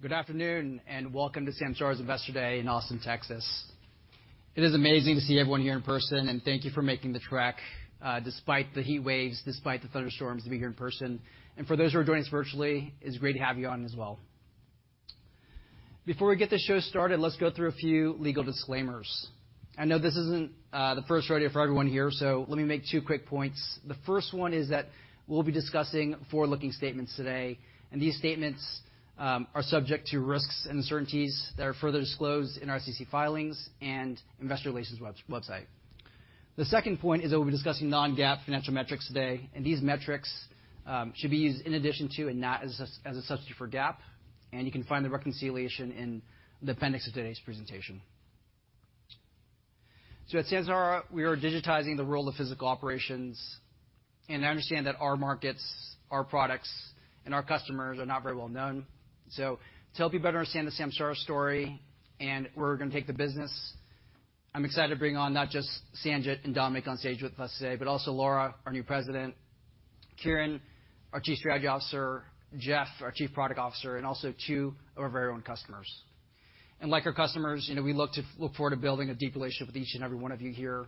Good afternoon, and welcome to Samsara's Investor Day in Austin, Texas. It is amazing to see everyone here in person, and thank you for making the trek, despite the heat waves, despite the thunderstorms, to be here in person. For those who are joining us virtually, it's great to have you on as well. Before we get this show started, let's go through a few legal disclaimers. I know this isn't the first rodeo for everyone here, so let me make two quick points. The first one is that we'll be discussing forward-looking statements today, and these statements are subject to risks and uncertainties that are further disclosed in our SEC filings and investor relations website. The second point is that we'll be discussing non-GAAP financial metrics today. These metrics should be used in addition to and not as a substitute for GAAP. You can find the reconciliation in the appendix of today's presentation. At Samsara, we are digitizing the world of physical operations. I understand that our markets, our products, and our customers are not very well known. To help you better understand the Samsara story, and where we're gonna take the business, I'm excited to bring on not just Sanjit and Dominic on stage with us today, but also Lara, our new President, Kiren, our Chief Strategy Officer, Jeff, our Chief Product Officer, and also two of our very own customers. Like our customers, you know, we look forward to building a deep relationship with each and every one of you here,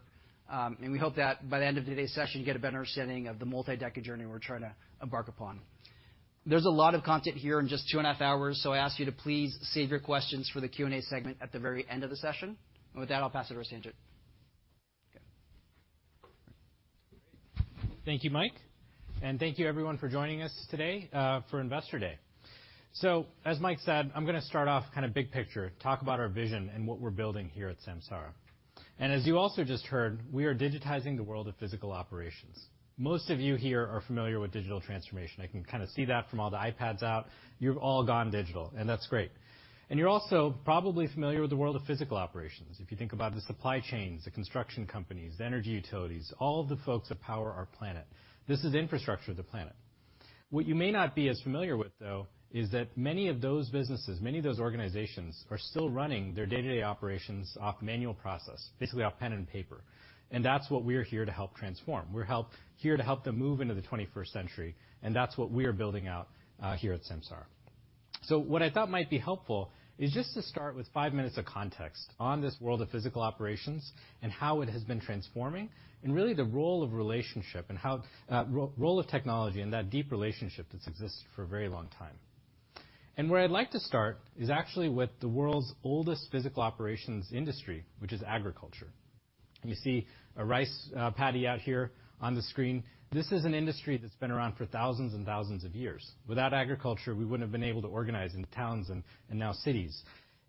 and we hope that by the end of today's session, you get a better understanding of the multi-decade journey we're trying to embark upon. There's a lot of content here in just 2.5 hours. I ask you to please save your questions for the Q&A segment at the very end of the session. With that, I'll pass it over to Sanjit. Okay. Thank you, Mike, and thank you everyone for joining us today, for Investor Day. As Mike said, I'm gonna start off kind of big picture, talk about our vision and what we're building here at Samsara. As you also just heard, we are digitizing the world of physical operations. Most of you here are familiar with digital transformation. I can kind of see that from all the iPads out. You've all gone digital, and that's great. You're also probably familiar with the world of physical operations. If you think about the supply chains, the construction companies, the energy utilities, all the folks that power our planet. This is the infrastructure of the planet. What you may not be as familiar with, though, is that many of those businesses, many of those organizations, are still running their day-to-day operations off manual process, basically off pen and paper. That's what we are here to help transform. We're here to help them move into the 21st century. That's what we are building out here at Samsara. What I thought might be helpful is just to start with 5 minutes of context on this world of physical operations and how it has been transforming, and really, the role of relationship and how role of technology in that deep relationship that's existed for a very long time. Where I'd like to start is actually with the world's oldest physical operations industry, which is agriculture. You see a rice paddy out here on the screen. This is an industry that's been around for thousands and thousands of years. Without agriculture, we wouldn't have been able to organize into towns and now cities,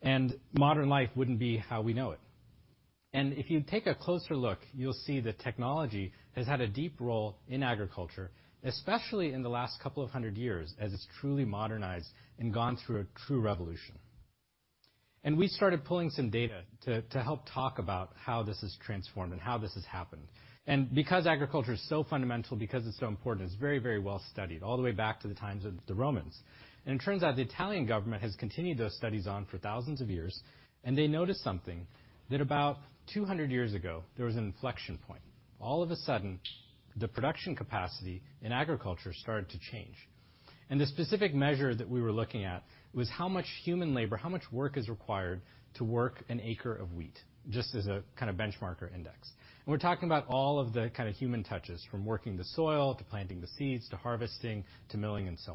and modern life wouldn't be how we know it. If you take a closer look, you'll see that technology has had a deep role in agriculture, especially in the last couple of 100 years, as it's truly modernized and gone through a true revolution. We started pulling some data to help talk about how this has transformed and how this has happened. Because agriculture is so fundamental, because it's so important, it's very, very well studied, all the way back to the times of the Romans. It turns out, the Italian government has continued those studies on for thousands of years, and they noticed something, that about 200 years ago, there was an inflection point. All of a sudden, the production capacity in agriculture started to change. The specific measure that we were looking at was how much human labor, how much work is required to work an acre of wheat, just as a kind of benchmarker index. We're talking about all of the kind of human touches, from working the soil, to planting the seeds, to harvesting, to milling, and so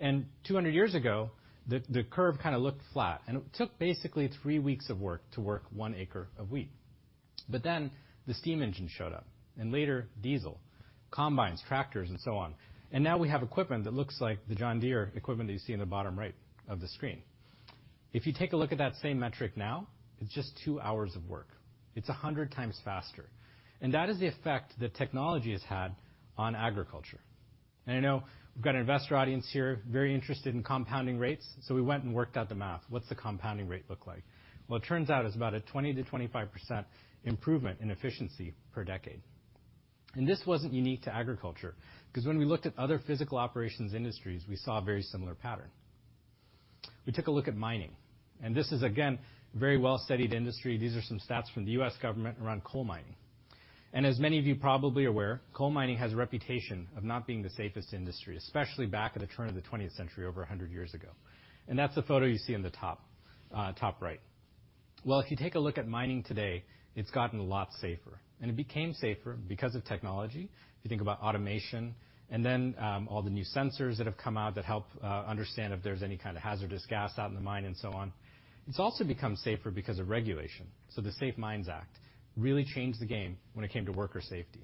on. 200 years ago, the curve kind of looked flat, and it took basically 3 weeks of work to work 1 acre of wheat. The steam engine showed up, and later, diesel, combines, tractors, and so on, and now we have equipment that looks like the John Deere equipment that you see in the bottom right of the screen. If you take a look at that same metric now, it's just 2 hours of work. It's 100 times faster. That is the effect that technology has had on agriculture. I know we've got an investor audience here, very interested in compounding rates. We went and worked out the math. What's the compounding rate look like? It turns out it's about a 20%-25% improvement in efficiency per decade. This wasn't unique to agriculture, because when we looked at other physical operations industries, we saw a very similar pattern. We took a look at mining, and this is, again, a very well-studied industry. These are some stats from the U.S. government around coal mining. As many of you are probably aware, coal mining has a reputation of not being the safest industry, especially back at the turn of the 20th century, over 100 years ago. That's the photo you see in the top right. If you take a look at mining today, it's gotten a lot safer, and it became safer because of technology. If you think about automation, and then all the new sensors that have come out that help understand if there's any kind of hazardous gas out in the mine, and so on. It's also become safer because of regulation. The Safe Mines Act really changed the game when it came to worker safety.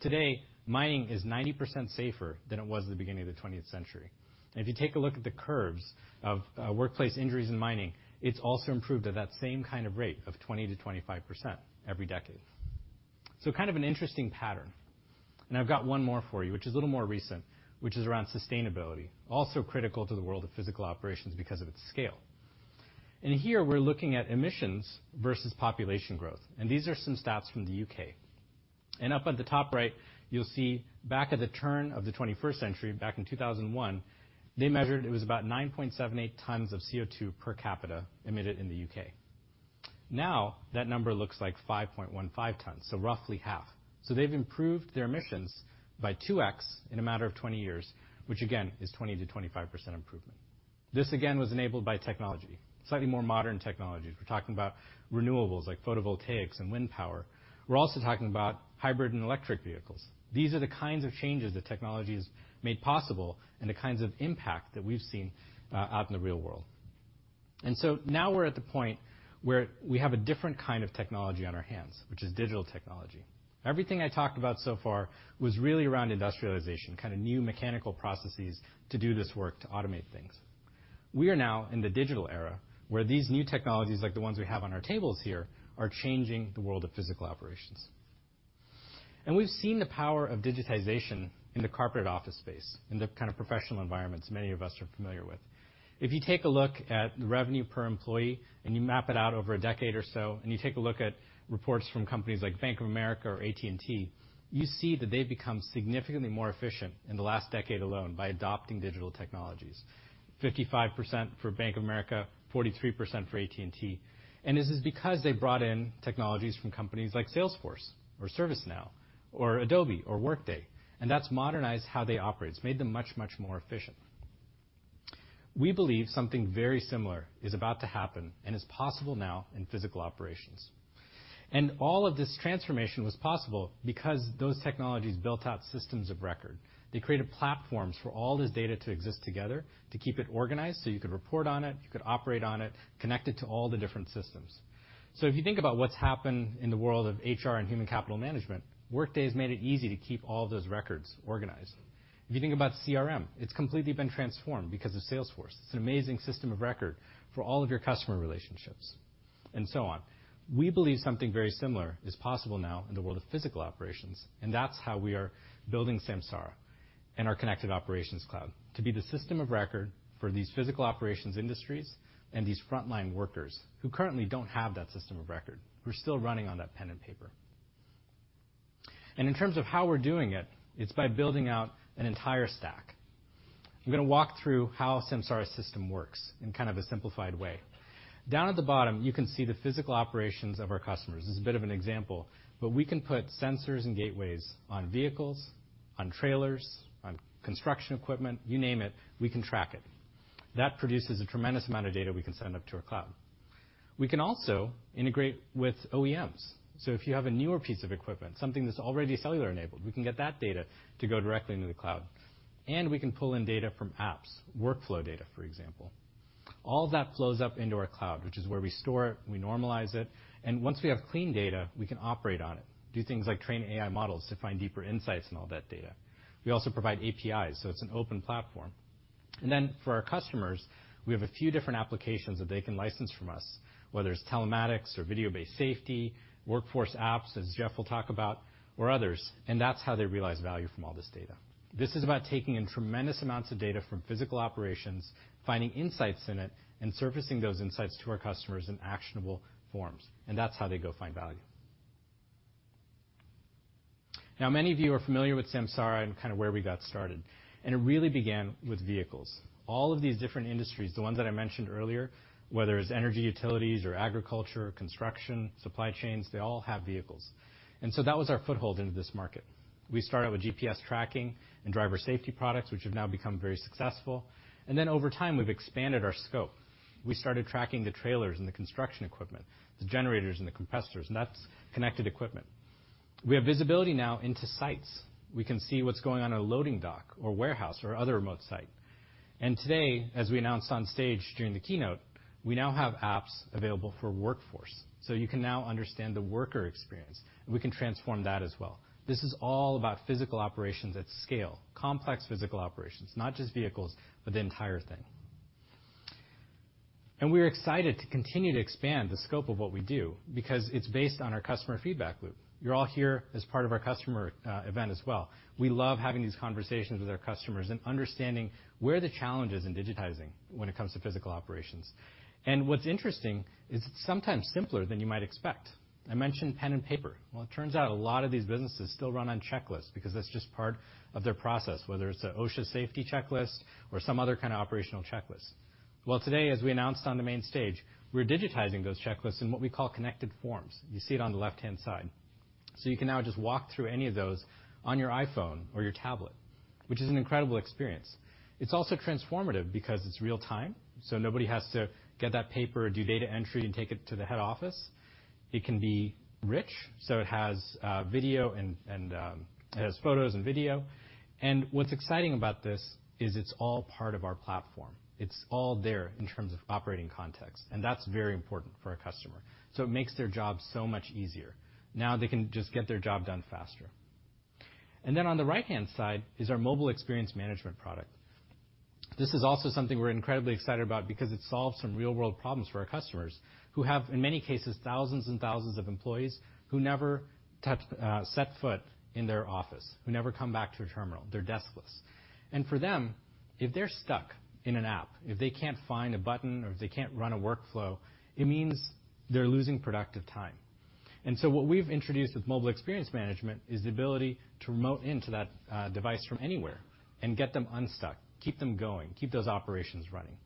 Today, mining is 90% safer than it was at the beginning of the 20th century. If you take a look at the curves of workplace injuries in mining, it's also improved at that same kind of rate of 20%-25% every decade. Kind of an interesting pattern. I've got one more for you, which is a little more recent, which is around sustainability, also critical to the world of physical operations because of its scale. Here, we're looking at emissions versus population growth, and these are some stats from the U.K. Up at the top right, you'll see back at the turn of the 21st century, back in 2001, they measured it was about 9.78 tons of CO2 per capita emitted in the U.K. Now, that number looks like 5.15 tons, so roughly half. They've improved their emissions by 2x in a matter of 20 years, which, again, is 20%-25% improvement. This, again, was enabled by technology, slightly more modern technology. We're talking about renewables, like photovoltaics and wind power. We're also talking about hybrid and electric vehicles. These are the kinds of changes that technology has made possible and the kinds of impact that we've seen out in the real world. Now we're at the point where we have a different kind of technology on our hands, which is digital technology. Everything I talked about so far was really around industrialization, kind of new mechanical processes to do this work, to automate things. We are now in the digital era, where these new technologies, like the ones we have on our tables here, are changing the world of physical operations. We've seen the power of digitization in the corporate office space, in the kind of professional environments many of us are familiar with. If you take a look at the revenue per employee, and you map it out over a decade or so, and you take a look at reports from companies like Bank of America or AT&T, you see that they've become significantly more efficient in the last decade alone by adopting digital technologies. 55% for Bank of America, 43% for AT&T, this is because they brought in technologies from companies like Salesforce or ServiceNow or Adobe or Workday, and that's modernized how they operate. It's made them much, much more efficient. We believe something very similar is about to happen, and is possible now in physical operations. All of this transformation was possible because those technologies built out systems of record. They created platforms for all this data to exist together, to keep it organized, so you could report on it, you could operate on it, connect it to all the different systems. If you think about what's happened in the world of HR and human capital management, Workday has made it easy to keep all those records organized. If you think about CRM, it's completely been transformed because of Salesforce. It's an amazing system of record for all of your customer relationships, and so on. We believe something very similar is possible now in the world of physical operations, and that's how we are building Samsara and our Connected Operations Cloud, to be the system of record for these physical operations industries and these frontline workers who currently don't have that system of record, who are still running on that pen and paper. In terms of how we're doing it's by building out an entire stack. I'm gonna walk through how a Samsara system works in kind of a simplified way. Down at the bottom, you can see the physical operations of our customers. This is a bit of an example, but we can put sensors and gateways on vehicles, on trailers, on construction equipment, you name it, we can track it. That produces a tremendous amount of data we can send up to our cloud. We can also integrate with OEMs, so if you have a newer piece of equipment, something that's already cellular-enabled, we can get that data to go directly into the cloud, and we can pull in data from apps, workflow data, for example. All of that flows up into our cloud, which is where we store it, we normalize it, and once we have clean data, we can operate on it, do things like train AI models to find deeper insights in all that data. We also provide APIs, so it's an open platform. For our customers, we have a few different applications that they can license from us, whether it's telematics or video-based safety, workforce apps, as Jeff will talk about, or others, and that's how they realize value from all this data. This is about taking in tremendous amounts of data from physical operations, finding insights in it, and surfacing those insights to our customers in actionable forms, and that's how they go find value. Many of you are familiar with Samsara and kinda where we got started, and it really began with vehicles. All of these different industries, the ones that I mentioned earlier, whether it's energy, utilities, agriculture, construction, supply chains, they all have vehicles. That was our foothold into this market. We started with GPS tracking and driver safety products, which have now become very successful. Over time, we've expanded our scope. We started tracking the trailers and the construction equipment, the generators and the compressors, and that's connected equipment. We have visibility now into sites. We can see what's going on in a loading dock or warehouse or other remote site. Today, as we announced on stage during the keynote, we now have apps available for Workforce, so you can now understand the worker experience, and we can transform that as well. This is all about physical operations at scale, complex physical operations. Not just vehicles, but the entire thing. We're excited to continue to expand the scope of what we do because it's based on our customer feedback loop. You're all here as part of our customer event as well. We love having these conversations with our customers and understanding where are the challenges in digitizing when it comes to physical operations. What's interesting is it's sometimes simpler than you might expect. I mentioned pen and paper. Well, it turns out a lot of these businesses still run on checklists because that's just part of their process, whether it's a OSHA safety checklist or some other kind of operational checklist. Well, today, as we announced on the main stage, we're digitizing those checklists in what we call Connected Forms. You see it on the left-hand side. You can now just walk through any of those on your iPhone or your tablet, which is an incredible experience. It's also transformative because it's real time, so nobody has to get that paper and do data entry and take it to the head office. It can be rich, so it has video and it has photos and video. What's exciting about this is it's all part of our platform. It's all there in terms of operating context, and that's very important for our customer. It makes their job so much easier. Now, they can just get their job done faster. On the right-hand side is our Mobile Experience Management product. This is also something we're incredibly excited about because it solves some real-world problems for our customers, who have, in many cases, thousands and thousands of employees who never touch, set foot in their office, who never come back to a terminal. They're deskless. For them, if they're stuck in an app, if they can't find a button, or if they can't run a workflow, it means they're losing productive time. What we've introduced with Mobile Experience Management is the ability to remote into that device from anywhere and get them unstuck, keep them going, keep those operations running.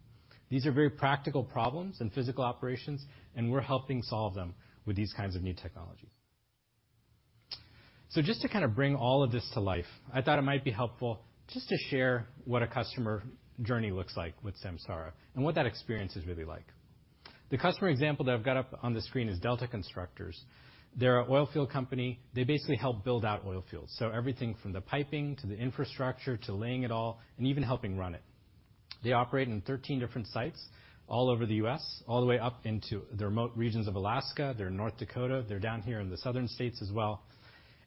These are very practical problems in physical operations, and we're helping solve them with these kinds of new technology. Just to kind of bring all of this to life, I thought it might be helpful just to share what a customer journey looks like with Samsara and what that experience is really like. The customer example that I've got up on the screen is Delta Constructors. They're an oil field company. They basically help build out oil fields, so everything from the piping, to the infrastructure, to laying it all, and even helping run it. They operate in 13 different sites all over the US, all the way up into the remote regions of Alaska. They're in North Dakota. They're down here in the southern states as well.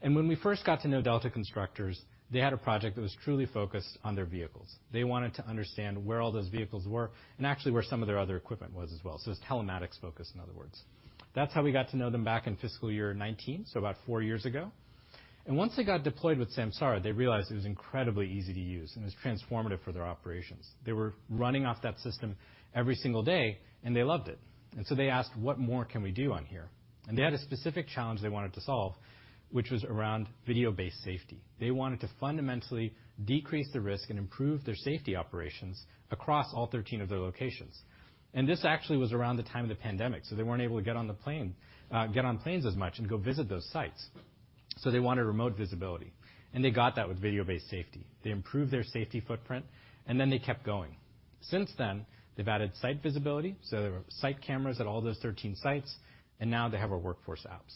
When we first got to know Delta Constructors, they had a project that was truly focused on their vehicles. They wanted to understand where all those vehicles were and actually where some of their other equipment was as well, so it's telematics focused, in other words. That's how we got to know them back in fiscal year 19, so about four years ago. Once they got deployed with Samsara, they realized it was incredibly easy to use, and it was transformative for their operations. They were running off that system every single day, and they loved it. They asked: What more can we do on here? They had a specific challenge they wanted to solve, which was around video-based safety. They wanted to fundamentally decrease the risk and improve their safety operations across all 13 of their locations. This actually was around the time of the pandemic, they weren't able to get on planes as much and go visit those sites. They wanted remote visibility, they got that with video-based safety. They improved their safety footprint, they kept going. Since then, they've added site visibility, there were site cameras at all those 13 sites, now they have our workforce apps.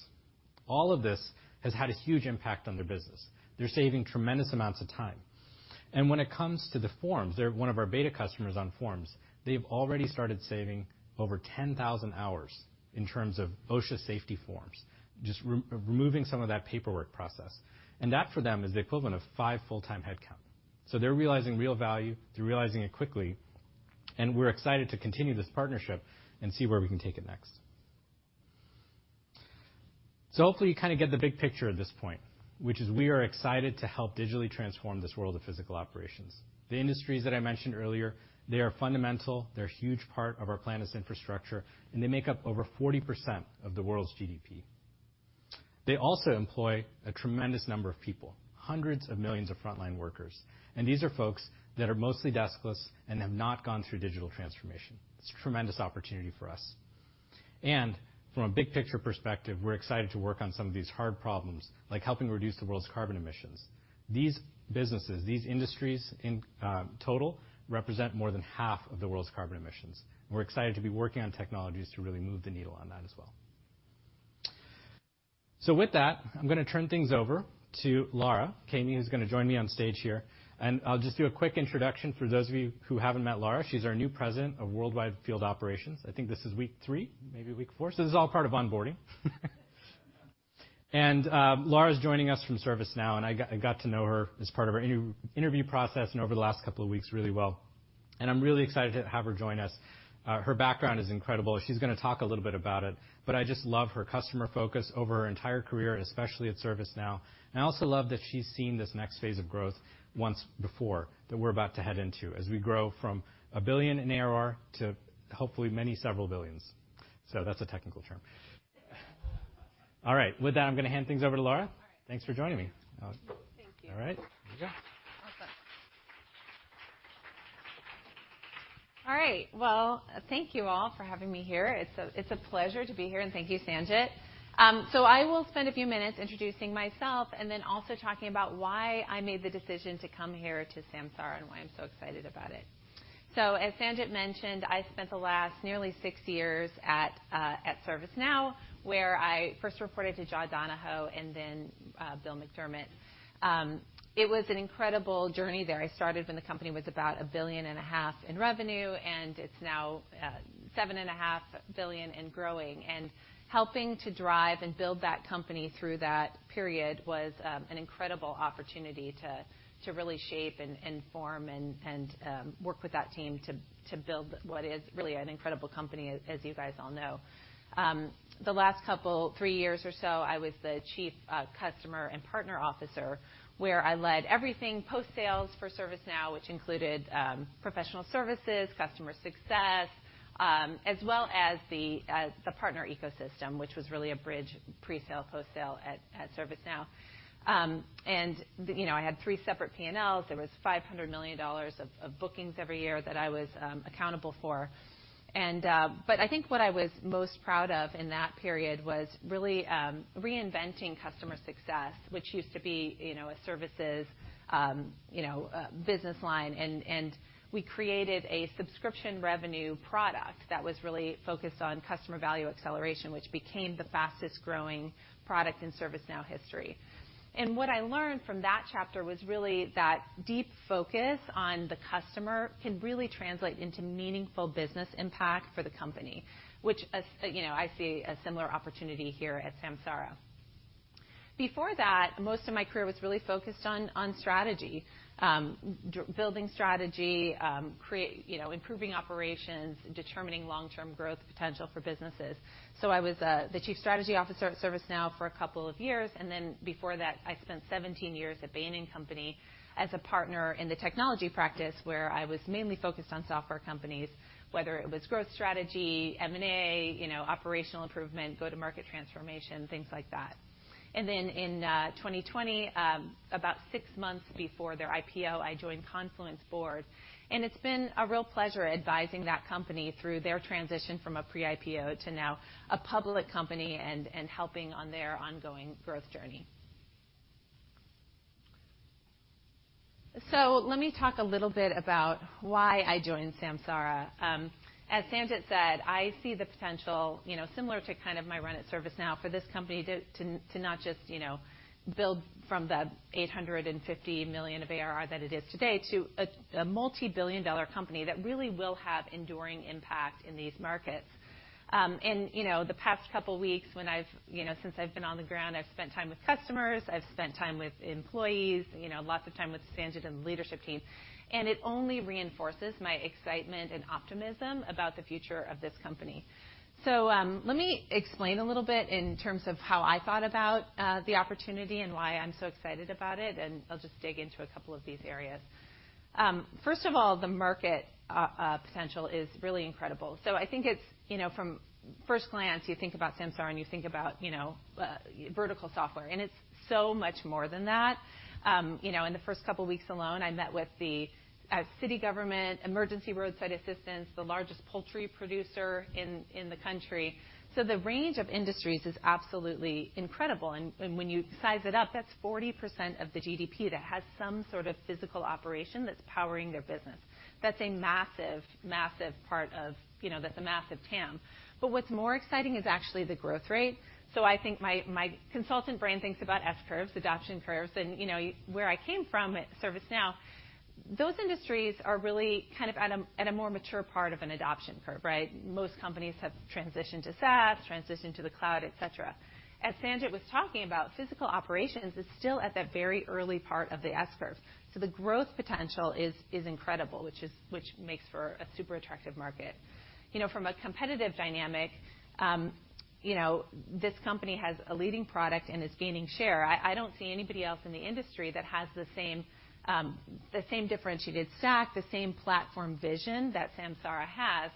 All of this has had a huge impact on their business. They're saving tremendous amounts of time. When it comes to the forms, they're one of our beta customers on forms. They've already started saving over 10,000 hours in terms of OSHA safety forms, just removing some of that paperwork process. That, for them, is the equivalent of five full-time headcount. They're realizing real value. They're realizing it quickly, we're excited to continue this partnership and see where we can take it next. Hopefully, you kind of get the big picture at this point, which is we are excited to help digitally transform this world of physical operations. The industries that I mentioned earlier, they are fundamental. They're a huge part of our planet's infrastructure, and they make up over 40% of the world's GDP. They also employ a tremendous number of people, hundreds of millions of frontline workers, and these are folks that are mostly deskless and have not gone through digital transformation. It's a tremendous opportunity for us. From a big-picture perspective, we're excited to work on some of these hard problems, like helping reduce the world's carbon emissions. These businesses, these industries, in total, represent more than half of the world's carbon emissions. We're excited to be working on technologies to really move the needle on that as well. With that, I'm going to turn things over to Lara. Katie is going to join me on stage here, and I'll just do a quick introduction for those of you who haven't met Lara. She's our new President of Worldwide Field Operations. I think this is week 3, maybe week 4, so this is all part of onboarding. Lara's joining us from ServiceNow, and I got to know her as part of our interview process and over the last couple of weeks really well, and I'm really excited to have her join us. Her background is incredible. She's going to talk a little bit about it, but I just love her customer focus over her entire career, especially at ServiceNow. I also love that she's seen this next phase of growth once before, that we're about to head into, as we grow from $1 billion in ARR to, hopefully, many several billions. That's a technical term. All right. With that, I'm going to hand things over to Lara. All right. Thanks for joining me. Thank you. All right. Here we go. Awesome. All right. Well, thank you all for having me here. It's a pleasure to be here, and thank you, Sanjit. I will spend a few minutes introducing myself and then also talking about why I made the decision to come here to Samsara and why I'm so excited about it. As Sanjit mentioned, I spent the last nearly 6 years at ServiceNow, where I first reported to John Donahoe and then Bill McDermott. It was an incredible journey there. I started when the company was about a billion and a half in revenue, and it's now seven and a half billion and growing. Helping to drive and build that company through that period was an incredible opportunity to really shape and form and work with that team to build what is really an incredible company, as you guys all know. The last couple, 3 years or so, I was the chief customer and partner officer, where I led everything post-sales for ServiceNow, which included professional services, customer success, as well as the partner ecosystem, which was really a bridge, pre-sale, post-sale at ServiceNow. You know, I had 3 separate P&Ls. There was $500 million of bookings every year that I was accountable for. I think what I was most proud of in that period was really reinventing customer success, which used to be, you know, a services, you know, business line. We created a subscription revenue product that was really focused on customer value acceleration, which became the fastest-growing product in ServiceNow history. What I learned from that chapter was really that deep focus on the customer can really translate into meaningful business impact for the company, which as, you know, I see a similar opportunity here at Samsara. Before that, most of my career was really focused on strategy, building strategy, you know, improving operations, determining long-term growth potential for businesses. I was the chief strategy officer at ServiceNow for a couple of years. Before that, I spent 17 years at Bain & Company as a partner in the technology practice, where I was mainly focused on software companies, whether it was growth strategy, M&A, you know, operational improvement, go-to-market transformation, things like that. In 2020, about 6 months before their IPO, I joined Confluent Board, and it's been a real pleasure advising that company through their transition from a pre-IPO to now a public company and helping on their ongoing growth journey. Let me talk a little bit about why I joined Samsara. As Sanjit said, I see the potential, you know, similar to kind of my run at ServiceNow, for this company to not just, you know, build from the $850 million of ARR that it is today to a multibillion-dollar company that really will have enduring impact in these markets. You know, the past couple weeks, since I've been on the ground, I've spent time with customers, I've spent time with employees, you know, lots of time with Sanjit and the leadership team, and it only reinforces my excitement and optimism about the future of this company. Let me explain a little bit in terms of how I thought about the opportunity and why I am so excited about it, and I will just dig into a couple of these areas. First of all, the market potential is really incredible. I think it's, you know, from first glance, you think about Samsara, and you think about, you know, vertical software, and it's so much more than that. You know, in the first couple of weeks alone, I met with the city government, emergency roadside assistance, the largest poultry producer in the country. The range of industries is absolutely incredible, and when you size it up, that's 40% of the GDP that has some sort of physical operation that's powering their business. That's a massive part of, you know, that's a massive TAM. What's more exciting is actually the growth rate. I think my consultant brain thinks about S-curves, adoption curves, and, you know, where I came from at ServiceNow, those industries are really kind of at a, at a more mature part of an adoption curve, right? Most companies have transitioned to SaaS, transitioned to the cloud, et cetera. As Sanjit was talking about, physical operations is still at that very early part of the S-curve, so the growth potential is incredible, which makes for a super attractive market. You know, from a competitive dynamic, you know, this company has a leading product and is gaining share. I don't see anybody else in the industry that has the same, the same differentiated stack, the same platform vision that Samsara has.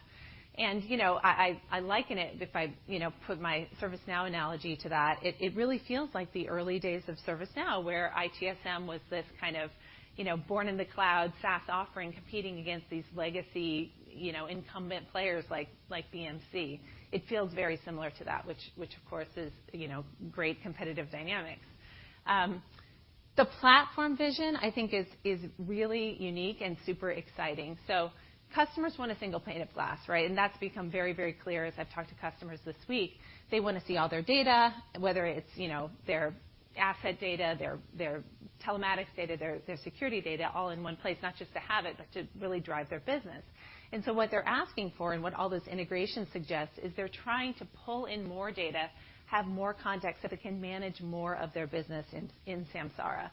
You know, I, I liken it, if I, you know, put my ServiceNow analogy to that, it really feels like the early days of ServiceNow, where ITSM was this kind of, you know, born in the cloud SaaS offering, competing against these legacy, you know, incumbent players, like BMC. It feels very similar to that, which, of course, is, you know, great competitive dynamics. The platform vision, I think, is really unique and super exciting. Customers want a single pane of glass, right? That's become very, very clear as I've talked to customers this week. They want to see all their data, whether it's, you know, their asset data, their telematics data, their security data, all in one place, not just to have it, but to really drive their business. What they're asking for, and what all this integration suggests, is they're trying to pull in more data, have more context, so they can manage more of their business in Samsara.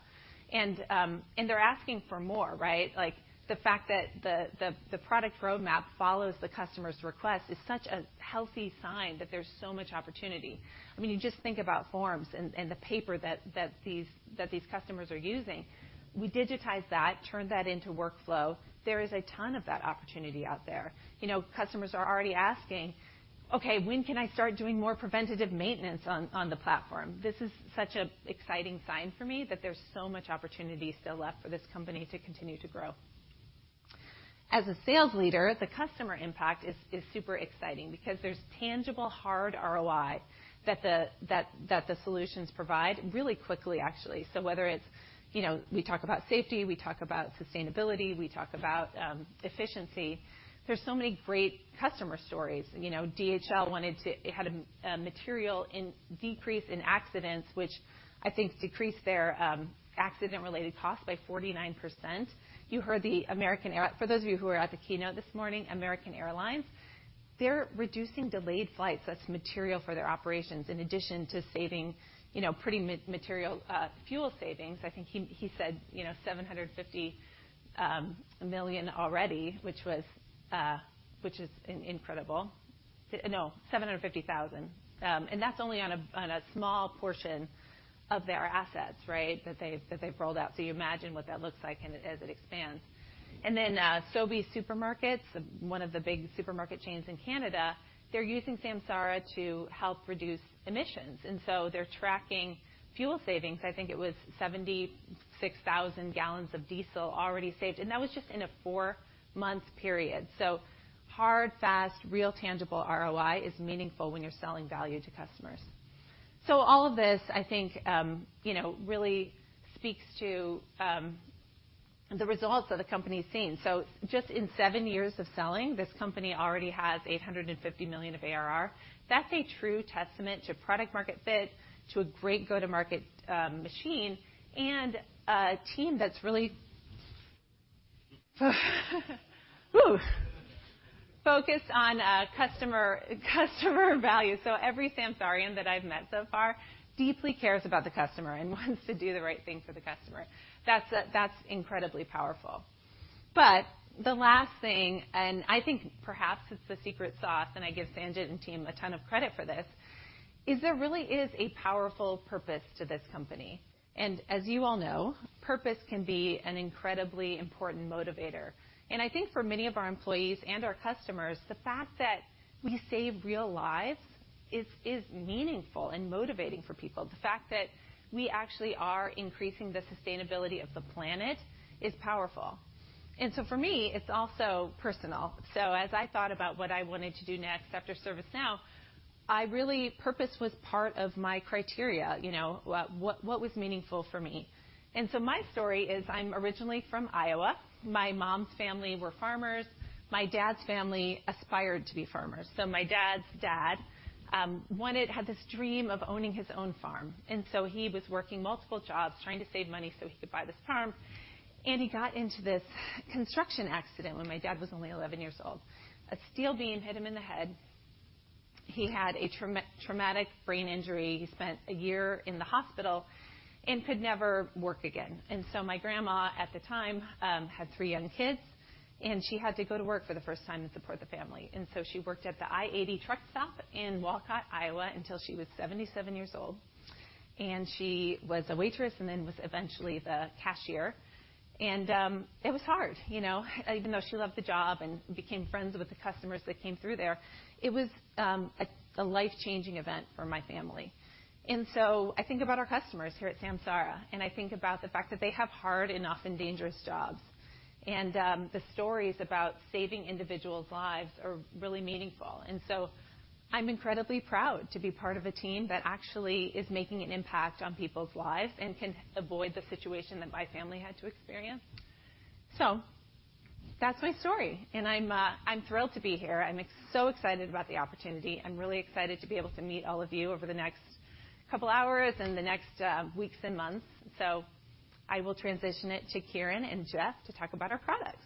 They're asking for more, right? Like, the fact that the product roadmap follows the customer's request is such a healthy sign that there's so much opportunity. I mean, you just think about forms and the paper that these customers are using. We digitize that, turn that into workflow. There is a ton of that opportunity out there. You know, customers are already asking: "Okay, when can I start doing more preventative maintenance on the platform?" This is such an exciting sign for me that there's so much opportunity still left for this company to continue to grow. As a sales leader, the customer impact is super exciting because there's tangible, hard ROI that the solutions provide really quickly, actually. Whether it's, you know, we talk about safety, we talk about sustainability, we talk about efficiency. There's so many great customer stories. You know, DHL. It had a material decrease in accidents, which I think decreased their accident-related costs by 49%. You heard the American Airlines. For those of you who were at the keynote this morning, American Airlines, they're reducing delayed flights. That's material for their operations, in addition to saving, you know, pretty material fuel savings. I think he said, you know, $750 million already, which was incredible. No, 750,000, and that's only on a small portion of their assets, right? That they've rolled out. You imagine what that looks like and as it expands. Sobeys Supermarkets, one of the big supermarket chains in Canada, they're using Samsara to help reduce emissions, they're tracking fuel savings. I think it was 76,000 gallons of diesel already saved, and that was just in a 4-month period. Hard, fast, real tangible ROI is meaningful when you're selling value to customers. All of this, I think, you know, really speaks to the results that the company's seen. Just in 7 years of selling, this company already has $850 million of ARR. That's a true testament to product-market fit, to a great go-to-market machine, and a team that's Woo! focused on customer value. Every Samsarian that I've met so far deeply cares about the customer and wants to do the right thing for the customer. That's incredibly powerful. The last thing, and I think perhaps it's the secret sauce, and I give Sanjit and team a ton of credit for this, is there really is a powerful purpose to this company. As you all know, purpose can be an incredibly important motivator. I think for many of our employees and our customers, the fact that we save real lives is meaningful and motivating for people. The fact that we actually are increasing the sustainability of the planet is powerful. For me, it's also personal. As I thought about what I wanted to do next after ServiceNow, I really. Purpose was part of my criteria, you know, what was meaningful for me. My story is I'm originally from Iowa. My mom's family were farmers. My dad's family aspired to be farmers. My dad's dad had this dream of owning his own farm, he was working multiple jobs, trying to save money so he could buy this farm, and he got into this construction accident when my dad was only 11 years old. A steel beam hit him in the head. He had a traumatic brain injury. He spent a year in the hospital and could never work again. My grandma, at the time, had three young kids, and she had to go to work for the first time to support the family. She worked at the I-80 truck stop in Walcott, Iowa, until she was 77 years old, and she was a waitress, and then was eventually the cashier. It was hard, you know? Even though she loved the job and became friends with the customers that came through there, it was a life-changing event for my family. I think about our customers here at Samsara, and I think about the fact that they have hard and often dangerous jobs, the stories about saving individuals' lives are really meaningful. I'm incredibly proud to be part of a team that actually is making an impact on people's lives and can avoid the situation that my family had to experience. That's my story, and I'm thrilled to be here. I'm so excited about the opportunity and really excited to be able to meet all of you over the next couple hours and the next weeks and months. I will transition it to Kiren and Jeff to talk about our products.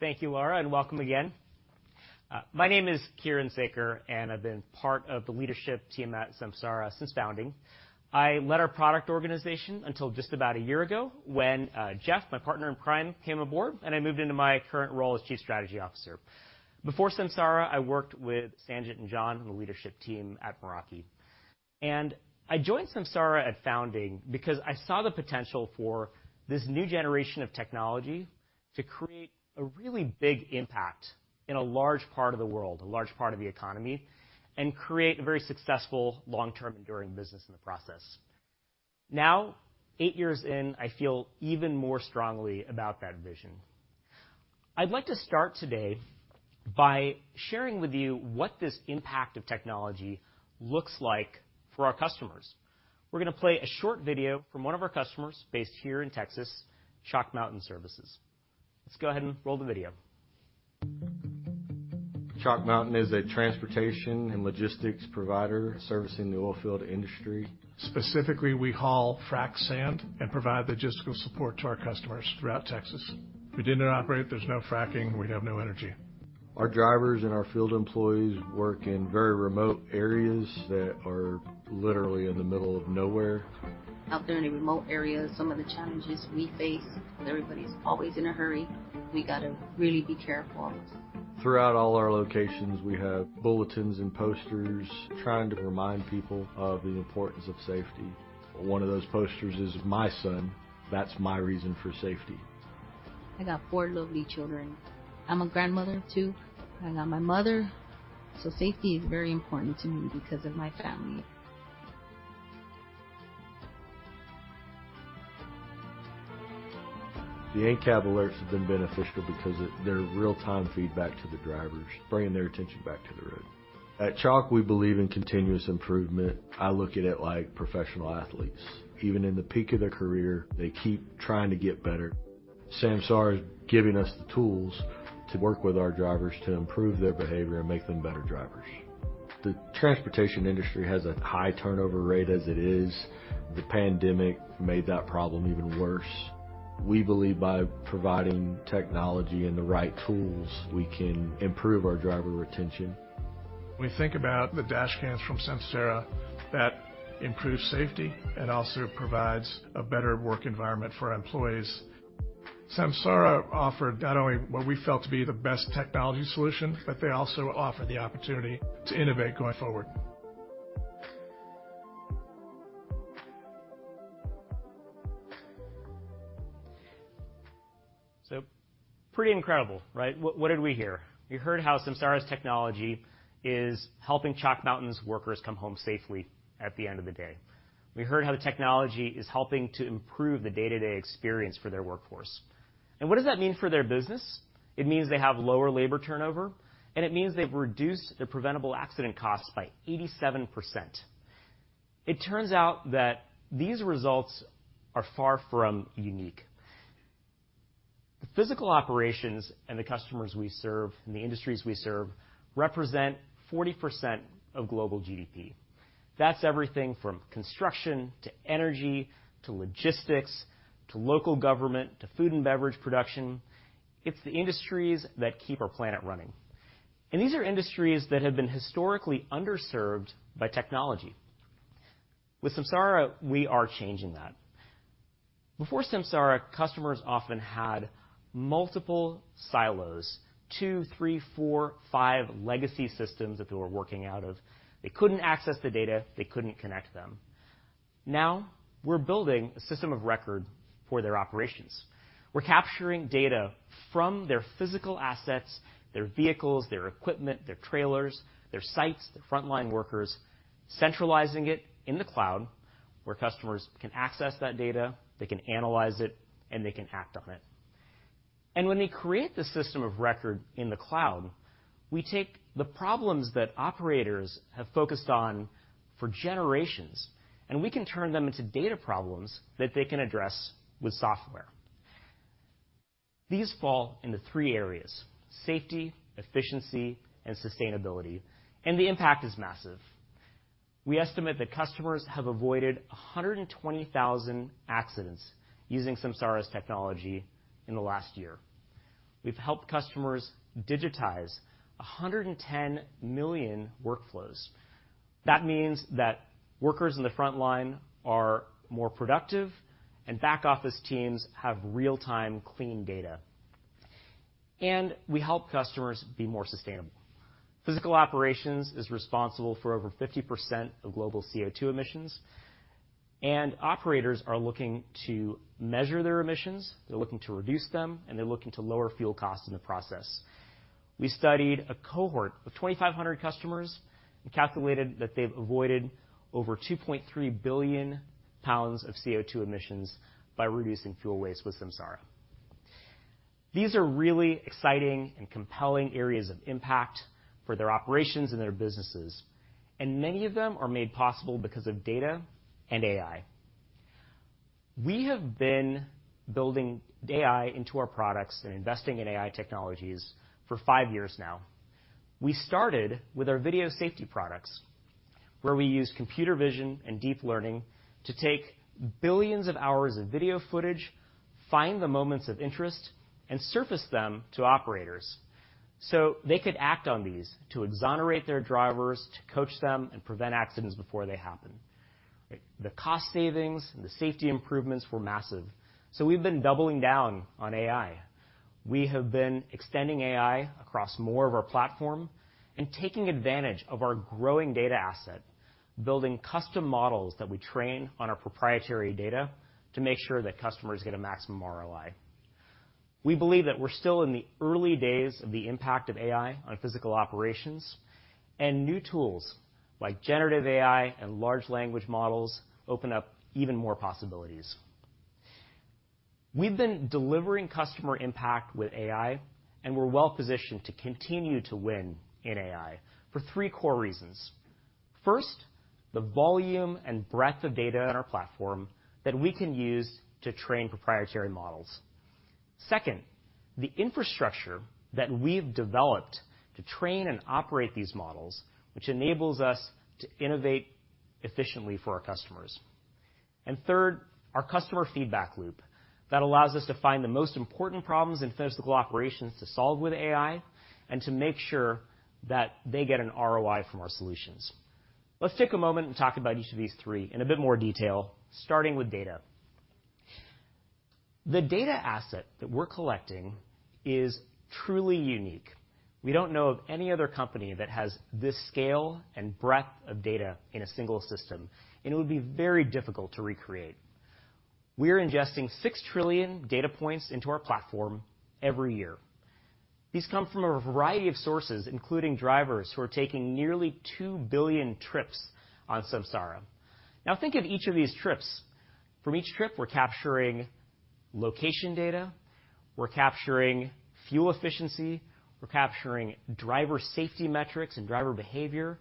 Thank you, Lara, welcome again. My name is Kiren Sekar, I've been part of the leadership team at Samsara since founding. I led our product organization until just about a year ago when Jeff, my partner in crime, came aboard, and I moved into my current role as Chief Strategy Officer. Before Samsara, I worked with Sanjit and John, the leadership team at Meraki. I joined Samsara at founding because I saw the potential for this new generation of technology to create a really big impact in a large part of the world, a large part of the economy, and create a very successful, long-term, enduring business in the process. Now, 8 years in, I feel even more strongly about that vision. I'd like to start today by sharing with you what this impact of technology looks like for our customers. We're gonna play a short video from one of our customers based here in Texas, Chalk Mountain Services. Let's go ahead and roll the video. Chalk Mountain is a transportation and logistics provider servicing the oil field industry. Specifically, we haul frac sand and provide logistical support to our customers throughout Texas. If we didn't operate, there's no fracking, we'd have no energy. Our drivers and our field employees work in very remote areas that are literally in the middle of nowhere. Out there in the remote areas, some of the challenges we face, everybody's always in a hurry. We gotta really be careful. Throughout all our locations, we have bulletins and posters trying to remind people of the importance of safety. One of those posters is my son. That's my reason for safety. I got 4 lovely children. I'm a grandmother, too. I got my mother. Safety is very important to me because of my family. The In-cab alerts have been beneficial because of their real-time feedback to the drivers, bringing their attention back to the road. At Chalk, we believe in continuous improvement. I look at it like professional athletes. Even in the peak of their career, they keep trying to get better. Samsara is giving us the tools to work with our drivers to improve their behavior and make them better drivers. The transportation industry has a high turnover rate as it is. The pandemic made that problem even worse. We believe by providing technology and the right tools, we can improve our driver retention. We think about the dash cams from Samsara. That improves safety and also provides a better work environment for our employees. Samsara offered not only what we felt to be the best technology solution, but they also offered the opportunity to innovate going forward. Pretty incredible, right? What did we hear? We heard how Samsara's technology is helping Chalk Mountain's workers come home safely at the end of the day. We heard how the technology is helping to improve the day-to-day experience for their workforce. What does that mean for their business? It means they have lower labor turnover, and it means they've reduced their preventable accident costs by 87%. It turns out that these results are far from unique. The physical operations and the customers we serve, and the industries we serve, represent 40% of global GDP. That's everything from construction to energy, to logistics, to local government, to food and beverage production. It's the industries that keep our planet running, and these are industries that have been historically underserved by technology. With Samsara, we are changing that. Before Samsara, customers often had multiple silos, 2, 3, 4, 5 legacy systems that they were working out of. They couldn't access the data. They couldn't connect them. Now, we're building a system of record for their operations. We're capturing data from their physical assets, their vehicles, their equipment, their trailers, their sites, their frontline workers, centralizing it in the cloud, where customers can access that data, they can analyze it, and they can act on it. When they create the system of record in the cloud, we take the problems that operators have focused on for generations, and we can turn them into data problems that they can address with software. These fall into 3 areas: safety, efficiency, and sustainability. The impact is massive. We estimate that customers have avoided 120,000 accidents using Samsara's technology in the last year. We've helped customers digitize 110 million workflows. That means that workers in the front line are more productive, and back office teams have real-time, clean data. We help customers be more sustainable. Physical operations is responsible for over 50% of global CO2 emissions, and operators are looking to measure their emissions, they're looking to reduce them, and they're looking to lower fuel costs in the process. We studied a cohort of 2,500 customers and calculated that they've avoided over 2.3 billion pounds of CO₂ emissions by reducing fuel waste with Samsara. These are really exciting and compelling areas of impact for their operations and their businesses, and many of them are made possible because of data and AI. We have been building AI into our products and investing in AI technologies for five years now. We started with our computer vision and deep learning products, where we used computer vision and deep learning to take billions of hours of video footage, find the moments of interest, and surface them to operators so they could act on these to exonerate their drivers, to coach them, and prevent accidents before they happen. The cost savings and the safety improvements were massive. We've been doubling down on AI. We have been extending AI across more of our platform and taking advantage of our growing data asset, building custom models that we train on our proprietary data to make sure that customers get a maximum ROI. We believe that we're still in the early days of the impact of AI on physical operations. New tools like generative AI and large language models open up even more possibilities. We've been delivering customer impact with AI. We're well positioned to continue to win in AI for three core reasons. First, the volume and breadth of data on our platform that we can use to train proprietary models. Second, the infrastructure that we've developed to train and operate these models, which enables us to innovate efficiently for our customers. Third, our customer feedback loop that allows us to find the most important problems in physical operations to solve with AI and to make sure that they get an ROI from our solutions. Let's take a moment and talk about each of these three in a bit more detail, starting with data. The data asset that we're collecting is truly unique. We don't know of any other company that has this scale and breadth of data in a single system, and it would be very difficult to recreate. We're ingesting 6 trillion data points into our platform every year. These come from a variety of sources, including drivers, who are taking nearly 2 billion trips on Samsara. Now, think of each of these trips. From each trip, we're capturing location data, we're capturing fuel efficiency, we're capturing driver safety metrics and driver behavior.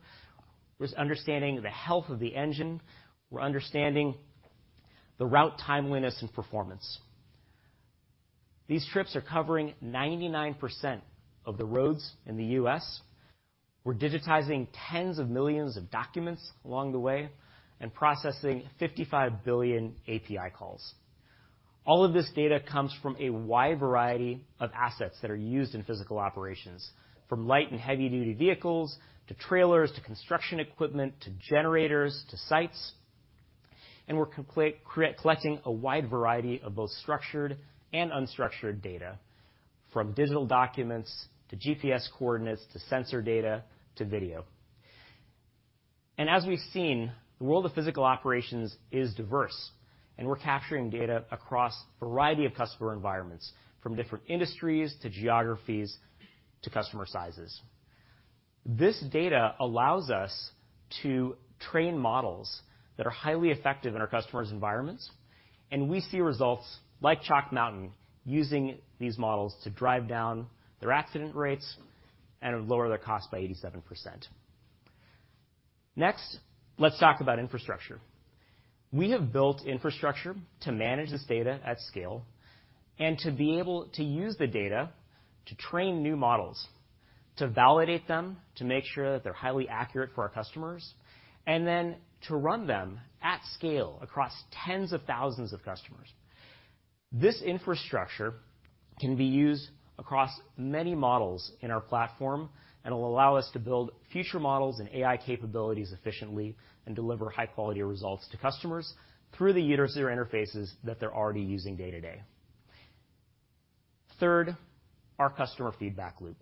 We're understanding the health of the engine. We're understanding the route timeliness and performance. These trips are covering 99% of the roads in the U.S. We're digitizing tens of millions of documents along the way and processing 55 billion API calls. All of this data comes from a wide variety of assets that are used in physical operations, from light and heavy-duty vehicles to trailers, to construction equipment, to generators, to sites. We're collecting a wide variety of both structured and unstructured data, from digital documents, to GPS coordinates, to sensor data, to video. As we've seen, the world of physical operations is diverse, and we're capturing data across a variety of customer environments, from different industries, to geographies, to customer sizes. This data allows us to train models that are highly effective in our customers' environments, and we see results like Chalk Mountain using these models to drive down their accident rates and lower their cost by 87%. Next, let's talk about infrastructure. We have built infrastructure to manage this data at scale, and to be able to use the data to train new models, to validate them, to make sure that they're highly accurate for our customers, and then to run them at scale across tens of thousands of customers. This infrastructure can be used across many models in our platform, and will allow us to build future models and AI capabilities efficiently, and deliver high-quality results to customers through the user interfaces that they're already using day-to-day. Third, our customer feedback loop.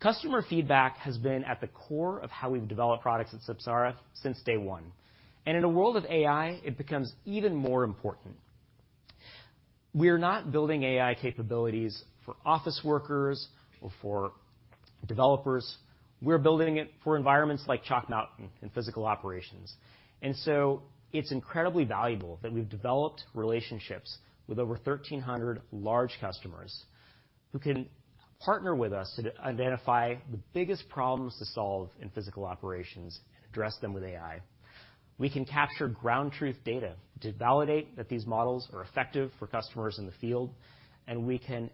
Customer feedback has been at the core of how we've developed products at Samsara since day one, and in a world of AI, it becomes even more important. We are not building AI capabilities for office workers or for developers. We're building it for environments like Chalk Mountain and physical operations. It's incredibly valuable that we've developed relationships with over 1,300 large customers, who can partner with us to identify the biggest problems to solve in physical operations and address them with AI. We can capture ground truth data to validate that these models are effective for customers in the field, we can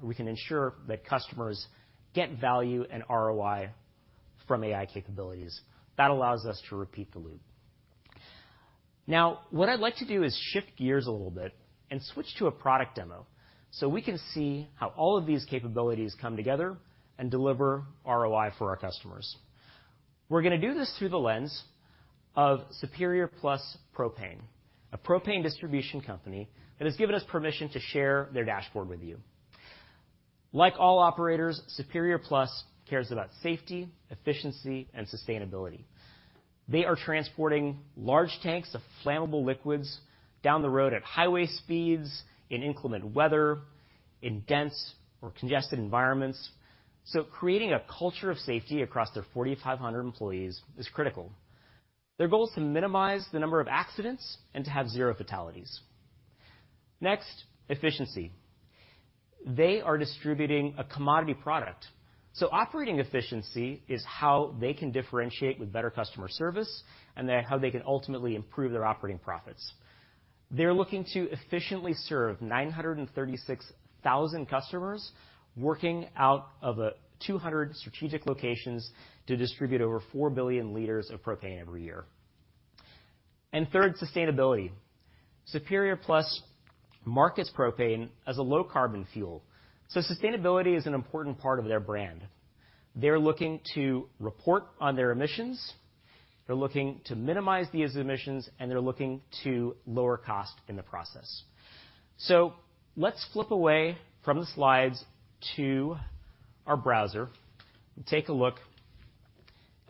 ensure that customers get value and ROI from AI capabilities. That allows us to repeat the loop. What I'd like to do is shift gears a little bit and switch to a product demo, we can see how all of these capabilities come together and deliver ROI for our customers. We're gonna do this through the lens of Superior Plus Propane, a propane distribution company that has given us permission to share their dashboard with you. Like all operators, Superior Plus cares about safety, efficiency, and sustainability. They are transporting large tanks of flammable liquids down the road at highway speeds, in inclement weather, in dense or congested environments, creating a culture of safety across their 4,500 employees is critical. Their goal is to minimize the number of accidents and to have zero fatalities. Efficiency. They are distributing a commodity product, operating efficiency is how they can differentiate with better customer service and then how they can ultimately improve their operating profits. They're looking to efficiently serve 936,000 customers, working out of a 200 strategic locations to distribute over 4 billion liters of propane every year. Third, sustainability. Superior Plus markets propane as a low-carbon fuel, sustainability is an important part of their brand. They're looking to report on their emissions, they're looking to minimize these emissions, and they're looking to lower cost in the process. Let's flip away from the slides to our browser and take a look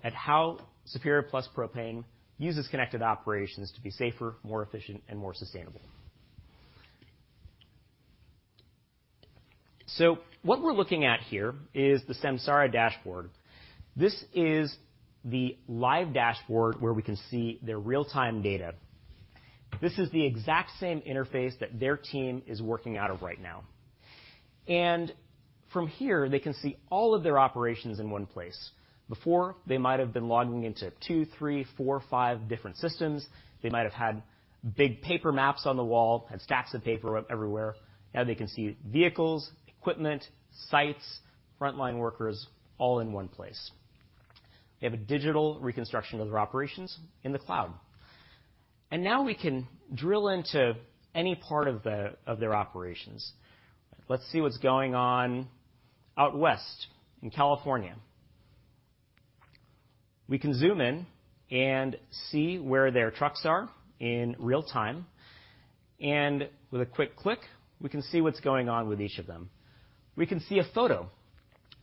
at how Superior Plus Propane uses connected operations to be safer, more efficient, and more sustainable. What we're looking at here is the Samsara dashboard. This is the live dashboard, where we can see their real-time data. This is the exact same interface that their team is working out of right now, from here, they can see all of their operations in one place. Before, they might have been logging into two, three, four, five different systems. They might have had big paper maps on the wall and stacks of paper everywhere. Now they can see vehicles, equipment, sites, frontline workers, all in one place. They have a digital reconstruction of their operations in the cloud. Now we can drill into any part of their operations. Let's see what's going on out west in California. We can zoom in and see where their trucks are in real time. With a quick click, we can see what's going on with each of them. We can see a photo,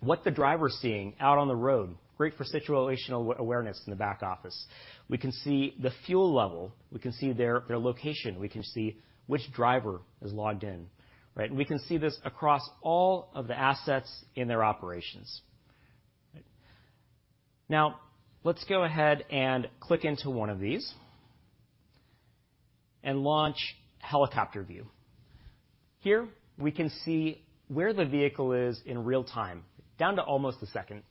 what the driver's seeing out on the road. Great for situational awareness in the back office. We can see the fuel level. We can see their location. We can see which driver is logged in, right? We can see this across all of the assets in their operations. Now, let's go ahead and click into one of these and launch Helicopter View. Here, we can see where the vehicle is in real time, down to almost a second.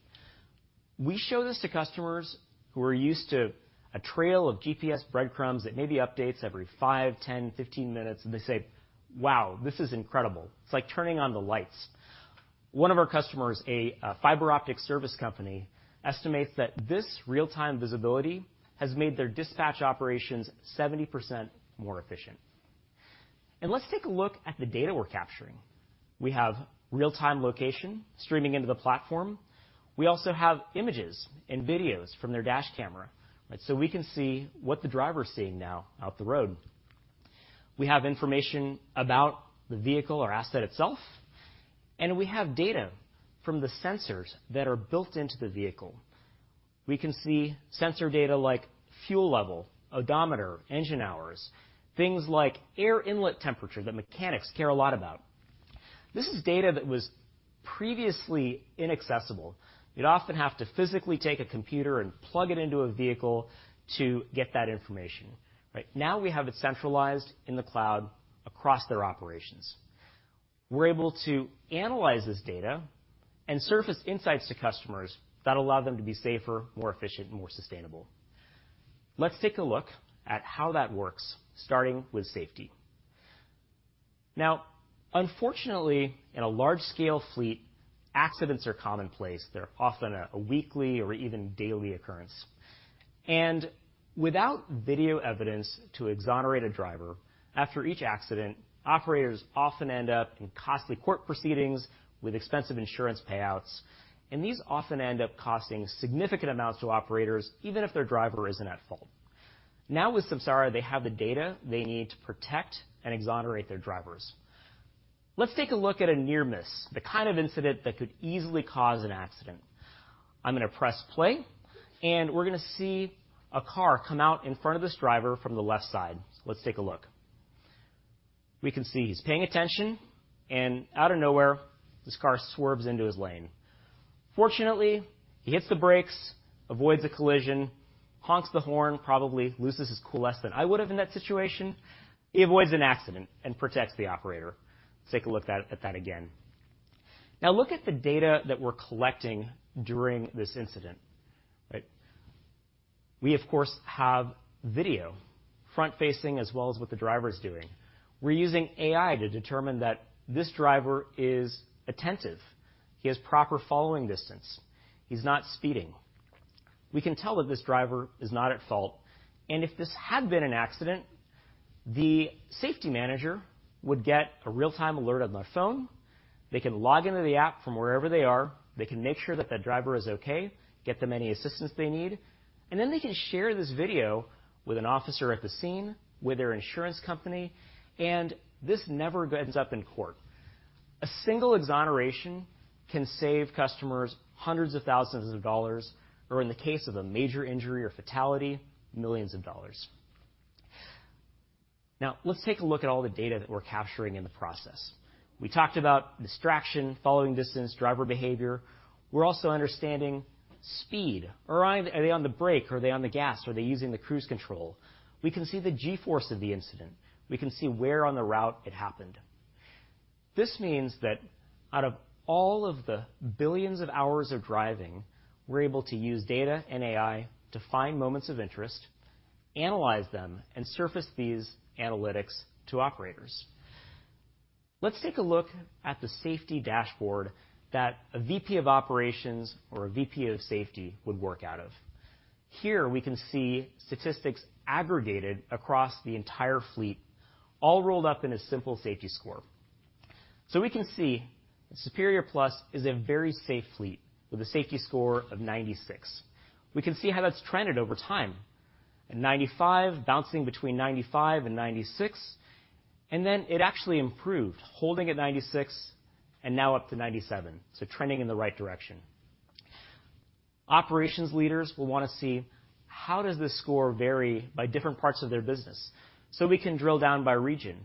We show this to customers who are used to a trail of GPS breadcrumbs that maybe updates every 5, 10, 15 minutes. They say, "Wow, this is incredible. It's like turning on the lights." One of our customers, a fiber optic service company, estimates that this real-time visibility has made their dispatch operations 70% more efficient. Let's take a look at the data we're capturing. We have real-time location streaming into the platform. We also have images and videos from their dash camera, right? We can see what the driver's seeing now out the road. We have information about the vehicle or asset itself, and we have data from the sensors that are built into the vehicle. We can see sensor data like fuel level, odometer, engine hours, things like air inlet temperature that mechanics care a lot about. This is data that was previously inaccessible. You'd often have to physically take a computer and plug it into a vehicle to get that information. Right now, we have it centralized in the cloud across their operations. We're able to analyze this data and surface insights to customers that allow them to be safer, more efficient, and more sustainable. Let's take a look at how that works, starting with safety. Unfortunately, in a large-scale fleet, accidents are commonplace. They're often a weekly or even daily occurrence. Without video evidence to exonerate a driver, after each accident, operators often end up in costly court proceedings with expensive insurance payouts. These often end up costing significant amounts to operators, even if their driver isn't at fault. With Samsara, they have the data they need to protect and exonerate their drivers. Let's take a look at a near miss, the kind of incident that could easily cause an accident. I'm gonna press play, and we're gonna see a car come out in front of this driver from the left side. Let's take a look. We can see he's paying attention, and out of nowhere, this car swerves into his lane. Fortunately, he hits the brakes, avoids the collision, honks the horn, probably loses his cool less than I would have in that situation. He avoids an accident and protects the operator. Let's take a look at that again. Now, look at the data that we're collecting during this incident. Right? We, of course, have video, front-facing, as well as what the driver is doing. We're using AI to determine that this driver is attentive. He has proper following distance. He's not speeding. We can tell that this driver is not at fault. If this had been an accident, the safety manager would get a real-time alert on their phone. They can log into the app from wherever they are. They can make sure that the driver is okay, get them any assistance they need. Then they can share this video with an officer at the scene, with their insurance company. This never ends up in court. A single exoneration can save customers hundreds of thousands of dollars, or in the case of a major injury or fatality, millions of dollars. Let's take a look at all the data that we're capturing in the process. We talked about distraction, following distance, driver behavior. We're also understanding speed. Are they on the brake? Are they on the gas? Are they using the cruise control? We can see the G-force of the incident. We can see where on the route it happened. This means that out of all of the billions of hours of driving, we're able to use data and AI to find moments of interest, analyze them, and surface these analytics to operators. Let's take a look at the safety dashboard that a VP of operations or a VP of safety would work out of. Here we can see statistics aggregated across the entire fleet, all rolled up in a simple safety score. We can see Superior Plus is a very safe fleet with a safety score of 96. We can see how that's trended over time. At 95, bouncing between 95 and 96, and then it actually improved, holding at 96 and now up to 97, trending in the right direction. Operations leaders will want to see how does this score vary by different parts of their business. We can drill down by region.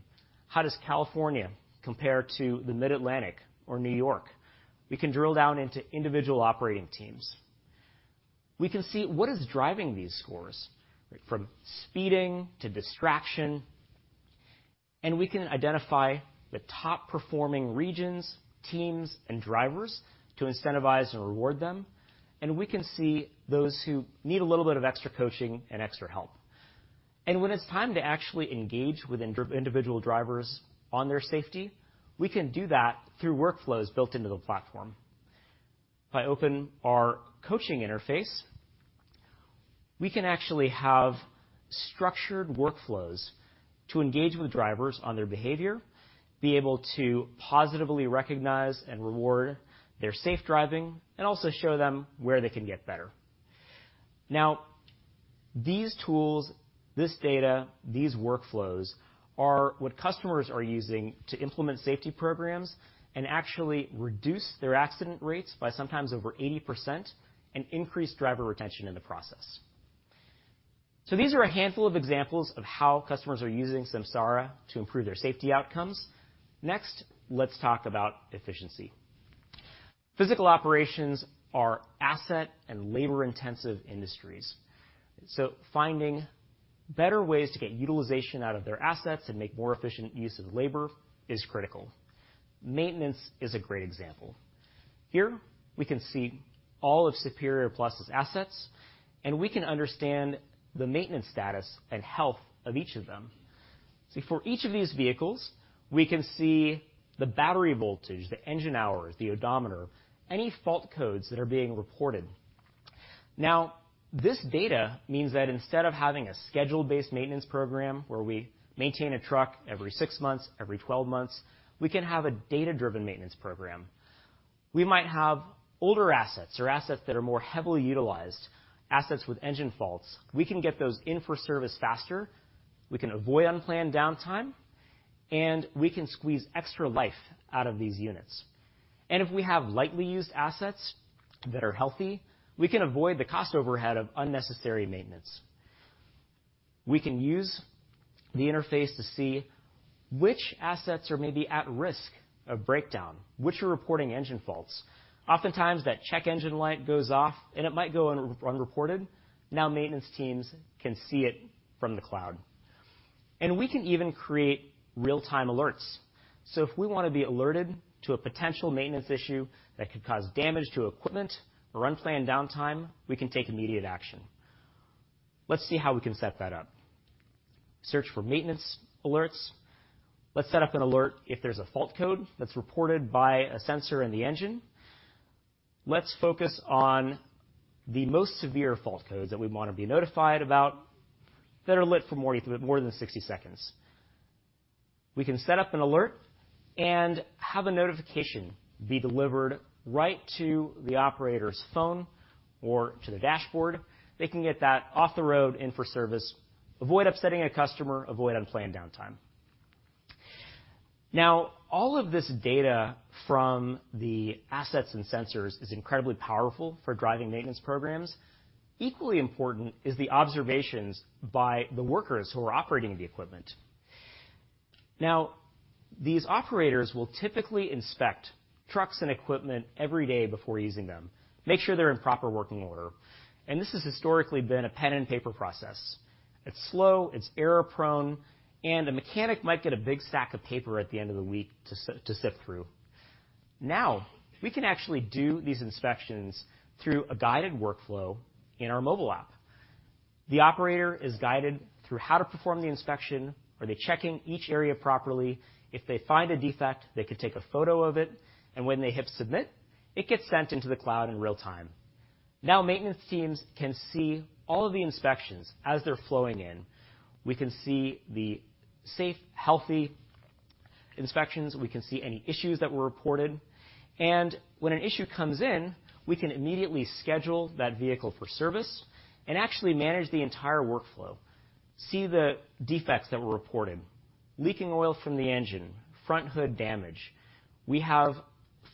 How does California compare to the Mid-Atlantic or New York? We can drill down into individual operating teams. We can see what is driving these scores, from speeding to distraction, and we can identify the top-performing regions, teams, and drivers to incentivize and reward them. We can see those who need a little bit of extra coaching and extra help. When it's time to actually engage with individual drivers on their safety, we can do that through workflows built into the platform. If I open our coaching interface, we can actually have structured workflows to engage with drivers on their behavior, be able to positively recognize and reward their safe driving, and also show them where they can get better. These tools, this data, these workflows are what customers are using to implement safety programs and actually reduce their accident rates by sometimes over 80% and increase driver retention in the process. These are a handful of examples of how customers are using Samsara to improve their safety outcomes. Next, let's talk about efficiency. Physical operations are asset and labor-intensive industries, so finding better ways to get utilization out of their assets and make more efficient use of labor is critical. Maintenance is a great example. Here, we can see all of Superior Plus's assets, and we can understand the maintenance status and health of each of them. See, for each of these vehicles, we can see the battery voltage, the engine hours, the odometer, any fault codes that are being reported. This data means that instead of having a schedule-based maintenance program, where we maintain a truck every 6 months, every 12 months, we can have a data-driven maintenance program. We might have older assets or assets that are more heavily utilized, assets with engine faults. We can get those in for service faster, we can avoid unplanned downtime, and we can squeeze extra life out of these units. If we have lightly used assets that are healthy, we can avoid the cost overhead of unnecessary maintenance. We can use the interface to see which assets are maybe at risk of breakdown, which are reporting engine faults. Oftentimes, that check engine light goes off, and it might go unreported. Maintenance teams can see it from the cloud. We can even create real-time alerts. If we want to be alerted to a potential maintenance issue that could cause damage to equipment or unplanned downtime, we can take immediate action. Let's see how we can set that up. Search for maintenance alerts. Let's set up an alert if there's a fault code that's reported by a sensor in the engine. Let's focus on the most severe fault codes that we'd want to be notified about, that are lit for more than 60 seconds. We can set up an alert and have a notification be delivered right to the operator's phone or to the dashboard. They can get that off the road in for service, avoid upsetting a customer, avoid unplanned downtime. All of this data from the assets and sensors is incredibly powerful for driving maintenance programs. Equally important is the observations by the workers who are operating the equipment. These operators will typically inspect trucks and equipment every day before using them, make sure they're in proper working order, and this has historically been a pen and paper process. It's slow, it's error-prone, and a mechanic might get a big stack of paper at the end of the week to sift through. We can actually do these inspections through a guided workflow in our mobile app. The operator is guided through how to perform the inspection. Are they checking each area properly? If they find a defect, they can take a photo of it, and when they hit Submit, it gets sent into the cloud in real time. Maintenance teams can see all of the inspections as they're flowing in. We can see the safe, healthy inspections. We can see any issues that were reported, and when an issue comes in, we can immediately schedule that vehicle for service and actually manage the entire workflow. See the defects that were reported, leaking oil from the engine, front hood damage. We have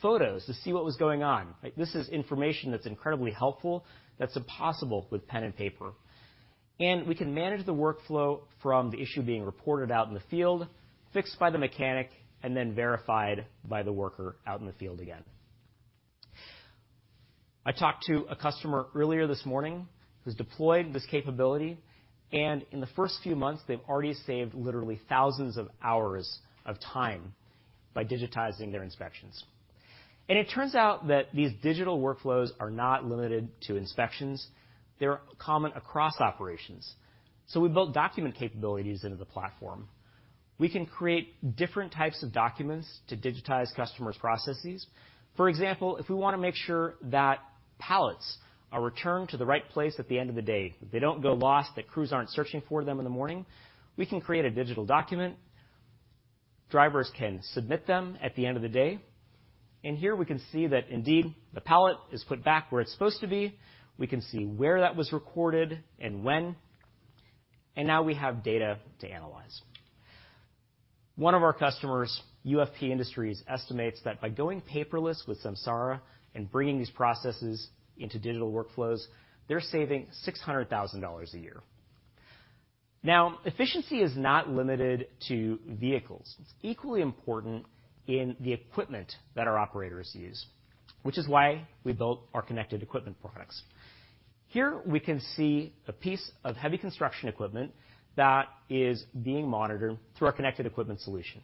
photos to see what was going on, right? This is information that's incredibly helpful, that's impossible with pen and paper, and we can manage the workflow from the issue being reported out in the field, fixed by the mechanic, and then verified by the worker out in the field again. I talked to a customer earlier this morning who's deployed this capability, and in the first few months, they've already saved literally thousands of hours of time by digitizing their inspections. It turns out that these digital workflows are not limited to inspections. They're common across operations, so we built document capabilities into the platform. We can create different types of documents to digitize customers' processes. For example, if we wanna make sure that pallets are returned to the right place at the end of the day, they don't go lost, that crews aren't searching for them in the morning, we can create a digital document. Drivers can submit them at the end of the day. Here we can see that indeed, the pallet is put back where it's supposed to be. We can see where that was recorded and when. Now we have data to analyze. One of our customers, UFP Industries, estimates that by going paperless with Samsara and bringing these processes into digital workflows, they're saving $600,000 a year. Now, efficiency is not limited to vehicles. It's equally important in the equipment that our operators use, which is why we built our connected equipment products. Here, we can see a piece of heavy construction equipment that is being monitored through our connected equipment solution.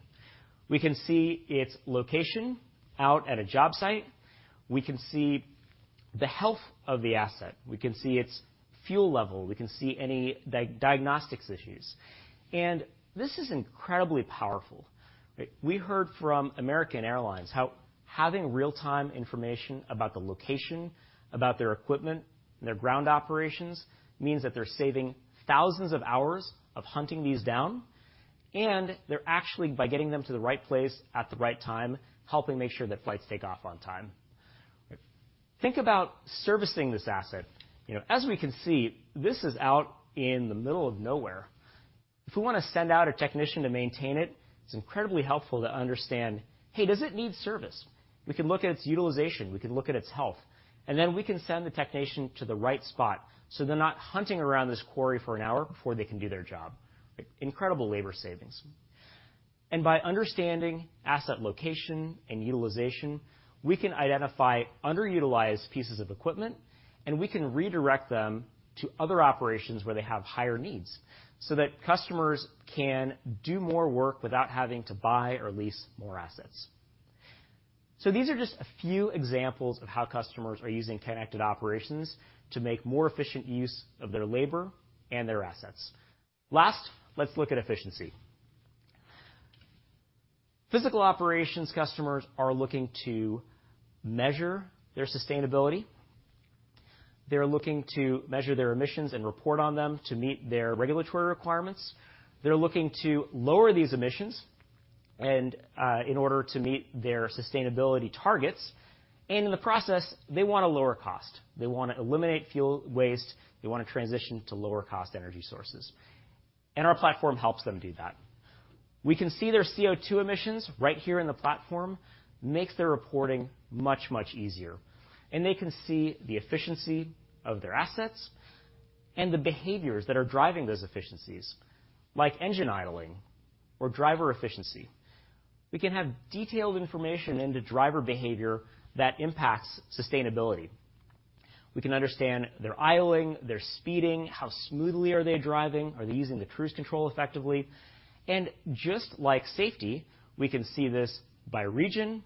We can see its location out at a job site. We can see the health of the asset. We can see its fuel level. We can see any diagnostics issues, and this is incredibly powerful, right? We heard from American Airlines how having real-time information about the location, about their equipment and their ground operations, means that they're saving thousands of hours of hunting these down, and they're actually, by getting them to the right place at the right time, helping make sure that flights take off on time. Think about servicing this asset. You know, as we can see, this is out in the middle of nowhere. If we wanna send out a technician to maintain it's incredibly helpful to understand, hey, does it need service? We can look at its utilization, we can look at its health, and then we can send the technician to the right spot, so they're not hunting around this quarry for an hour before they can do their job. Incredible labor savings. By understanding asset location and utilization, we can identify underutilized pieces of equipment, and we can redirect them to other operations where they have higher needs, so that customers can do more work without having to buy or lease more assets. These are just a few examples of how customers are using connected operations to make more efficient use of their labor and their assets. Last, let's look at efficiency. Physical operations customers are looking to measure their sustainability. They're looking to measure their emissions and report on them to meet their regulatory requirements. They're looking to lower these emissions and in order to meet their sustainability targets. In the process, they want to lower cost. They want to eliminate fuel waste. They want to transition to lower cost energy sources, and our platform helps them do that. We can see their CO2 emissions right here in the platform, makes their reporting much, much easier. They can see the efficiency of their assets and the behaviors that are driving those efficiencies, like engine idling or driver efficiency. We can have detailed information into driver behavior that impacts sustainability. We can understand their idling, their speeding, how smoothly are they driving, are they using the cruise control effectively? Just like safety, we can see this by region,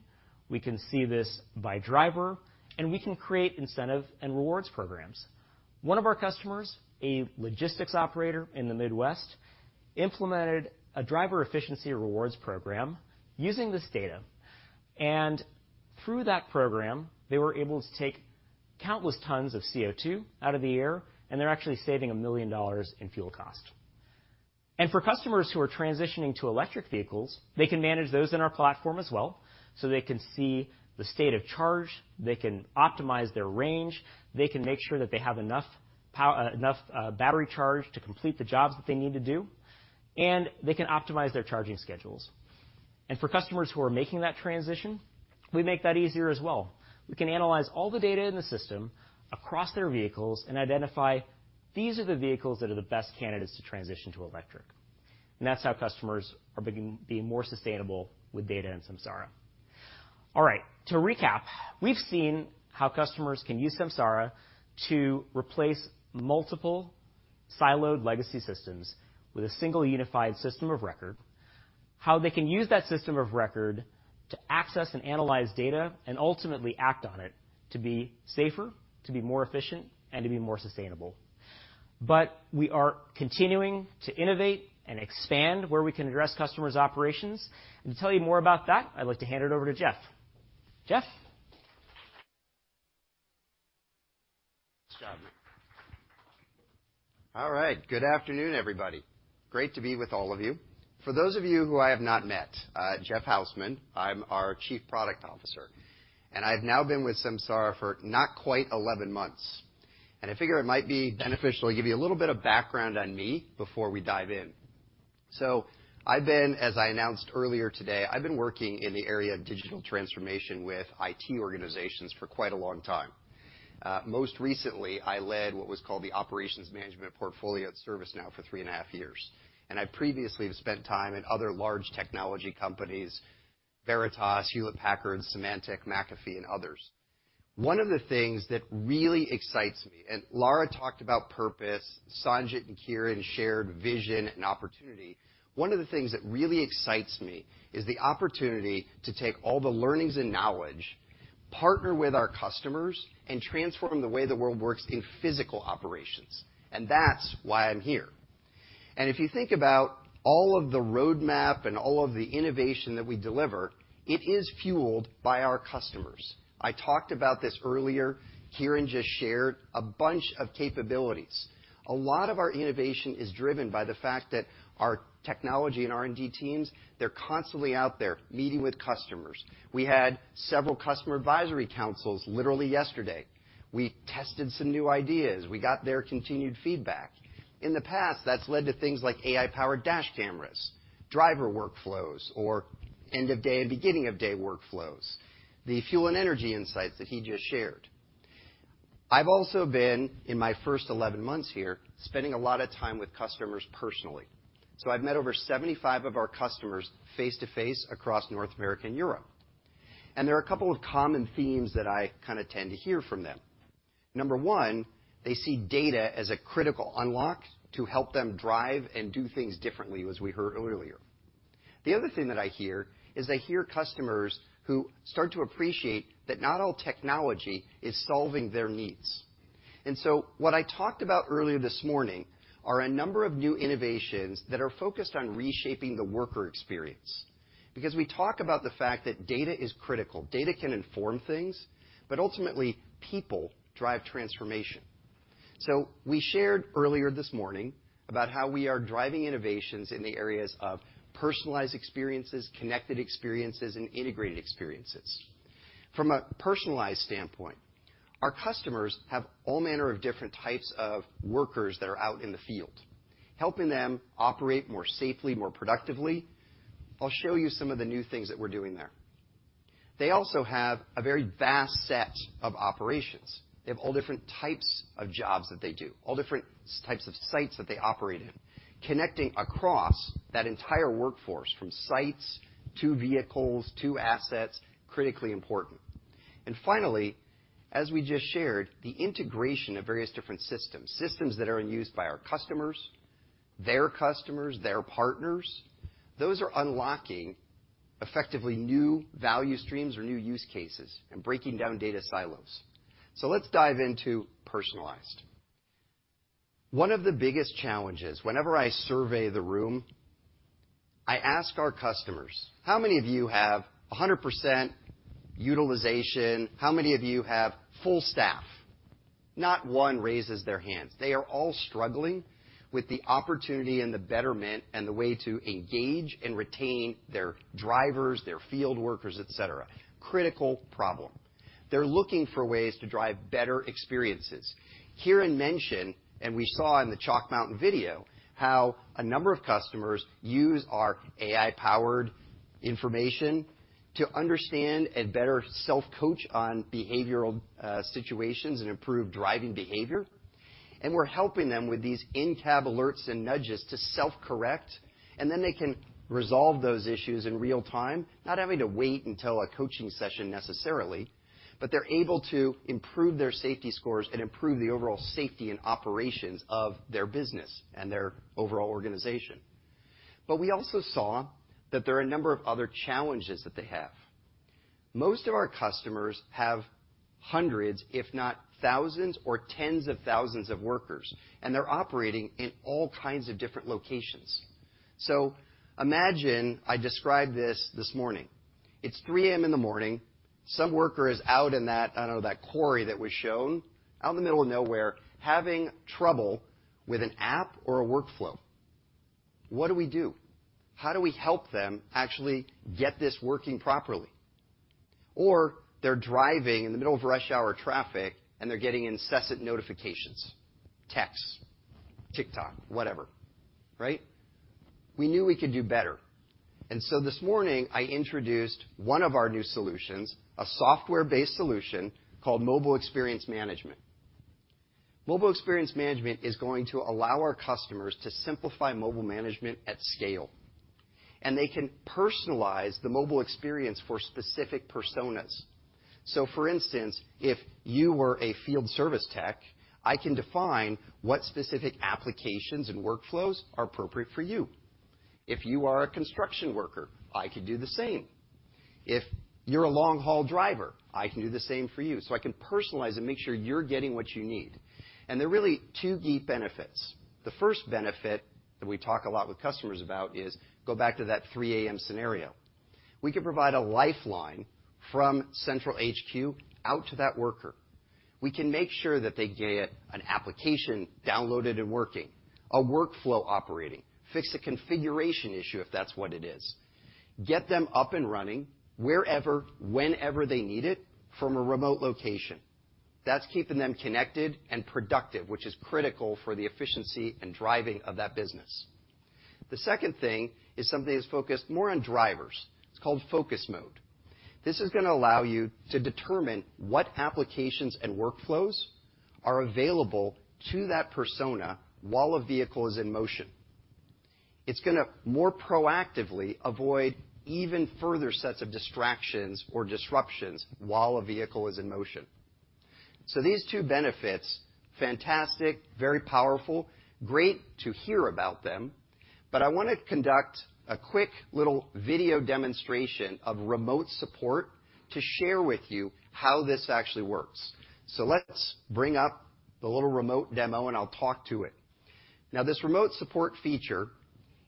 we can see this by driver, and we can create incentive and rewards programs. One of our customers, a logistics operator in the Midwest, implemented a driver efficiency rewards program using this data, and through that program, they were able to take countless tons of CO2 out of the air, and they're actually saving $1 million in fuel cost. For customers who are transitioning to electric vehicles, they can manage those in our platform as well, so they can see the state of charge, they can optimize their range, they can make sure that they have enough battery charge to complete the jobs that they need to do, and they can optimize their charging schedules. For customers who are making that transition, we make that easier as well. We can analyze all the data in the system across their vehicles and identify: these are the vehicles that are the best candidates to transition to electric. That's how customers are being more sustainable with data and Samsara. All right. To recap, we've seen how customers can use Samsara to replace multiple siloed legacy systems with a single, unified system of record, how they can use that system of record to access and analyze data, and ultimately act on it, to be safer, to be more efficient, and to be more sustainable. We are continuing to innovate and expand where we can address customers' operations. To tell you more about that, I'd like to hand it over to Jeff. Jeff? Nice job. All right. Good afternoon, everybody. Great to be with all of you. For those of you who I have not met, Jeff Hausman, I'm our Chief Product Officer, I've now been with Samsara for not quite 11 months, I figure it might be beneficial to give you a little bit of background on me before we dive in. As I announced earlier today, I've been working in the area of digital transformation with IT organizations for quite a long time. Most recently, I led what was called the Operations Management Portfolio at ServiceNow for 3 and a half years. I previously have spent time at other large technology companies, Veritas, Hewlett-Packard, Symantec, McAfee, and others. One of the things that really excites me, Lara talked about purpose, Sanjit and Kiren shared vision and opportunity. One of the things that really excites me is the opportunity to take all the learnings and knowledge, partner with our customers, and transform the way the world works in physical operations, that's why I'm here. If you think about all of the roadmap and all of the innovation that we deliver, it is fueled by our customers. I talked about this earlier. Kiren just shared a bunch of capabilities. A lot of our innovation is driven by the fact that our technology and R&D teams, they're constantly out there, meeting with customers. We had several customer advisory councils literally yesterday. We tested some new ideas. We got their continued feedback. In the past, that's led to things like AI-powered dash cameras, driver workflows, or end-of-day and beginning-of-day workflows, the fuel and energy insights that he just shared. I've also been, in my first 11 months here, spending a lot of time with customers personally. I've met over 75 of our customers face-to-face across North America and Europe. There are a couple of common themes that I kinda tend to hear from them. Number one, they see data as a critical unlock to help them drive and do things differently, as we heard earlier. The other thing that I hear is I hear customers who start to appreciate that not all technology is solving their needs. What I talked about earlier this morning are a number of new innovations that are focused on reshaping the worker experience. We talk about the fact that data is critical. Data can inform things, but ultimately, people drive transformation. We shared earlier this morning about how we are driving innovations in the areas of personalized experiences, connected experiences, and integrated experiences. From a personalized standpoint, our customers have all manner of different types of workers that are out in the field, helping them operate more safely, more productively. I'll show you some of the new things that we're doing there. They also have a very vast set of operations. They have all different types of jobs that they do, all different types of sites that they operate in, connecting across that entire workforce, from sites to vehicles to assets, critically important. Finally, as we just shared, the integration of various different systems that are in use by our customers, their customers, their partners, those are unlocking effectively new value streams or new use cases and breaking down data silos. Let's dive into personalized. One of the biggest challenges, whenever I survey the room, I ask our customers: How many of you have 100% utilization? How many of you have full staff? Not one raises their hands. They are all struggling with the opportunity and the betterment and the way to engage and retain their drivers, their field workers, et cetera. Critical problem. They're looking for ways to drive better experiences. Kiren mentioned, and we saw in the Chalk Mountain video, how a number of customers use our AI-powered to understand and better self-coach on behavioral situations and improve driving behavior. We're helping them with these in-cab alerts and nudges to self-correct, and then they can resolve those issues in real time, not having to wait until a coaching session necessarily. They're able to improve their safety scores and improve the overall safety and operations of their business and their overall organization. We also saw that there are a number of other challenges that they have. Most of our customers have hundreds, if not thousands, or tens of thousands of workers, and they're operating in all kinds of different locations. Imagine I described this this morning. It's 3:00 A.M. in the morning, some worker is out in that, I don't know, that quarry that was shown, out in the middle of nowhere, having trouble with an app or a workflow. What do we do? How do we help them actually get this working properly? They're driving in the middle of rush hour traffic, and they're getting incessant notifications, texts, TikTok, whatever, right? We knew we could do better, and so this morning, I introduced one of our new solutions, a software-based solution called Mobile Experience Management. Mobile Experience Management is going to allow our customers to simplify mobile management at scale, and they can personalize the mobile experience for specific personas. For instance, if you were a field service tech, I can define what specific applications and workflows are appropriate for you. If you are a construction worker, I could do the same. If you're a long-haul driver, I can do the same for you, so I can personalize and make sure you're getting what you need. There are really two key benefits. The first benefit that we talk a lot with customers about is go back to that 3:00 A.M. scenario. We can provide a lifeline from central HQ out to that worker. We can make sure that they get an application downloaded and working, a workflow operating, fix a configuration issue if that's what it is, get them up and running wherever, whenever they need it from a remote location. That's keeping them connected and productive, which is critical for the efficiency and driving of that business. The second thing is something that's focused more on drivers. It's called Focus Mode. This is gonna allow you to determine what applications and workflows are available to that persona while a vehicle is in motion. It's gonna more proactively avoid even further sets of distractions or disruptions while a vehicle is in motion. These two benefits, fantastic, very powerful, great to hear about them, but I want to conduct a quick little video demonstration of remote support to share with you how this actually works. Let's bring up the little remote demo, and I'll talk to it. This remote support feature,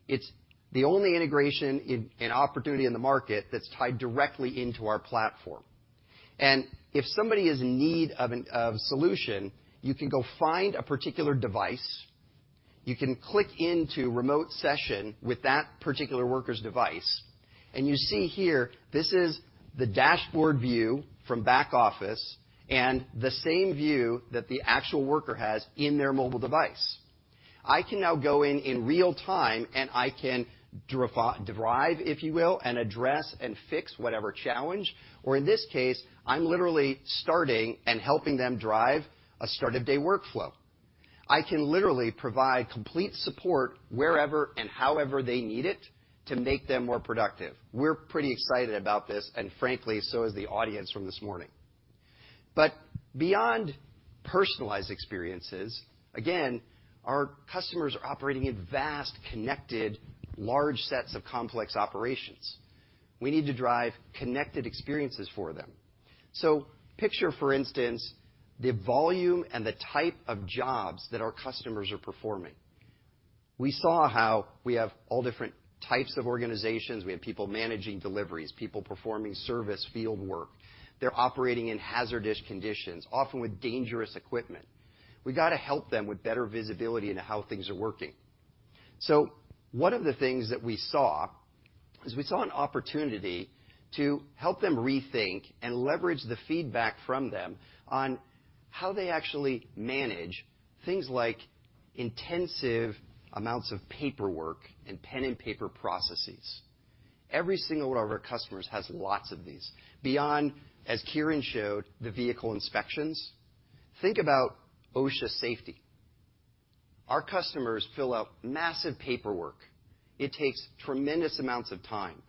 it's the only integration and opportunity in the market that's tied directly into our platform. If somebody is in need of a solution, you can go find a particular device, you can click into remote session with that particular worker's device, and you see here, this is the dashboard view from back office and the same view that the actual worker has in their mobile device. I can now go in in real time, and I can derive, if you will, and address and fix whatever challenge, or in this case, I'm literally starting and helping them drive a start-of-day workflow. I can literally provide complete support wherever and however they need it to make them more productive. We're pretty excited about this. Frankly, so is the audience from this morning. Beyond personalized experiences, again, our customers are operating in vast, connected, large sets of complex operations. We need to drive connected experiences for them. Picture, for instance, the volume and the type of jobs that our customers are performing. We saw how we have all different types of organizations. We have people managing deliveries, people performing service field work. They're operating in hazardous conditions, often with dangerous equipment. We gotta help them with better visibility into how things are working. One of the things that we saw is we saw an opportunity to help them rethink and leverage the feedback from them on how they actually manage things like intensive amounts of paperwork and pen and paper processes. Every single one of our customers has lots of these. Beyond, as Kiren showed, the vehicle inspections, think about OSHA safety. Our customers fill out massive paperwork. It takes tremendous amounts of time.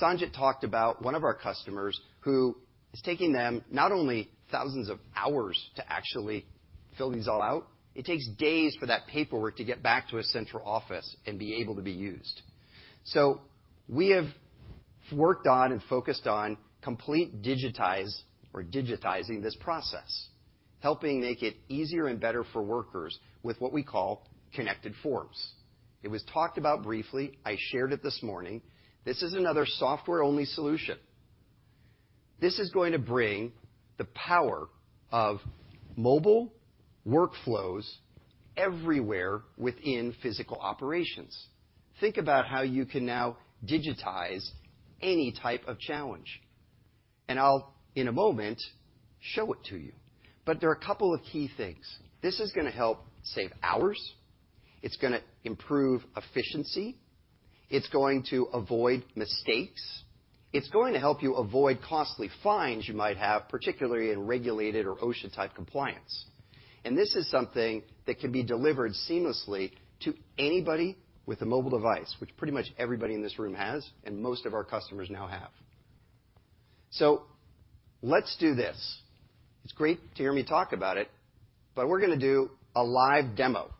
Sanjit talked about one of our customers who it's taking them not only thousands of hours to actually fill these all out, it takes days for that paperwork to get back to a central office and be able to be used. We have worked on and focused on digitizing this process, helping make it easier and better for workers with what we call Connected Forms. It was talked about briefly. I shared it this morning. This is another software-only solution. This is going to bring the power of mobile workflows everywhere within physical operations. Think about how you can now digitize any type of challenge. I'll, in a moment, show it to you. There are a couple of key things. This is going to help save hours. It's going to improve efficiency. It's going to avoid mistakes. It's going to help you avoid costly fines you might have, particularly in regulated or OSHA-type compliance. This is something that can be delivered seamlessly to anybody with a mobile device, which pretty much everybody in this room has, and most of our customers now have. Let's do this. It's great to hear me talk about it, but we're going to do a live demo.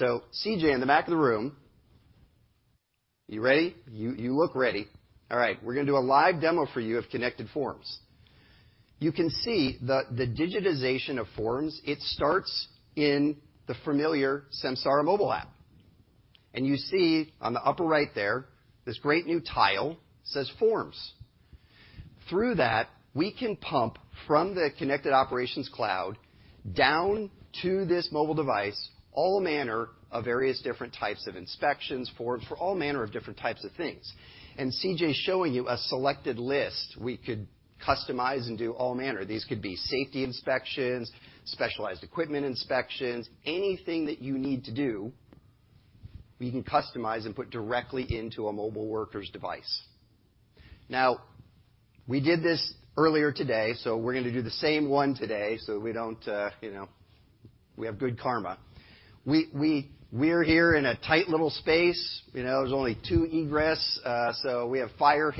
CJ, in the back of the room, you ready? You look ready. All right, we're going to do a live demo for you of Connected Forms. You can see the digitization of forms, it starts in the familiar Samsara mobile app, and you see, on the upper right there, this great new tile says, Forms. Through that, we can pump from the Connected Operations Cloud down to this mobile device, all manner of various different types of inspections, forms, for all manner of different types of things. CJ's showing you a selected list. We could customize and do all manner. These could be safety inspections, specialized equipment inspections, anything that you need to do, we can customize and put directly into a mobile worker's device. Now, we did this earlier today, so we're gonna do the same one today, so we don't, you know. We have good karma. We're here in a tight little space. You know, there's only two egress, so we have fire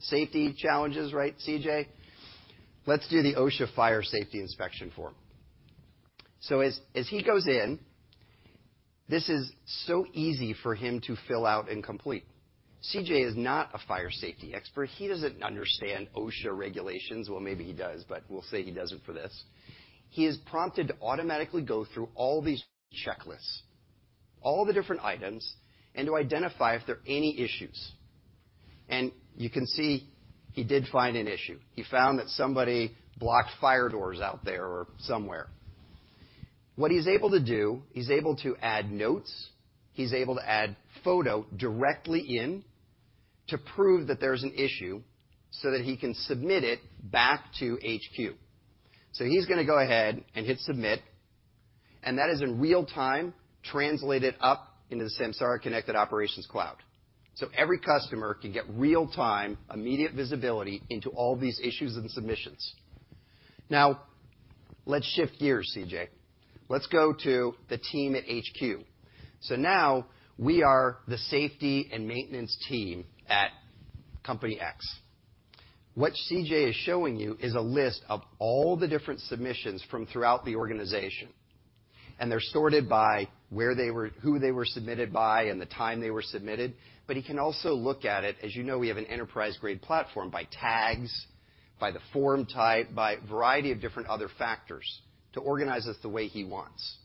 safety challenges, right, CJ? Let's do the OSHA fire safety inspection form. As he goes in, this is so easy for him to fill out and complete. CJ is not a fire safety expert. He doesn't understand OSHA regulations. Well, maybe he does, but we'll say he doesn't for this. He is prompted to automatically go through all these checklists, all the different items, to identify if there are any issues. You can see he did find an issue. He found that somebody blocked fire doors out there or somewhere. What he's able to do, he's able to add notes, he's able to add photo directly in to prove that there's an issue, that he can submit it back to HQ. He's gonna go ahead and hit Submit, and that is in real time, translated up into the Samsara Connected Operations Cloud. Every customer can get real-time, immediate visibility into all these issues and submissions. Now, let's shift gears, CJ. Let's go to the team at HQ. Now we are the safety and maintenance team at Company X. What CJ is showing you is a list of all the different submissions from throughout the organization. They're sorted by who they were submitted by and the time they were submitted. He can also look at it, as you know we have an enterprise-grade platform, by tags, by the form type, by a variety of different other factors to organize this the way he wants.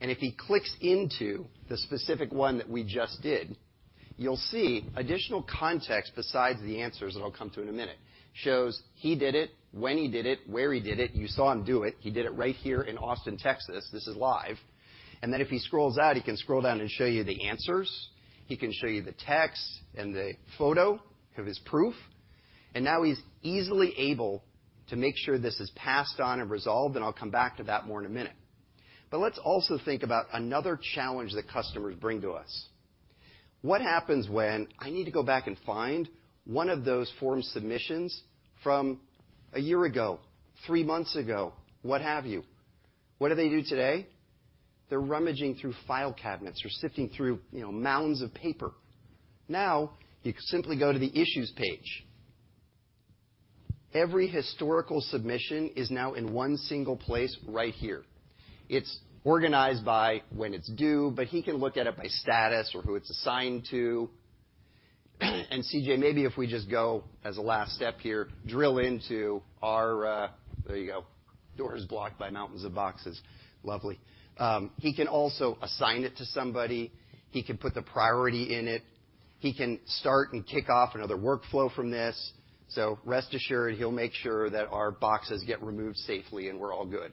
If he clicks into the specific one that we just did, you'll see additional context besides the answers that I'll come to in a minute. Shows he did it, when he did it, where he did it. You saw him do it. He did it right here in Austin, Texas. This is live. If he scrolls out, he can scroll down and show you the answers. He can show you the text and the photo of his proof, and now he's easily able to make sure this is passed on and resolved, and I'll come back to that more in a minute. Let's also think about another challenge that customers bring to us. What happens when I need to go back and find one of those form submissions from a year ago, 3 months ago, what have you? What do they do today? They're rummaging through file cabinets or sifting through, you know, mounds of paper. You simply go to the Issues page. Every historical submission is now in 1 single place right here. It's organized by when it's due, but he can look at it by status or who it's assigned to. CJ, maybe if we just go, as a last step here, drill into our. There you go. Door is blocked by mountains of boxes. Lovely. He can also assign it to somebody. He can put the priority in it. He can start and kick off another workflow from this. Rest assured, he'll make sure that our boxes get removed safely, and we're all good.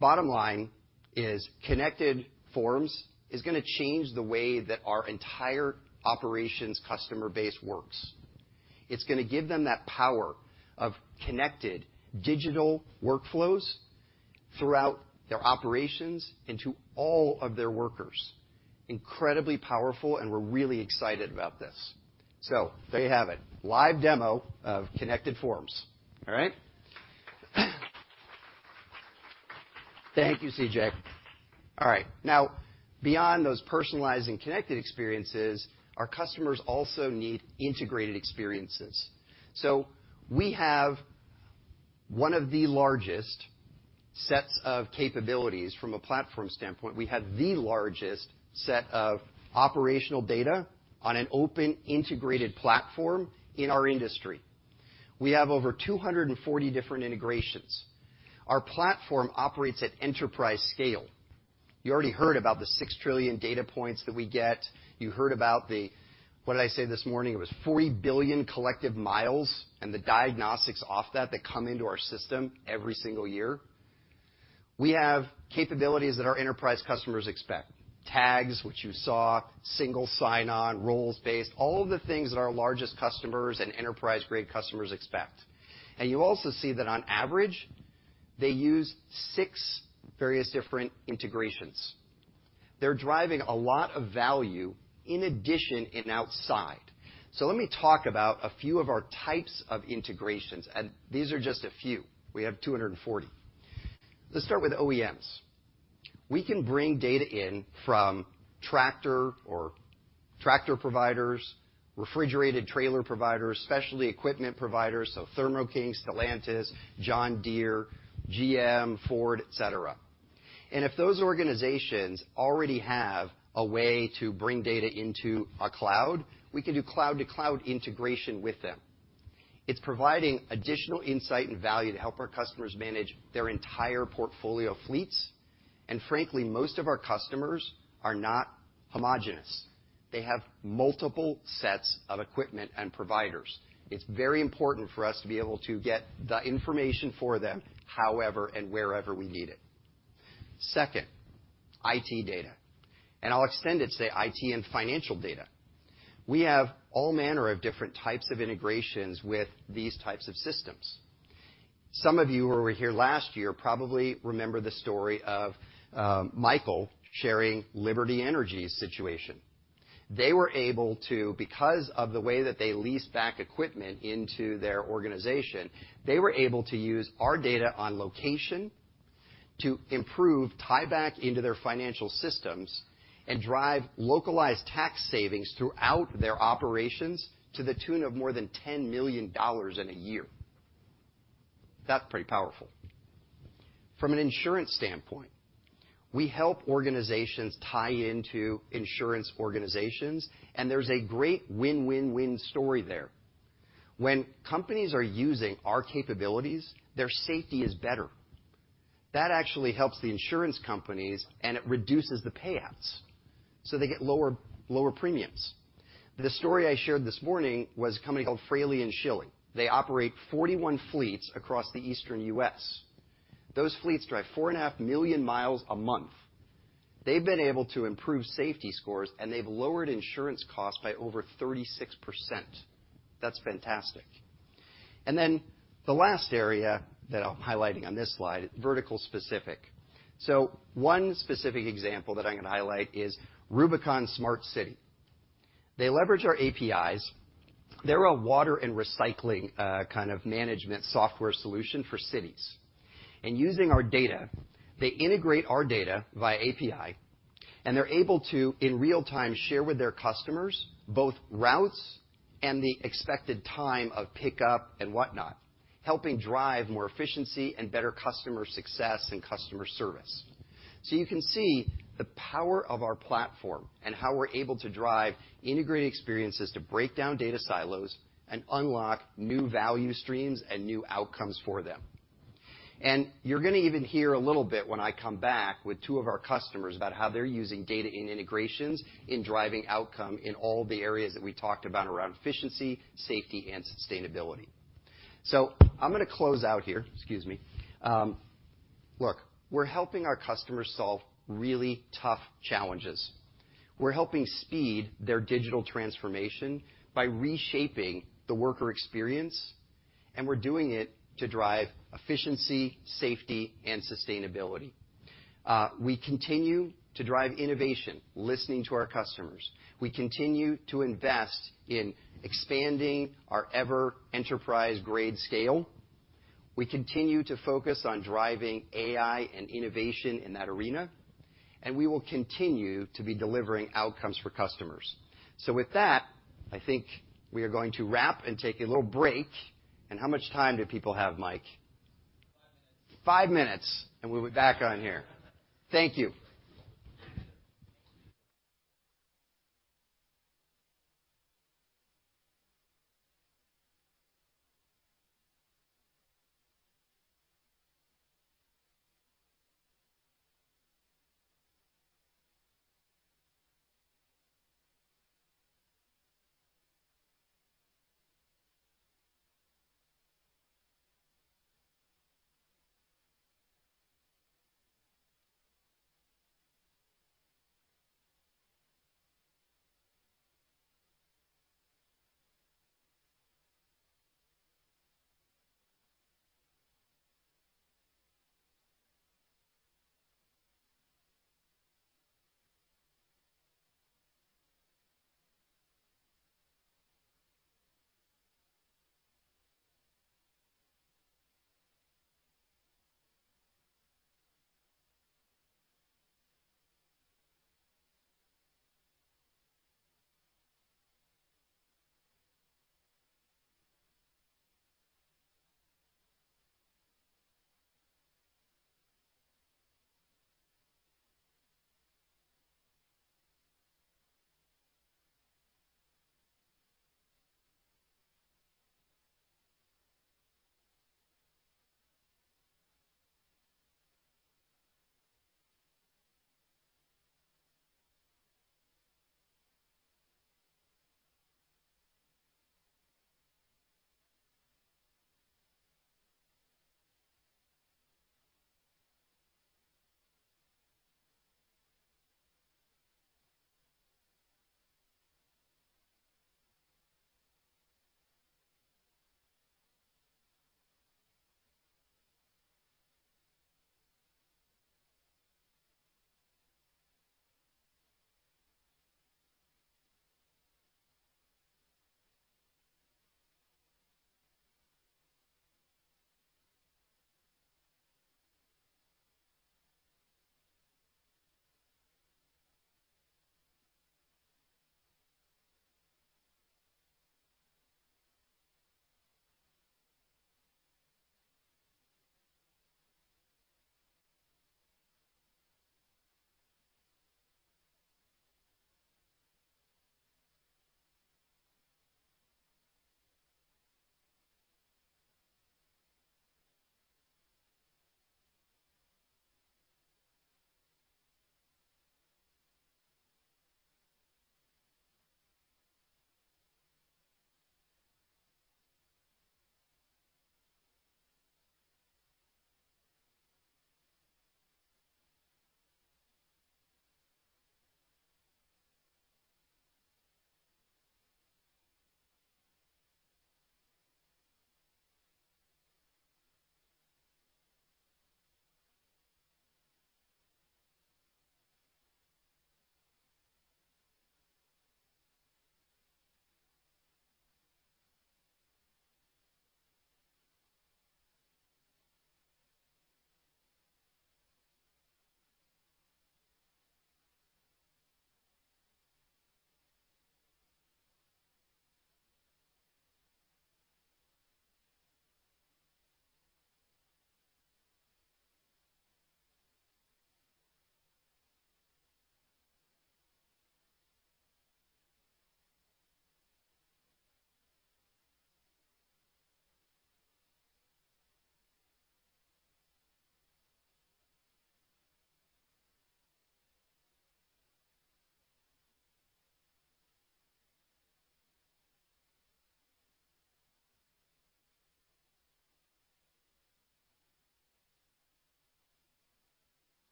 Bottom line is, Connected Forms is gonna change the way that our entire operations customer base works. It's gonna give them that power of connected digital workflows throughout their operations and to all of their workers. Incredibly powerful, and we're really excited about this. There you have it, live demo of Connected Forms. All right? Thank you, CJ. Beyond those personalized and connected experiences, our customers also need integrated experiences. We have one of the largest sets of capabilities from a platform standpoint. We have the largest set of operational data on an open, integrated platform in our industry. We have over 240 different integrations. Our platform operates at enterprise scale. You already heard about the 6 trillion data points that we get. You heard about the, what did I say this morning? It was 40 billion collective miles, and the diagnostics off that come into our system every single year. We have capabilities that our enterprise customers expect. Tags, which you saw, single sign-on, roles-based, all of the things that our largest customers and enterprise-grade customers expect. You also see that on average, they use 6 various different integrations. They're driving a lot of value in addition and outside. Let me talk about a few of our types of integrations, and these are just a few. We have 240. Let's start with OEMs. We can bring data in from tractor or tractor providers, refrigerated trailer providers, specialty equipment providers, so Thermo King, Stellantis, John Deere, GM, Ford, et cetera. If those organizations already have a way to bring data into a cloud, we can do cloud-to-cloud integration with them. It's providing additional insight and value to help our customers manage their entire portfolio of fleets, and frankly, most of our customers are not homogenous. They have multiple sets of equipment and providers. It's very important for us to be able to get the information for them, however and wherever we need it. Second, IT data, and I'll extend it to say IT and financial data. We have all manner of different types of integrations with these types of systems. Some of you who were here last year probably remember the story of Michael sharing Liberty Energy's situation. They were able to, because of the way that they lease back equipment into their organization, they were able to use our data on location to improve tieback into their financial systems and drive localized tax savings throughout their operations to the tune of more than $10 million in a year. That's pretty powerful. From an insurance standpoint, we help organizations tie into insurance organizations. There's a great win-win-win story there. When companies are using our capabilities, their safety is better. That actually helps the insurance companies. It reduces the payouts, so they get lower premiums. The story I shared this morning was a company called Fraley & Schilling. They operate 41 fleets across the Eastern U.S. Those fleets drive 4.5 million miles a month. They've been able to improve safety scores, and they've lowered insurance costs by over 36%. That's fantastic. The last area that I'm highlighting on this slide, vertical specific. One specific example that I'm going to highlight is RUBICONSmartCity. They leverage our APIs. They're a water and recycling kind of management software solution for cities. Using our data, they integrate our data via API, and they're able to, in real time, share with their customers both routes and the expected time of pickup and whatnot, helping drive more efficiency and better customer success and customer service. You can see the power of our platform and how we're able to drive integrated experiences to break down data silos and unlock new value streams and new outcomes for them. You're gonna even hear a little bit when I come back with two of our customers about how they're using data in integrations in driving outcome in all the areas that we talked about around efficiency, safety, and sustainability. I'm gonna close out here. Excuse me. Look, we're helping our customers solve really tough challenges. We're helping speed their digital transformation by reshaping the worker experience, and we're doing it to drive efficiency, safety, and sustainability. We continue to drive innovation, listening to our customers. We continue to invest in expanding our ever enterprise-grade scale. We continue to focus on driving AI and innovation in that arena, and we will continue to be delivering outcomes for customers. With that, I think we are going to wrap and take a little break. How much time do people have, Mike? Five minutes, we'll be back on here. Thank you.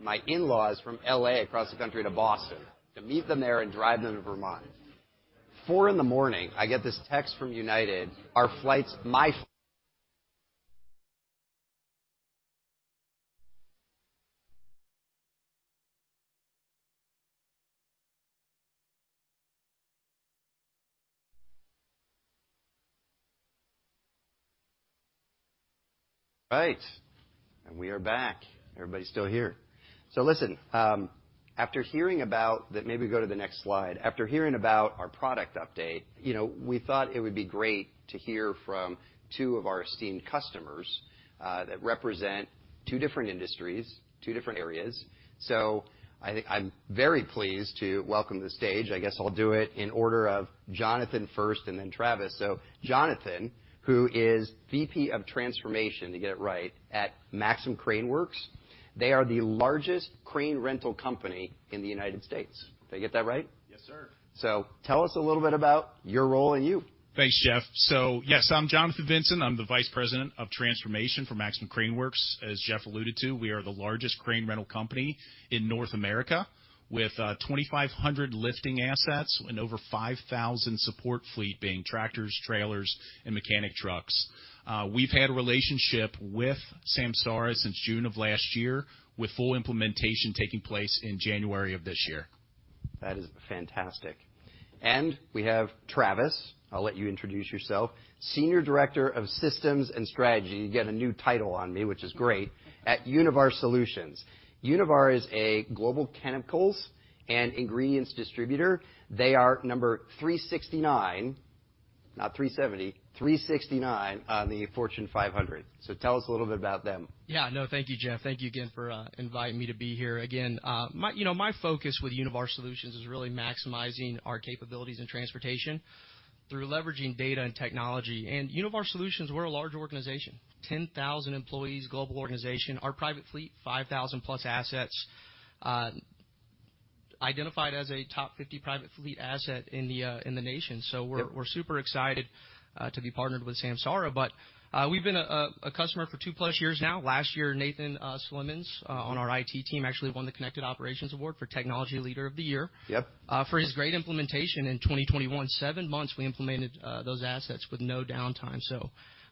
My in-laws from L.A. across the country to Boston, to meet them there and drive them to Vermont. Four in the morning, I get this text from United: "Our flight's." Right! We are back. Everybody still here? Listen, after hearing about. Maybe go to the next slide. After hearing about our product update, you know, we thought it would be great to hear from two of our esteemed customers that represent two different industries, two different areas. I think I'm very pleased to welcome to the stage, I guess I'll do it in order of Jonathan first and then Travis. Jonathan, who is VP of Transformation, to get it right, at Maxim Crane Works. They are the largest crane rental company in the United States. Did I get that right? Yes, sir. Tell us a little bit about your role and you. Thanks, Jeff. Yes, I'm Jonathan Vinson. I'm the vice president of transformation for Maxim Crane Works. As Jeff alluded to, we are the largest crane rental company in North America, with 2,500 lifting assets and over 5,000 support fleet, being tractors, trailers, and mechanic trucks. We've had a relationship with Samsara since June of last year, with full implementation taking place in January of this year. That is fantastic. We have Travis, I'll let you introduce yourself, senior director of systems and strategy, you get a new title on me, which is great, at Univar Solutions. Univar is a global chemicals and ingredients distributor. They are number 369, not 370, 369, on the Fortune 500. Tell us a little bit about them. Yeah, no, thank you, Jeff. Thank you again for inviting me to be here again. My, you know, my focus with Univar Solutions is really maximizing our capabilities in transportation through leveraging data and technology. Univar Solutions, we're a large organization, 10,000 employees, global organization. Our private fleet, 5,000-plus assets, identified as a top 50 private fleet asset in the nation. We're super excited to be partnered with Samsara. We've been a customer for 2-plus years now. Last year, Nathan Slemmons on our IT team, actually won the Connected Operations Award for Technology Leader of the Year. Yep. for his great implementation in 2021. 7 months, we implemented, those assets with no downtime.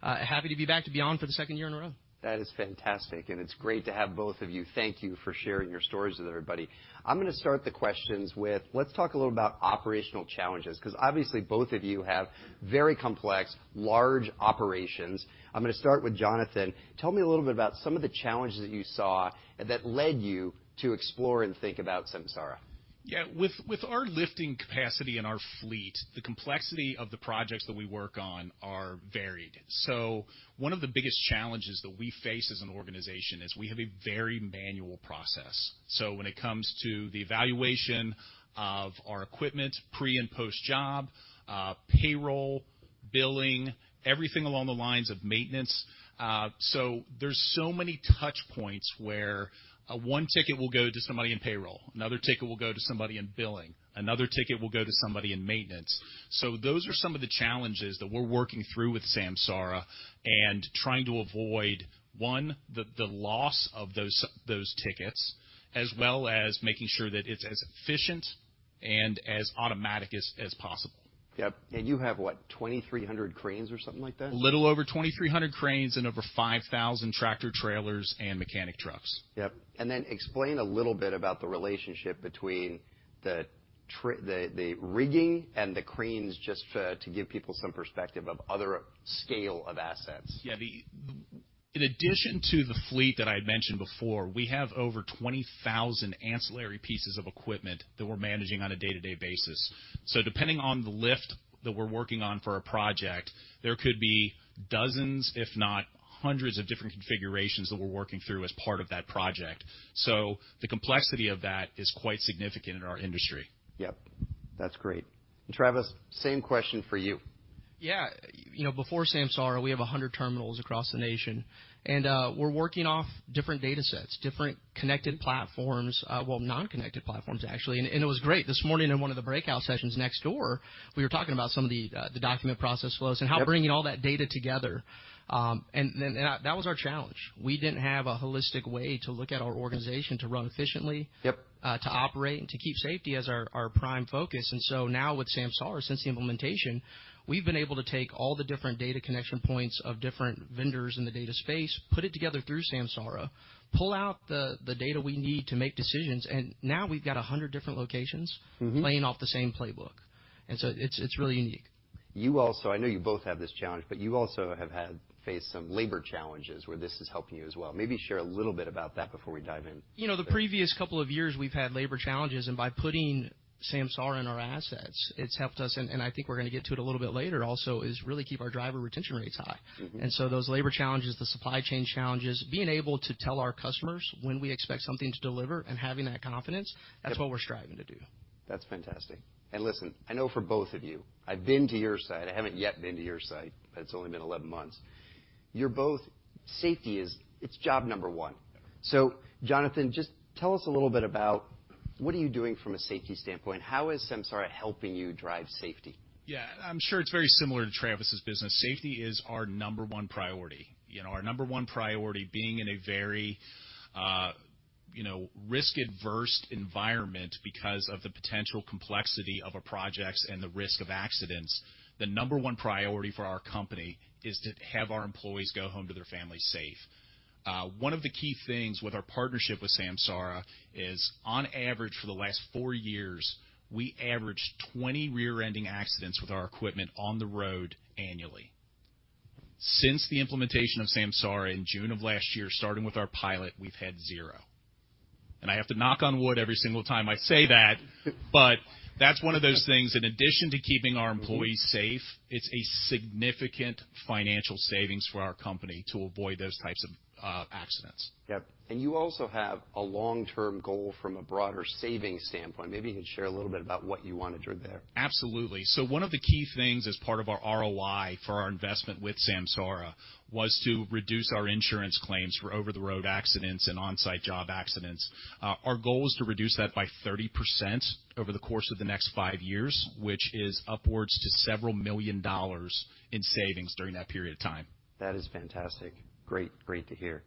Happy to be back, to be on for the 2nd year in a row. That is fantastic, and it's great to have both of you. Thank you for sharing your stories with everybody. I'm going to start the questions with, let's talk a little about operational challenges, because obviously both of you have very complex, large operations. I'm going to start with Jonathan. Tell me a little bit about some of the challenges that you saw that led you to explore and think about Samsara. With our lifting capacity in our fleet, the complexity of the projects that we work on are varied. One of the biggest challenges that we face as an organization is we have a very manual process. When it comes to the evaluation of our equipment, pre- and post-job, payroll, billing, everything along the lines of maintenance. There's so many touch points where one ticket will go to somebody in payroll, another ticket will go to somebody in billing, another ticket will go to somebody in maintenance. Those are some of the challenges that we're working through with Samsara and trying to avoid, one, the loss of those tickets, as well as making sure that it's as efficient and as automatic as possible. Yep. You have, what? 2,300 cranes or something like that? A little over 2,300 cranes and over 5,000 tractor-trailers and mechanic trucks. Yep. Then explain a little bit about the relationship between the rigging and the cranes, just for, to give people some perspective of other scale of assets. In addition to the fleet that I had mentioned before, we have over 20,000 ancillary pieces of equipment that we're managing on a day-to-day basis. Depending on the lift that we're working on for a project, there could be dozens, if not hundreds, of different configurations that we're working through as part of that project. The complexity of that is quite significant in our industry. Yep, that's great. Travis, same question for you. Yeah. You know, before Samsara, we have 100 terminals across the nation, and, we're working off different data sets, different connected platforms, well, non-connected platforms, actually. It was great. This morning in one of the breakout sessions next door, we were talking about some of the document process flows. Yep. How bringing all that data together, and then, that was our challenge. We didn't have a holistic way to look at our organization, to run efficiently. Yep. to operate and to keep safety as our prime focus. Now with Samsara, since the implementation, we've been able to take all the different data connection points of different vendors in the data space, put it together through Samsara, pull out the data we need to make decisions, and now we've got 100 different locations. Mm-hmm. playing off the same playbook, and so it's really unique. you also, I know you both have this challenge, but you also have faced some labor challenges where this is helping you as well. Maybe share a little bit about that before we dive in. You know, the previous couple of years, we've had labor challenges, and by putting Samsara in our assets, it's helped us, and I think we're going to get to it a little bit later also, is really keep our driver retention rates high. Mm-hmm. Those labor challenges, the supply chain challenges, being able to tell our customers when we expect something to deliver and having that confidence, that's what we're striving to do. That's fantastic. Listen, I know for both of you, I've been to your site. I haven't yet been to your site, but it's only been 11 months. Safety is, it's job number one. Jonathan, just tell us a little bit about what are you doing from a safety standpoint? How is Samsara helping you drive safety? Yeah, I'm sure it's very similar to Travis's business. Safety is our number one priority. You know, our number one priority, being in a very, you know, risk-averse environment because of the potential complexity of our projects and the risk of accidents, the number one priority for our company is to have our employees go home to their family safe. One of the key things with our partnership with Samsara is, on average, for the last four years, we averaged 20 rear-ending accidents with our equipment on the road annually. Since the implementation of Samsara in June of last year, starting with our pilot, we've had zero. I have to knock on wood every single time I say that. That's one of those things, in addition to keeping our employees safe, it's a significant financial savings for our company to avoid those types of accidents. Yep. You also have a long-term goal from a broader savings standpoint. Maybe you can share a little bit about what you want to do there? Absolutely. One of the key things as part of our ROI for our investment with Samsara was to reduce our insurance claims for over-the-road accidents and on-site job accidents. Our goal is to reduce that by 30% over the course of the next five years, which is upwards to several million dollars in savings during that period of time. That is fantastic. Great, great to hear.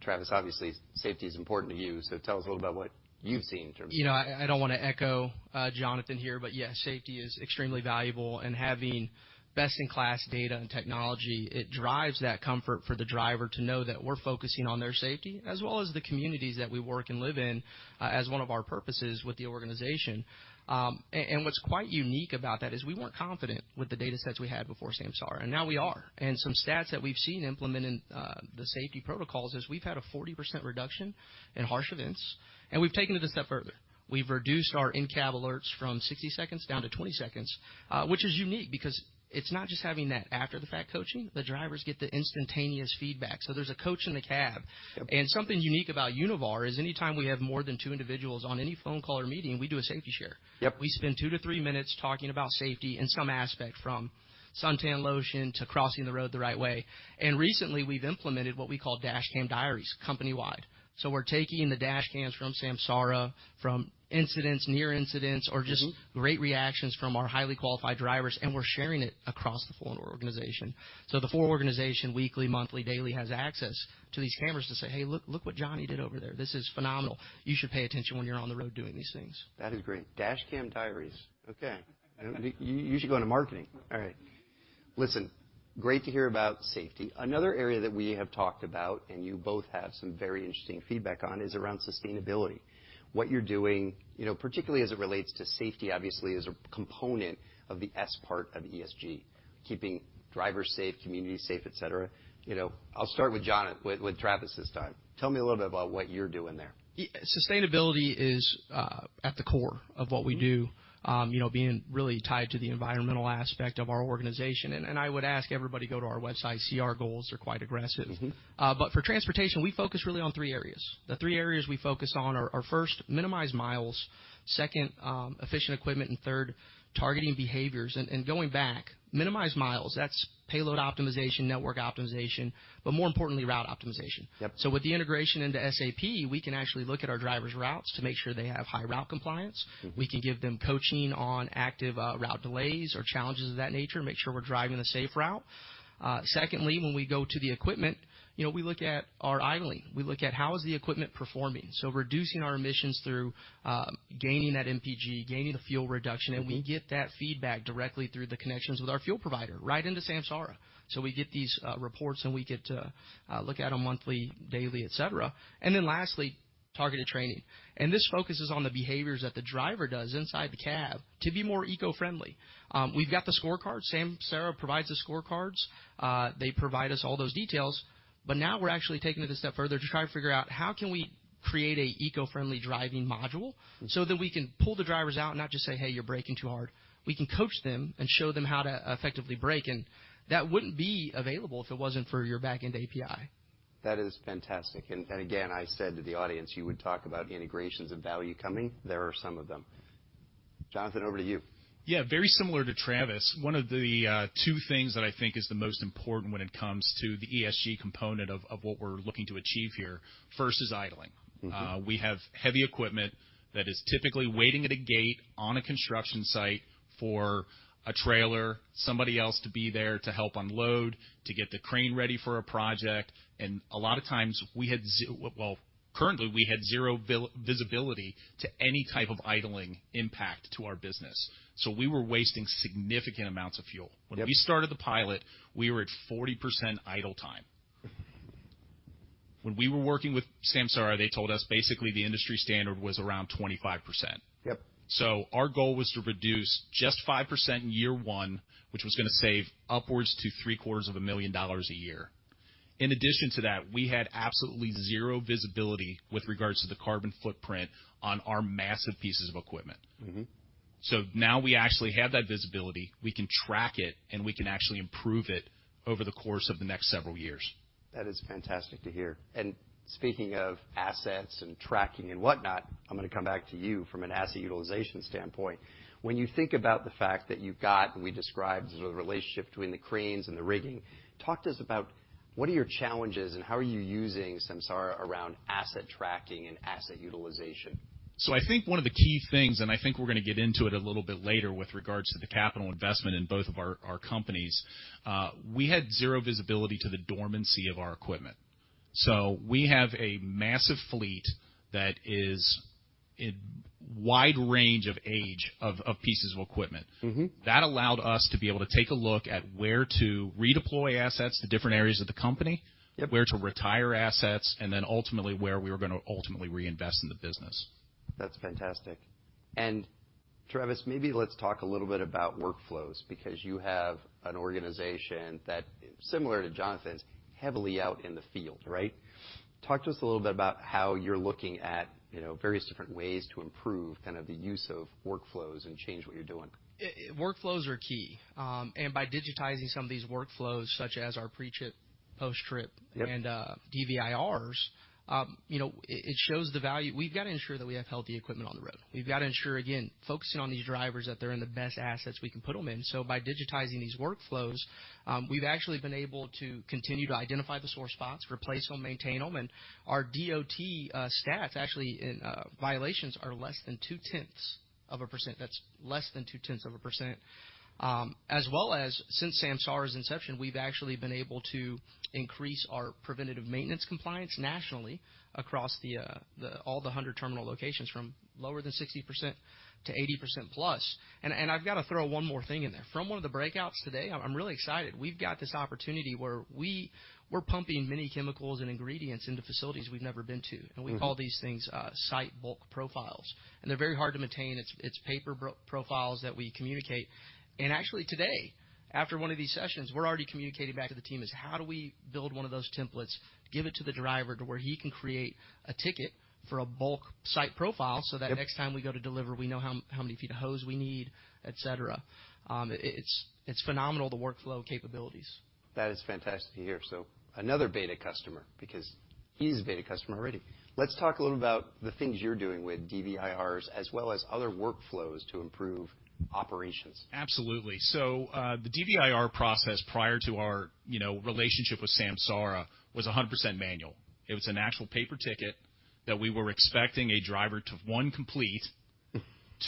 Travis, obviously, safety is important to you, so tell us a little about what you've seen in terms of. You know, I don't want to echo, Jonathan here, but yeah, safety is extremely valuable, and having best-in-class data and technology, it drives that comfort for the driver to know that we're focusing on their safety as well as the communities that we work and live in, as one of our purposes with the organization. What's quite unique about that is we weren't confident with the data sets we had before Samsara, and now we are. Some stats that we've seen implementing the safety protocols is we've had a 40% reduction in harsh events, and we've taken it a step further. We've reduced our in-cab alerts from 60 seconds down to 20 seconds, which is unique because it's not just having that after-the-fact coaching. The drivers get the instantaneous feedback, so there's a coach in the cab. Yep. Something unique about Univar is anytime we have more than two individuals on any phone call or meeting, we do a safety share. Yep. We spend two to three minutes talking about safety in some aspect, from suntan lotion to crossing the road the right way. Recently, we've implemented what we call Dashcam Diaries company-wide. We're taking the dashcams from Samsara, from incidents, near incidents- Mm-hmm or just great reactions from our highly qualified drivers, and we're sharing it across the full organization. The full organization, weekly, monthly, daily, has access to these cameras to say, "Hey, look what Johnny did over there. This is phenomenal. You should pay attention when you're on the road doing these things. That is great. Dashcam Diaries. Okay. You should go into marketing. All right. Listen, great to hear about safety. Another area that we have talked about, and you both have some very interesting feedback on, is around sustainability. What you're doing, you know, particularly as it relates to safety, obviously, is a component of the S part of ESG, keeping drivers safe, communities safe, et cetera. You know, I'll start with Travis this time. Tell me a little bit about what you're doing there. Sustainability is at the core of what we do, you know, being really tied to the environmental aspect of our organization. I would ask everybody to go to our website, see our goals. They're quite aggressive. Mm-hmm. For transportation, we focus really on three areas. The three areas we focus on are, first, minimize miles, second, efficient equipment, and third, targeting behaviors. Going back, minimize miles, that's payload optimization, network optimization, but more importantly, route optimization. Yep. With the integration into SAP, we can actually look at our drivers' routes to make sure they have high route compliance. Mm-hmm. We can give them coaching on active, route delays or challenges of that nature, make sure we're driving the safe route. Secondly, when we go to the equipment, you know, we look at our idling. We look at how is the equipment performing. Reducing our emissions through, gaining that MPG, gaining the fuel reduction. Mm-hmm and we get that feedback directly through the connections with our fuel provider, right into Samsara. We get these reports, and we get to look at them monthly, daily, et cetera. Lastly, targeted training, and this focuses on the behaviors that the driver does inside the cab to be more eco-friendly. We've got the scorecard. Samsara provides the scorecards. They provide us all those details, but now we're actually taking it a step further to try to figure out how can we create a eco-friendly driving module- Mm-hmm so that we can pull the drivers out and not just say, "Hey, you're braking too hard." We can coach them and show them how to effectively brake, and that wouldn't be available if it wasn't for your back-end API. That is fantastic. Again, I said to the audience, you would talk about integrations and value coming. There are some of them. Jonathan, over to you. Very similar to Travis, one of the 2 things that I think is the most important when it comes to the ESG component of what we're looking to achieve here, first is idling. Mm-hmm. We have heavy equipment that is typically waiting at a gate on a construction site for a trailer, somebody else to be there to help unload, to get the crane ready for a project. A lot of times currently, we had 0 visibility to any type of idling impact to our business. We were wasting significant amounts of fuel. Yep. When we started the pilot, we were at 40% idle time. When we were working with Samsara, they told us basically the industry standard was around 25%. Yep. Our goal was to reduce just 5% in year one, which was going to save upwards to three-quarters of a million dollars a year. In addition to that, we had absolutely zero visibility with regards to the carbon footprint on our massive pieces of equipment. Mm-hmm. Now we actually have that visibility, we can track it, and we can actually improve it over the course of the next several years. That is fantastic to hear. Speaking of assets and tracking and whatnot, I'm going to come back to you from an asset utilization standpoint. When you think about the fact that you've got, and we described, the relationship between the cranes and the rigging, talk to us about what are your challenges and how are you using Samsara around asset tracking and asset utilization? I think one of the key things, and I think we're going to get into it a little bit later with regards to the capital investment in both of our companies, we had 0 visibility to the dormancy of our equipment. We have a massive fleet that is a wide range of age of pieces of equipment. Mm-hmm. That allowed us to be able to take a look at where to redeploy assets to different areas of the company. Yep. where to retire assets, and then ultimately, where we were going to ultimately reinvest in the business. That's fantastic. Travis, maybe let's talk a little bit about workflows, because you have an organization that, similar to Jonathan's, heavily out in the field, right? Talk to us a little bit about how you're looking at, you know, various different ways to improve kind of the use of workflows and change what you're doing. workflows are key. And by digitizing some of these workflows, such as our pre-trip, post-trip- Yep. DVIRs, you know, it shows the value. We've got to ensure that we have healthy equipment on the road. We've got to ensure, again, focusing on these drivers, that they're in the best assets we can put them in. By digitizing these workflows, we've actually been able to continue to identify the sore spots, replace them, maintain them, and our DOT stats, actually in violations, are less than 2/10 of a percent. That's less than 2/10 of a percent. As well as since Samsara's inception, we've actually been able to increase our preventative maintenance compliance nationally across the 100 terminal locations from lower than 60% to 80%+. I've got to throw one more thing in there. From 1 of the breakouts today, I'm really excited. We've got this opportunity where we. We're pumping many chemicals and ingredients into facilities we've never been to. Mm-hmm. We call these things, site bulk profiles, and they're very hard to maintain. It's paper profiles that we communicate. Actually, today, after one of these sessions, we're already communicating back to the team is, how do we build one of those templates, give it to the driver to where he can create a ticket for a bulk site profile. Yep. That next time we go to deliver, we know how many feet of hose we need, et cetera. It's phenomenal, the workflow capabilities. That is fantastic to hear. Another beta customer, because he's a beta customer already. Let's talk a little about the things you're doing with DVIRs, as well as other workflows to improve operations. Absolutely. The DVIR process prior to our, you know, relationship with Samsara was 100% manual. It was an actual paper ticket that we were expecting a driver to, 1, complete,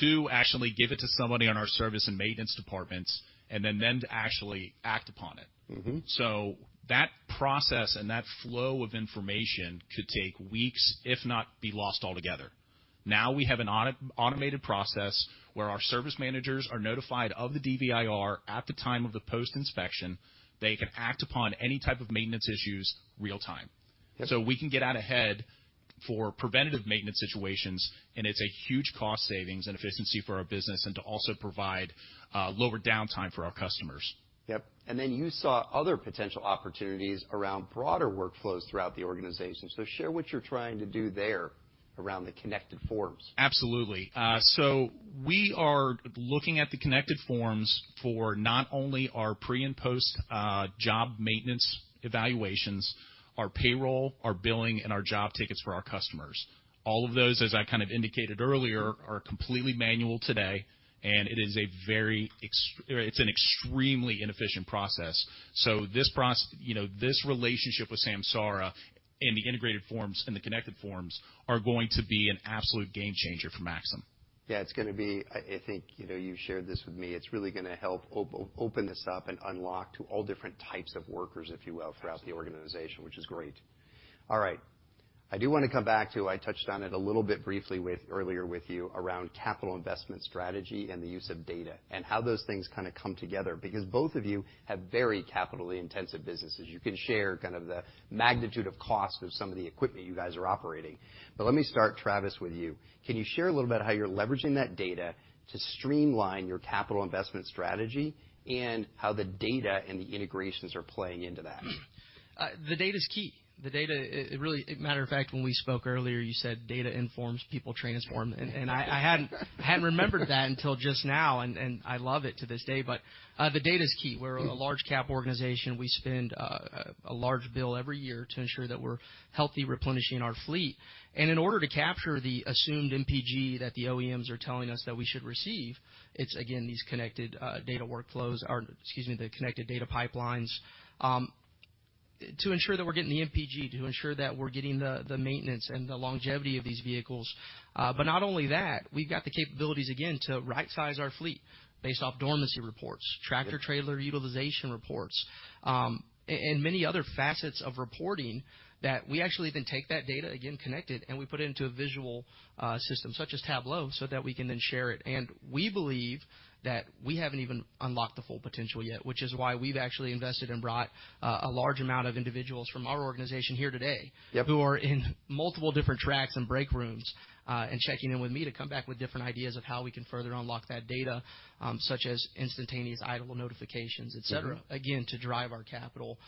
2, actually give it to somebody on our service and maintenance departments, and then them to actually act upon it. Mm-hmm. That process and that flow of information could take weeks, if not be lost altogether. We have an auto-automated process where our service managers are notified of the DVIR at the time of the post-inspection. They can act upon any type of maintenance issues real time. Yep. We can get out ahead for preventative maintenance situations, and it's a huge cost savings and efficiency for our business, and to also provide lower downtime for our customers. Yep. Then you saw other potential opportunities around broader workflows throughout the organization. Share what you're trying to do there around the Connected Forms. Absolutely. We are looking at the connected forms for not only our pre- and post- job maintenance evaluations, our payroll, our billing, and our job tickets for our customers. All of those, as I kind of indicated earlier, are completely manual today, and it's an extremely inefficient process. This you know, this relationship with Samsara and the integrated forms and the connected forms are going to be an absolute game changer for Maxim. Yeah, it's going to be. I think, you know, you've shared this with me. It's really going to help open this up and unlock to all different types of workers, if you will, throughout the organization, which is great. All right. I do want to come back to, I touched on it a little bit briefly with, earlier with you, around capital investment strategy and the use of data, and how those things kind of come together, because both of you have very capitally intensive businesses. You can share kind of the magnitude of cost of some of the equipment you guys are operating. Let me start, Travis, with you. Can you share a little about how you're leveraging that data to streamline your capital investment strategy, and how the data and the integrations are playing into that? The data's key. The data, it really. Matter of fact, when we spoke earlier, you said, "Data informs, people transform." I hadn't remembered that until just now, and I love it to this day, but the data's key. We're a large cap organization. We spend a large bill every year to ensure that we're healthy, replenishing our fleet. In order to capture the assumed MPG that the OEMs are telling us that we should receive, it's, again, these connected data workflows, or excuse me, the connected data pipelines. To ensure that we're getting the MPG, to ensure that we're getting the maintenance and the longevity of these vehicles. Not only that, we've got the capabilities, again, to rightsize our fleet based off dormancy reports, tractor-trailer utilization reports, and many other facets of reporting, that we actually then take that data, again, connect it, and we put it into a visual system such as Tableau, so that we can then share it. We believe that we haven't even unlocked the full potential yet, which is why we've actually invested and brought a large amount of individuals from our organization here today. Yep. who are in multiple different tracks and break rooms, and checking in with me to come back with different ideas of how we can further unlock that data, such as instantaneous idle notifications, et cetera. Mm-hmm. -again, to drive our capital,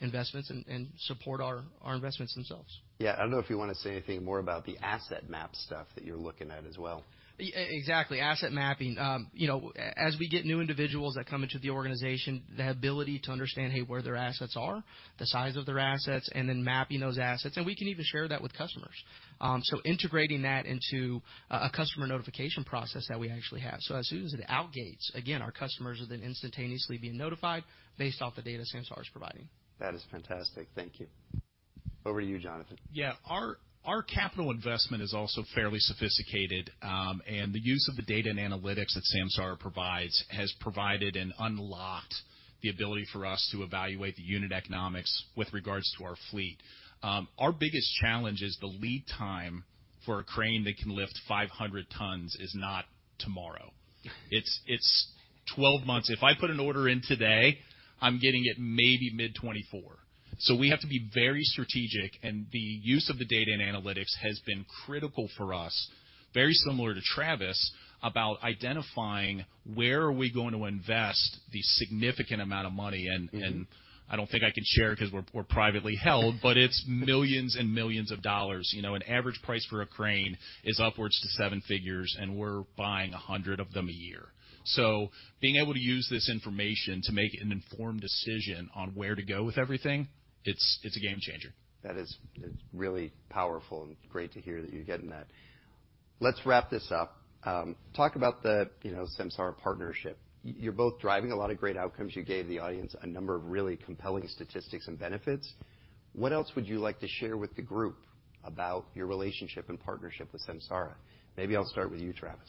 investments and support our investments themselves. Yeah. I don't know if you want to say anything more about the asset map stuff that you're looking at as well. Exactly, asset mapping. You know, as we get new individuals that come into the organization, the ability to understand, hey, where their assets are, the size of their assets, and then mapping those assets, and we can even share that with customers. Integrating that into, a customer notification process that we actually have. As soon as it outgates, again, our customers are then instantaneously being notified based off the data Samsara is providing. That is fantastic. Thank you. Over to you, Jonathan. Yeah. Our capital investment is also fairly sophisticated, the use of the data and analytics that Samsara provides has provided and unlocked the ability for us to evaluate the unit economics with regards to our fleet. Our biggest challenge is the lead time for a crane that can lift 500 tons is not tomorrow. It's 12 months. If I put an order in today, I'm getting it maybe mid-2024. We have to be very strategic, and the use of the data and analytics has been critical for us, very similar to Travis, about identifying where are we going to invest the significant amount of money. Mm-hmm and I don't think I can share because we're privately held, but it's $ millions and millions. You know, an average price for a crane is upwards to 7 figures, and we're buying 100 of them a year. Being able to use this information to make an informed decision on where to go with everything, it's a game changer. That is really powerful and great to hear that you're getting that. Let's wrap this up. Talk about the, you know, Samsara partnership. You're both driving a lot of great outcomes. You gave the audience a number of really compelling statistics and benefits. What else would you like to share with the group about your relationship and partnership with Samsara? Maybe I'll start with you, Travis.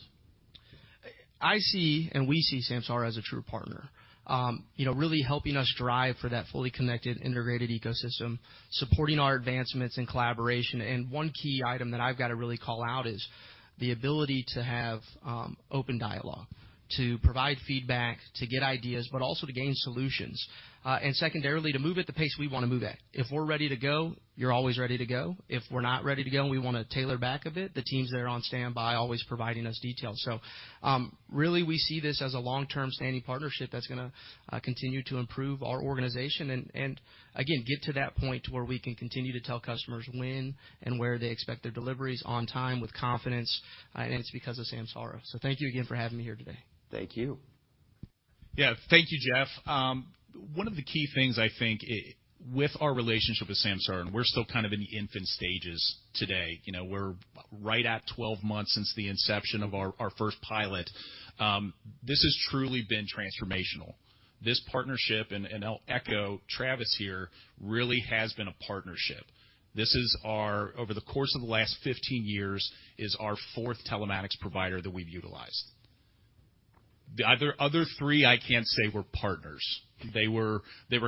I see, we see Samsara as a true partner, you know, really helping us drive for that fully connected, integrated ecosystem, supporting our advancements and collaboration. One key item that I've got to really call out is the ability to have open dialogue, to provide feedback, to get ideas, but also to gain solutions. Secondarily, to move at the pace we want to move at. If we're ready to go, you're always ready to go. If we're not ready to go, and we want to tailor back a bit, the team's there on standby, always providing us details. Really, we see this as a long-term standing partnership that's going to continue to improve our organization, and again, get to that point to where we can continue to tell customers when and where they expect their deliveries on time with confidence, and it's because of Samsara. Thank you again for having me here today. Thank you. Yeah. Thank you, Jeff. One of the key things I think with our relationship with Samsara, and we're still kind of in the infant stages today, you know, we're right at 12 months since the inception of our first pilot, this has truly been transformational. This partnership, and I'll echo Travis here, really has been a partnership. This is our over the course of the last 15 years, is our fourth telematics provider that we've utilized. The other three, I can't say were partners. They were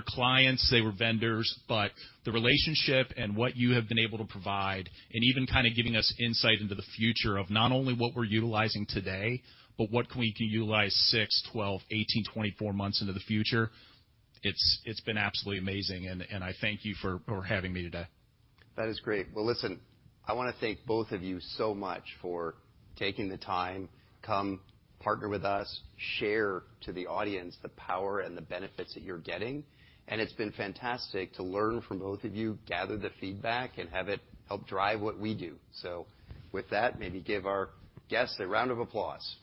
clients, they were vendors, but the relationship and what you have been able to provide, and even kind of giving us insight into the future of not only what we're utilizing today, but what we can utilize 6, 12, 18, 24 months into the future, it's been absolutely amazing, and I thank you for having me today. That is great. Well, listen, I want to thank both of you so much for taking the time, come partner with us, share to the audience the power and the benefits that you're getting, and it's been fantastic to learn from both of you, gather the feedback, and have it help drive what we do. With that, maybe give our guests a round of applause.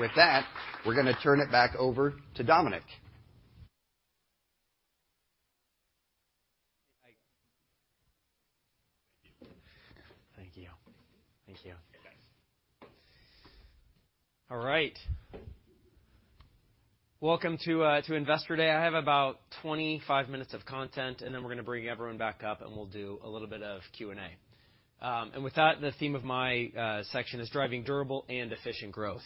With that, we're going to turn it back over to Dominic. Thank you. Thank you. All right. Welcome to Investor Day. I have about 25 minutes of content, and then we're going to bring everyone back up, and we'll do a little bit of Q&A. With that, the theme of my section is driving durable and efficient growth.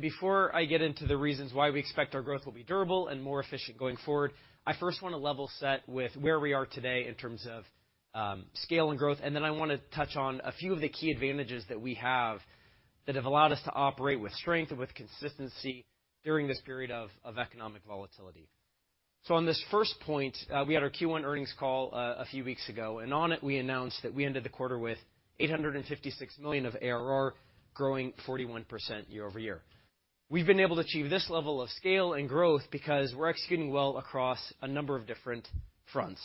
Before I get into the reasons why we expect our growth will be durable and more efficient going forward, I first want to level set with where we are today in terms of scale and growth, and then I want to touch on a few of the key advantages that we have that have allowed us to operate with strength and with consistency during this period of economic volatility. On this first point, we had our Q1 earnings call a few weeks ago, and on it, we announced that we ended the quarter with $856 million of ARR, growing 41% year-over-year. We've been able to achieve this level of scale and growth because we're executing well across a number of different fronts.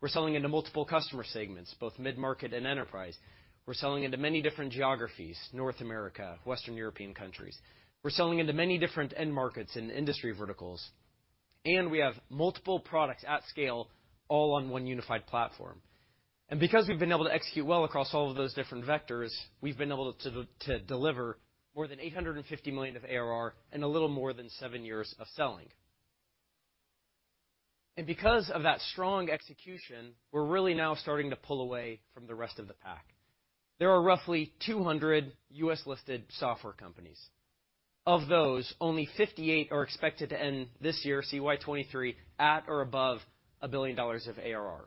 We're selling into multiple customer segments, both mid-market and enterprise. We're selling into many different geographies, North America, Western European countries. We're selling into many different end markets and industry verticals. We have multiple products at scale, all on one unified platform. Because we've been able to execute well across all of those different vectors, we've been able to deliver more than $850 million of ARR in a little more than 7 years of selling. Because of that strong execution, we're really now starting to pull away from the rest of the pack. There are roughly 200 US-listed software companies. Of those, only 58 are expected to end this year, CY 2023, at or above $1 billion of ARR.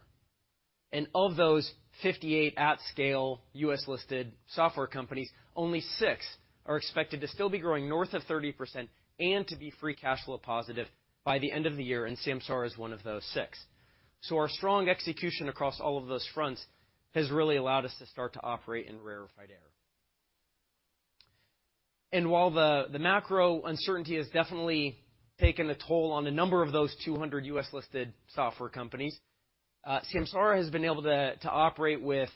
Of those 58 at-scale US-listed software companies, only 6 are expected to still be growing north of 30% and to be free cash flow positive by the end of the year, and Samsara is one of those 6. Our strong execution across all of those fronts has really allowed us to start to operate in rarefied air. While the macro uncertainty has definitely taken a toll on a number of those 200 US-listed software companies, Samsara has been able to operate with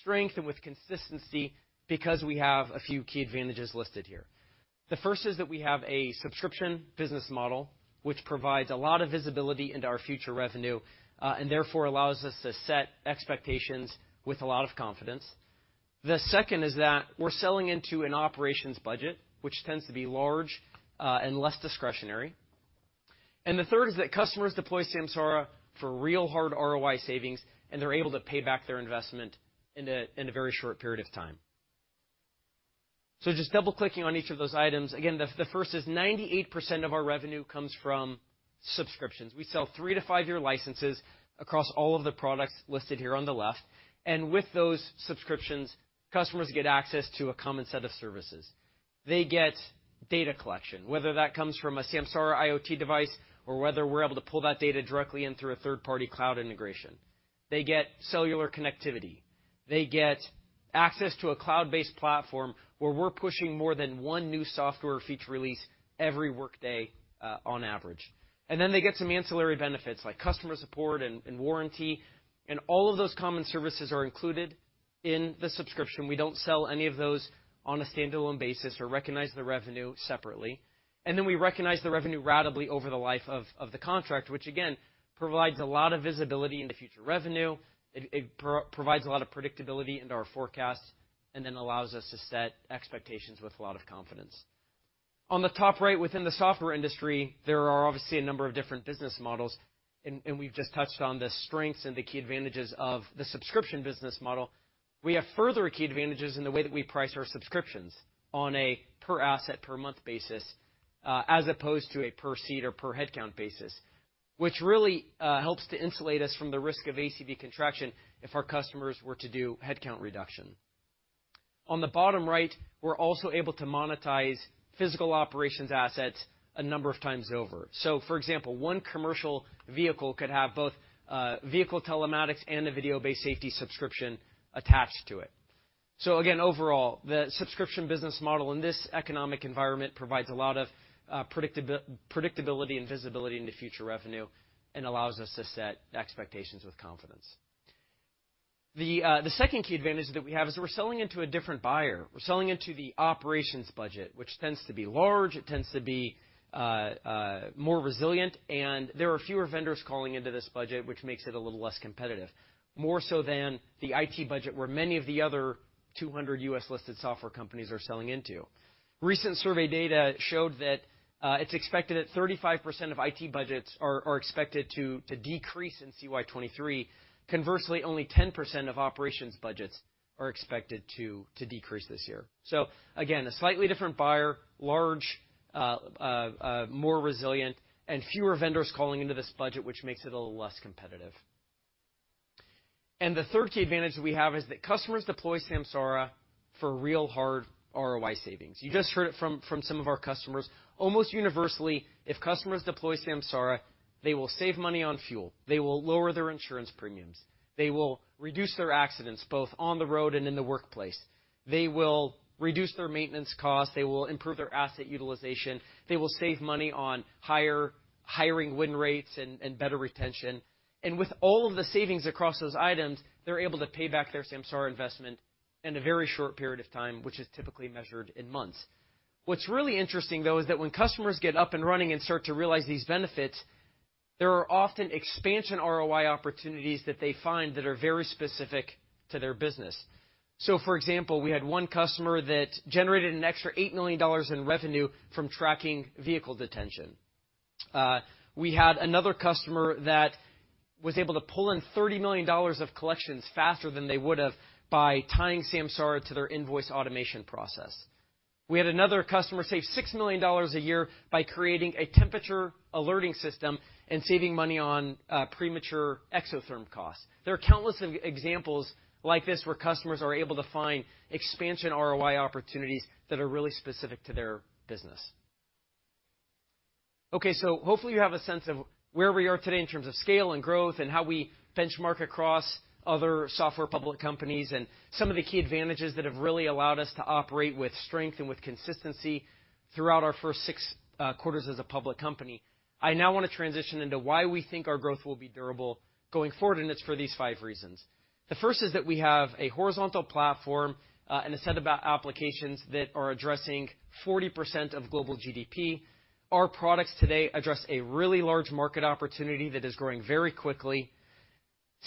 strength and consistency because we have a few key advantages listed here. The first is that we have a subscription business model, which provides a lot of visibility into our future revenue, and therefore allows us to set expectations with a lot of confidence. The second is that we're selling into an operations budget, which tends to be large and less discretionary. The third is that customers deploy Samsara for real hard ROI savings, and they're able to pay back their investment in a very short period of time. Just double-clicking on each of those items. Again, the first is 98% of our revenue comes from subscriptions. We sell three to five-year licenses across all of the products listed here on the left. With those subscriptions, customers get access to a common set of services. They get data collection, whether that comes from a Samsara IoT device or whether we're able to pull that data directly in through a third-party cloud integration. They get cellular connectivity. They get access to a cloud-based platform, where we're pushing more than one new software feature release every workday, on average. They get some ancillary benefits, like customer support and warranty, and all of those common services are included in the subscription. We don't sell any of those on a standalone basis or recognize the revenue separately. We recognize the revenue ratably over the life of the contract, which, again, provides a lot of visibility into future revenue. It provides a lot of predictability into our forecasts, and then allows us to set expectations with a lot of confidence. On the top right, within the software industry, there are obviously a number of different business models, and we've just touched on the strengths and the key advantages of the subscription business model. We have further key advantages in the way that we price our subscriptions on a per-asset, per-month basis, as opposed to a per-seat or per-headcount basis, which really helps to insulate us from the risk of ACV contraction if our customers were to do headcount reduction. On the bottom right, we're also able to monetize physical operations assets a number of times over. For example, one commercial vehicle could have both vehicle telematics and a video-based safety subscription attached to it. Again, overall, the subscription business model in this economic environment provides a lot of predictability and visibility into future revenue and allows us to set expectations with confidence. The second key advantage that we have is that we're selling into a different buyer. We're selling into the operations budget, which tends to be large, it tends to be more resilient, and there are fewer vendors calling into this budget, which makes it a little less competitive, more so than the IT budget, where many of the other 200 U.S.-listed software companies are selling into. Recent survey data showed that it's expected that 35% of IT budgets are expected to decrease in CY 2023. Conversely, only 10% of operations budgets are expected to decrease this year. Again, a slightly different buyer, large, more resilient, and fewer vendors calling into this budget, which makes it a little less competitive. The third key advantage that we have is that customers deploy Samsara for real hard ROI savings. You just heard it from some of our customers. Almost universally, if customers deploy Samsara, they will save money on fuel, they will lower their insurance premiums, they will reduce their accidents, both on the road and in the workplace. They will reduce their maintenance costs, they will improve their asset utilization, they will save money on hiring win rates and better retention. With all of the savings across those items, they're able to pay back their Samsara investment in a very short period of time, which is typically measured in months. What's really interesting, though, is that when customers get up and running and start to realize these benefits, there are often expansion ROI opportunities that they find that are very specific to their business. For example, we had one customer that generated an extra $8 million in revenue from tracking vehicle detention. We had another customer that was able to pull in $30 million of collections faster than they would've by tying Samsara to their invoice automation process. We had another customer save $6 million a year by creating a temperature alerting system and saving money on premature exotherm costs. There are countless examples like this, where customers are able to find expansion ROI opportunities that are really specific to their business. Hopefully you have a sense of where we are today in terms of scale and growth, and how we benchmark across other software public companies, and some of the key advantages that have really allowed us to operate with strength and with consistency throughout our first 6 quarters as a public company. I now want to transition into why we think our growth will be durable going forward. It's for these 5 reasons. The first is that we have a horizontal platform and a set about applications that are addressing 40% of global GDP. Our products today address a really large market opportunity that is growing very quickly.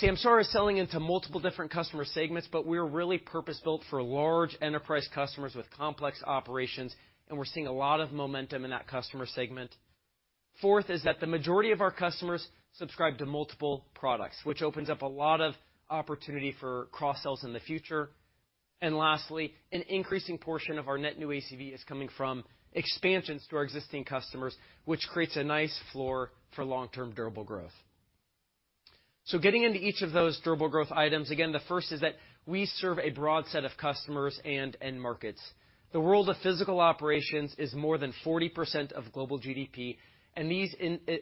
Samsara is selling into multiple different customer segments, but we're really purpose-built for large enterprise customers with complex operations, and we're seeing a lot of momentum in that customer segment. Fourth is that the majority of our customers subscribe to multiple products, which opens up a lot of opportunity for cross-sells in the future. Lastly, an increasing portion of our net new ACV is coming from expansions to our existing customers, which creates a nice floor for long-term durable growth. Getting into each of those durable growth items, again, the first is that we serve a broad set of customers and end markets. The world of physical operations is more than 40% of global GDP, and these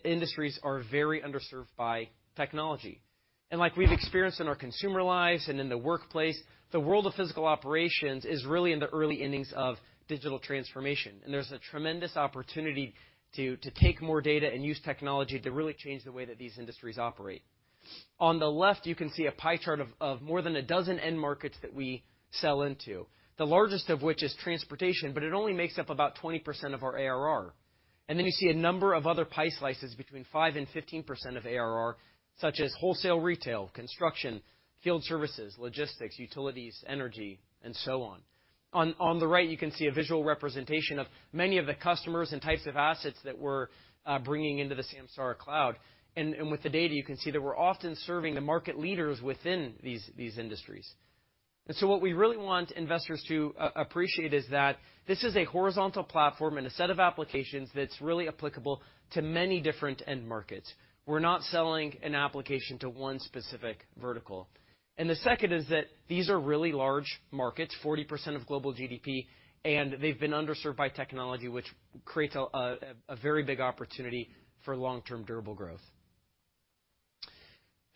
industries are very underserved by technology. Like we've experienced in our consumer lives and in the workplace, the world of physical operations is really in the early innings of digital transformation, and there's a tremendous opportunity to take more data and use technology to really change the way that these industries operate. On the left, you can see a pie chart of more than a dozen end markets that we sell into, the largest of which is transportation, but it only makes up about 20% of our ARR. Then you see a number of other pie slices between 5% and 15% of ARR, such as wholesale retail, construction, field services, logistics, utilities, energy, and so on. On the right, you can see a visual representation of many of the customers and types of assets that we're bringing into the Samsara cloud. With the data, you can see that we're often serving the market leaders within these industries. What we really want investors to appreciate is that this is a horizontal platform and a set of applications that's really applicable to many different end markets. We're not selling an application to one specific vertical. The second is that these are really large markets, 40% of global GDP, and they've been underserved by technology, which creates a very big opportunity for long-term durable growth.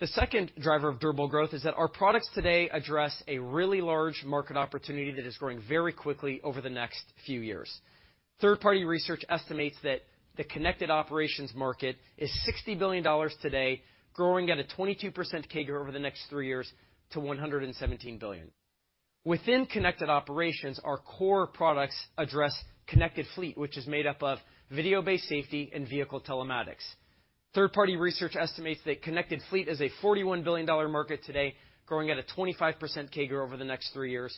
The second driver of durable growth is that our products today address a really large market opportunity that is growing very quickly over the next few years. Third-party research estimates that the connected operations market is $60 billion today, growing at a 22% CAGR over the next 3 years to $117 billion. Within connected operations, our core products address connected fleet, which is made up of video-based safety and vehicle telematics. Third-party research estimates that connected fleet is a $41 billion market today, growing at a 25% CAGR over the next 3 years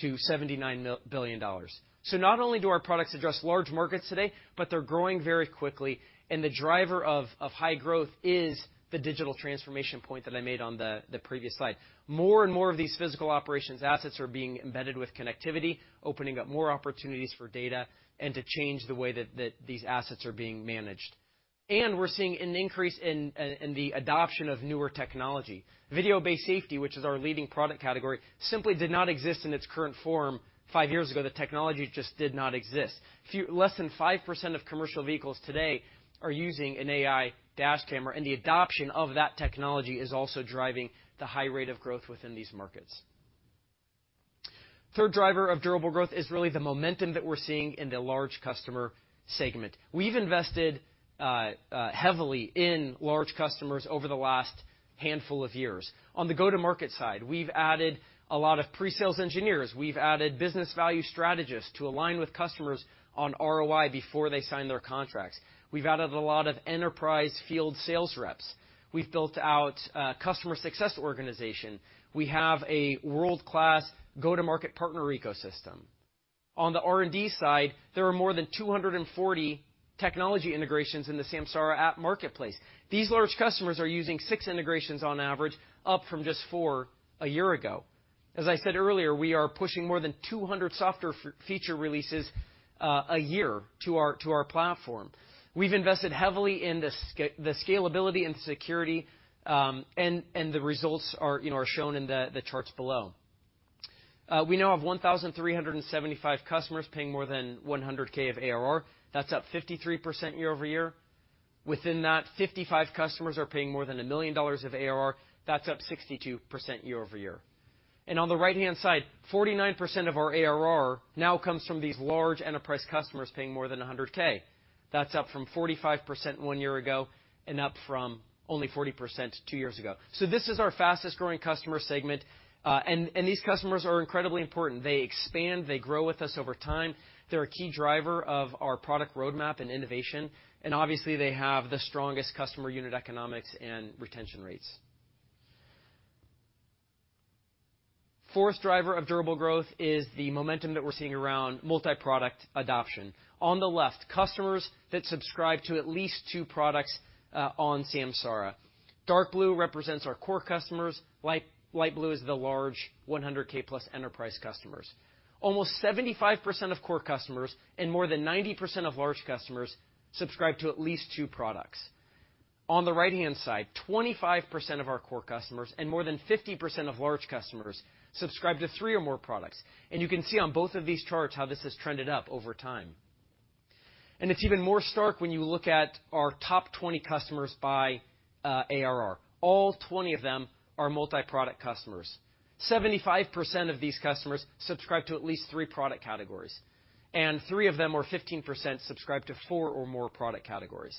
to $79 billion. Not only do our products address large markets today, but they're growing very quickly, and the driver of high growth is the digital transformation point that I made on the previous slide. More and more of these physical operations assets are being embedded with connectivity, opening up more opportunities for data and to change the way that these assets are being managed. We're seeing an increase in the adoption of newer technology. Video-based safety, which is our leading product category, simply did not exist in its current form 5 years ago. The technology just did not exist. Less than 5% of commercial vehicles today are using an AI dash camera, and the adoption of that technology is also driving the high rate of growth within these markets. Third driver of durable growth is really the momentum that we're seeing in the large customer segment. We've invested heavily in large customers over the last handful of years. On the go-to-market side, we've added a lot of pre-sales engineers. We've added business value strategists to align with customers on ROI before they sign their contracts. We've added a lot of enterprise field sales reps. We've built out a customer success organization. We have a world-class go-to-market partner ecosystem. On the R&D side, there are more than 240 technology integrations in the Samsara app marketplace. These large customers are using six integrations on average, up from just four a year ago. As I said earlier, we are pushing more than 200 software feature releases a year to our platform. We've invested heavily in the scalability and security, and the results are, you know, shown in the charts below. We now have 1,375 customers paying more than $100K of ARR. That's up 53% year-over-year. Within that, 55 customers are paying more than $1 million of ARR. That's up 62% year-over-year. On the right-hand side, 49% of our ARR now comes from these large enterprise customers paying more than $100K. That's up from 45% one year ago and up from only 40% two years ago. This is our fastest growing customer segment, and these customers are incredibly important. They expand, they grow with us over time. They're a key driver of our product roadmap and innovation, and obviously, they have the strongest customer unit economics and retention rates. Fourth driver of durable growth is the momentum that we're seeing around multi-product adoption. On the left, customers that subscribe to at least two products on Samsara. Dark blue represents our core customers, light blue is the large 100K-plus enterprise customers. Almost 75% of core customers and more than 90% of large customers subscribe to at least two products. On the right-hand side, 25% of our core customers and more than 50% of large customers subscribe to three or more products. You can see on both of these charts how this has trended up over time. It's even more stark when you look at our top 20 customers by ARR. All 20 of them are multi-product customers. 75% of these customers subscribe to at least 3 product categories, and 3 of them, or 15%, subscribe to 4 or more product categories.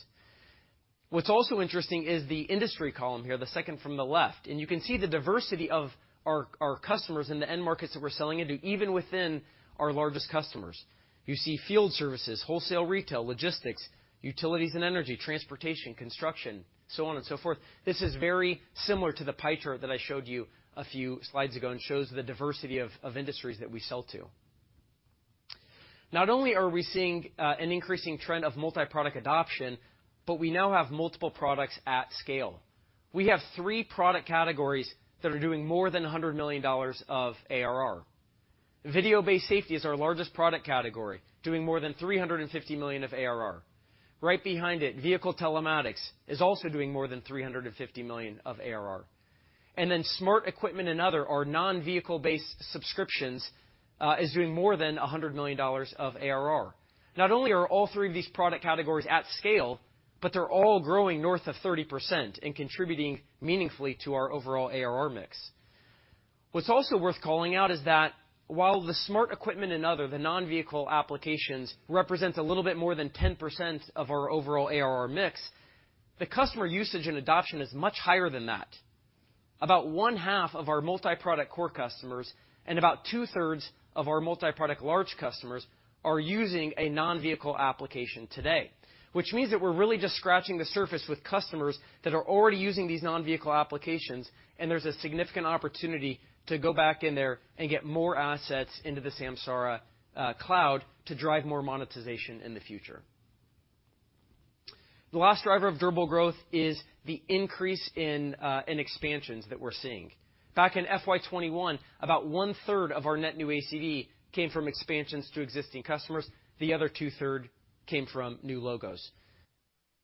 What's also interesting is the industry column here, the second from the left, and you can see the diversity of our customers in the end markets that we're selling into, even within our largest customers. You see field services, wholesale retail, logistics, utilities and energy, transportation, construction, so on and so forth. This is very similar to the pie chart that I showed you a few slides ago and shows the diversity of industries that we sell to. Not only are we seeing an increasing trend of multiproduct adoption, but we now have multiple products at scale. We have 3 product categories that are doing more than $100 million of ARR. Video-based safety is our largest product category, doing more than $350 million of ARR. Right behind it, vehicle telematics is also doing more than $350 million of ARR. Smart equipment and other, our non-vehicle-based subscriptions, is doing more than $100 million of ARR. Not only are all three of these product categories at scale, but they're all growing north of 30% and contributing meaningfully to our overall ARR mix. What's also worth calling out is that while the smart equipment and other, the non-vehicle applications, represents a little bit more than 10% of our overall ARR mix, the customer usage and adoption is much higher than that. About one half of our multiproduct core customers and about two-thirds of our multiproduct large customers are using a non-vehicle application today, which means that we're really just scratching the surface with customers that are already using these non-vehicle applications. There's a significant opportunity to go back in there and get more assets into the Samsara cloud to drive more monetization in the future. The last driver of durable growth is the increase in expansions that we're seeing. Back in FY 2021, about one-third of our net new ACV came from expansions to existing customers. The other two-thirds came from new logos.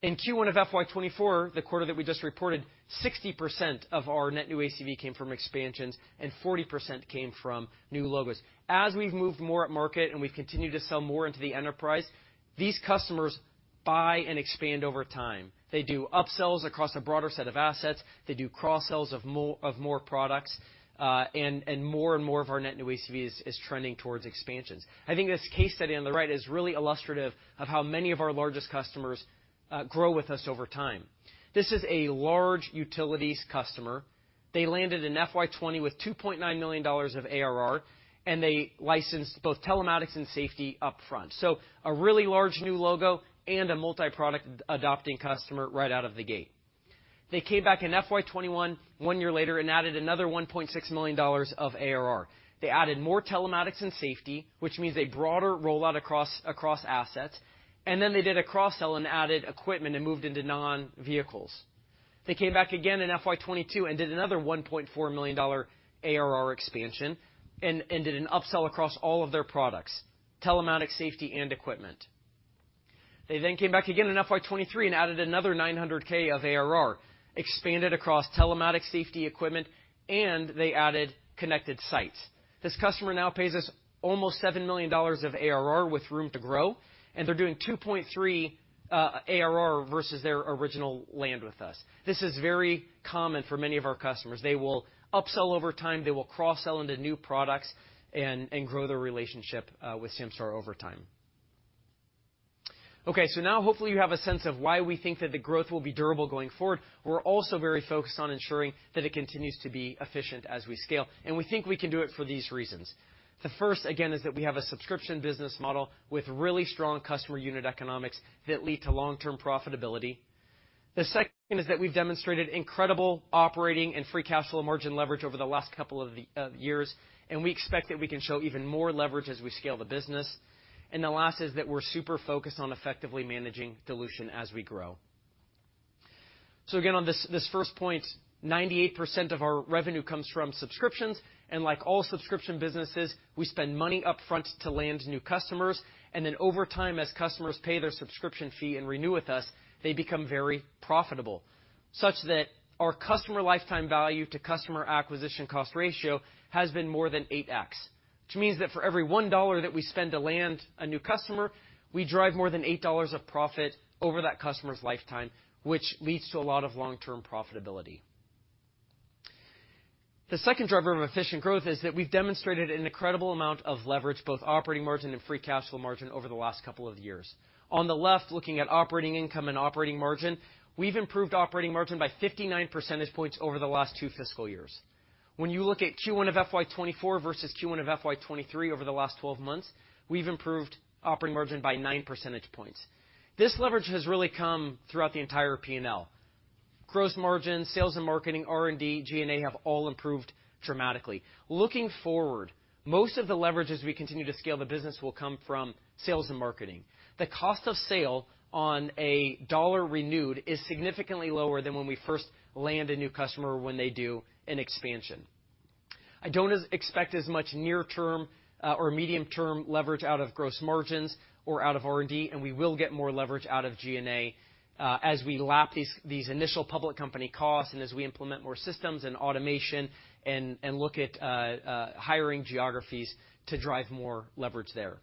In Q1 of FY 2024, the quarter that we just reported, 60% of our net new ACV came from expansions. 40% came from new logos. As we've moved more at market and we've continued to sell more into the enterprise, these customers buy and expand over time. They do upsells across a broader set of assets. They do cross-sells of more products, and more and more of our net new ACV is trending towards expansions. I think this case study on the right is really illustrative of how many of our largest customers grow with us over time. This is a large utilities customer. They landed in FY 20 with $2.9 million of ARR, and they licensed both telematics and safety upfront, so a really large new logo and a multiproduct adopting customer right out of the gate. They came back in FY 2021, one year later, and added another $1.6 million of ARR. They added more telematics and safety, which means a broader rollout across assets, and then they did a cross-sell and added equipment and moved into non-vehicles. They came back again in FY 2022 and did another $1.4 million ARR expansion and did an upsell across all of their products, telematics, safety, and equipment. They came back again in FY 2023 and added another $900K of ARR, expanded across telematics, safety, equipment, and they added connected sites. This customer now pays us almost $7 million of ARR with room to grow, and they're doing $2.3 million ARR versus their original land with us. This is very common for many of our customers. They will upsell over time, they will cross-sell into new products and grow their relationship with Samsara over time. Okay, now hopefully you have a sense of why we think that the growth will be durable going forward. We're also very focused on ensuring that it continues to be efficient as we scale, and we think we can do it for these reasons. The first, again, is that we have a subscription business model with really strong customer unit economics that lead to long-term profitability. The second is that we've demonstrated incredible operating and free cash flow margin leverage over the last couple of years, and we expect that we can show even more leverage as we scale the business. The last is that we're super focused on effectively managing dilution as we grow. Again, on this first point, 98% of our revenue comes from subscriptions, and like all subscription businesses, we spend money upfront to land new customers, and then over time, as customers pay their subscription fee and renew with us, they become very profitable, such that our customer lifetime value to customer acquisition cost ratio has been more than 8x. Which means that for every $1 that we spend to land a new customer, we drive more than $8 of profit over that customer's lifetime, which leads to a lot of long-term profitability. The second driver of efficient growth is that we've demonstrated an incredible amount of leverage, both operating margin and free cash flow margin, over the last couple of years. On the left, looking at operating income and operating margin, we've improved operating margin by 59 percentage points over the last two fiscal years. You look at Q1 of FY 2024 versus Q1 of FY 2023 over the last 12 months, we've improved operating margin by 9 percentage points. This leverage has really come throughout the entire P&L. Gross margin, sales and marketing, R&D, G&A have all improved dramatically. Looking forward, most of the leverage as we continue to scale the business will come from sales and marketing. The cost of sale on a dollar renewed is significantly lower than when we first land a new customer when they do an expansion. I don't expect as much near-term, or medium-term leverage out of gross margins or out of R&D. We will get more leverage out of G&A as we lap these initial public company costs, and as we implement more systems and automation and look at hiring geographies to drive more leverage there.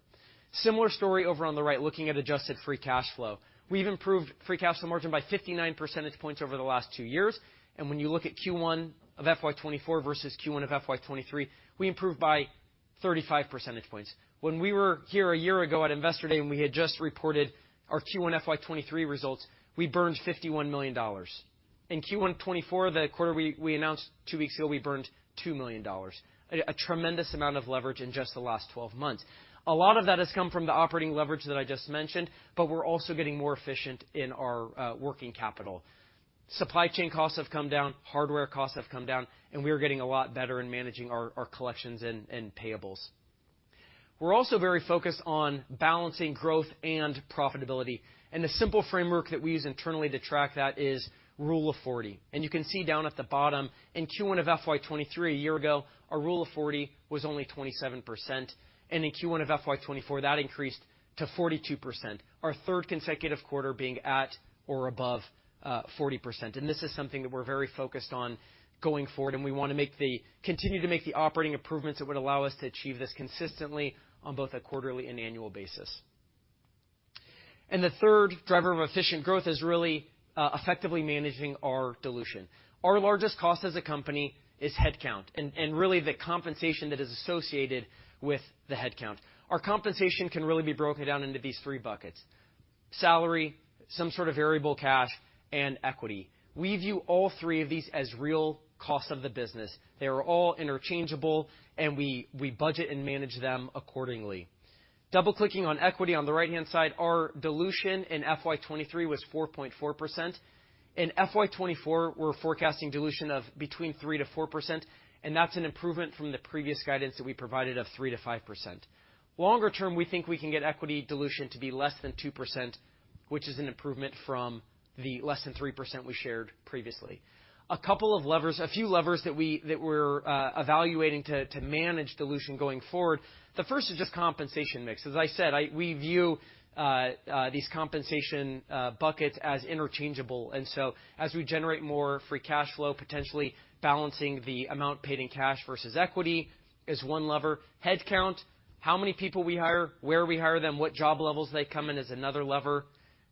Similar story over on the right, looking at adjusted free cash flow. We've improved free cash flow margin by 59 percentage points over the last 2 years. When you look at Q1 of FY 2024 versus Q1 of FY 2023, we improved by 35 percentage points. When we were here a year ago at Investor Day, we had just reported our Q1 FY 2023 results, we burned $51 million. In Q1 2024, the quarter we announced 2 weeks ago, we burned $2 million. A tremendous amount of leverage in just the last 12 months. A lot of that has come from the operating leverage that I just mentioned. We're also getting more efficient in our working capital. Supply chain costs have come down, hardware costs have come down, we are getting a lot better in managing our collections and payables. We're also very focused on balancing growth and profitability, the simple framework that we use internally to track that is Rule of 40. You can see down at the bottom, in Q1 of FY 2023, a year ago, our Rule of 40 was only 27%, in Q1 of FY 2024, that increased to 42%, our third consecutive quarter being at or above 40%. This is something that we're very focused on going forward, and we wanna continue to make the operating improvements that would allow us to achieve this consistently on both a quarterly and annual basis. The third driver of efficient growth is really effectively managing our dilution. Our largest cost as a company is headcount, and really, the compensation that is associated with the headcount. Our compensation can really be broken into these three buckets: salary, some sort of variable cash, and equity. We view all three of these as real costs of the business. They are all interchangeable, and we budget and manage them accordingly. Double-clicking on equity on the right-hand side, our dilution in FY 2023 was 4.4%. In FY 2024, we're forecasting dilution of between 3%-4%. That's an improvement from the previous guidance that we provided of 3%-5%. Longer term, we think we can get equity dilution to be less than 2%, which is an improvement from the less than 3% we shared previously. A few levers that we're evaluating to manage dilution going forward. The first is just compensation mix. As I said, we view these compensation buckets as interchangeable. As we generate more free cash flow, potentially balancing the amount paid in cash versus equity is one lever. Headcount, how many people we hire, where we hire them, what job levels they come in, is another lever.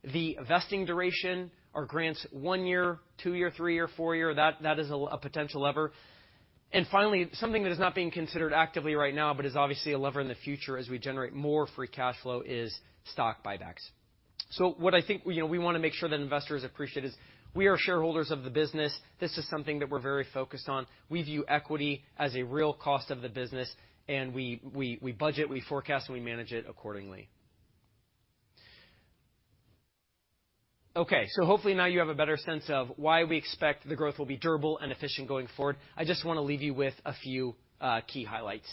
The vesting duration, are grants 1 year, 2 year, 3 year, 4 year? That is a potential lever. Finally, something that is not being considered actively right now, but is obviously a lever in the future as we generate more free cash flow is stock buybacks. What I think, you know, we wanna make sure that investors appreciate is we are shareholders of the business. This is something that we're very focused on. We view equity as a real cost of the business, and we budget, we forecast, and we manage it accordingly. Okay, hopefully now you have a better sense of why we expect the growth will be durable and efficient going forward. I just wanna leave you with a few key highlights.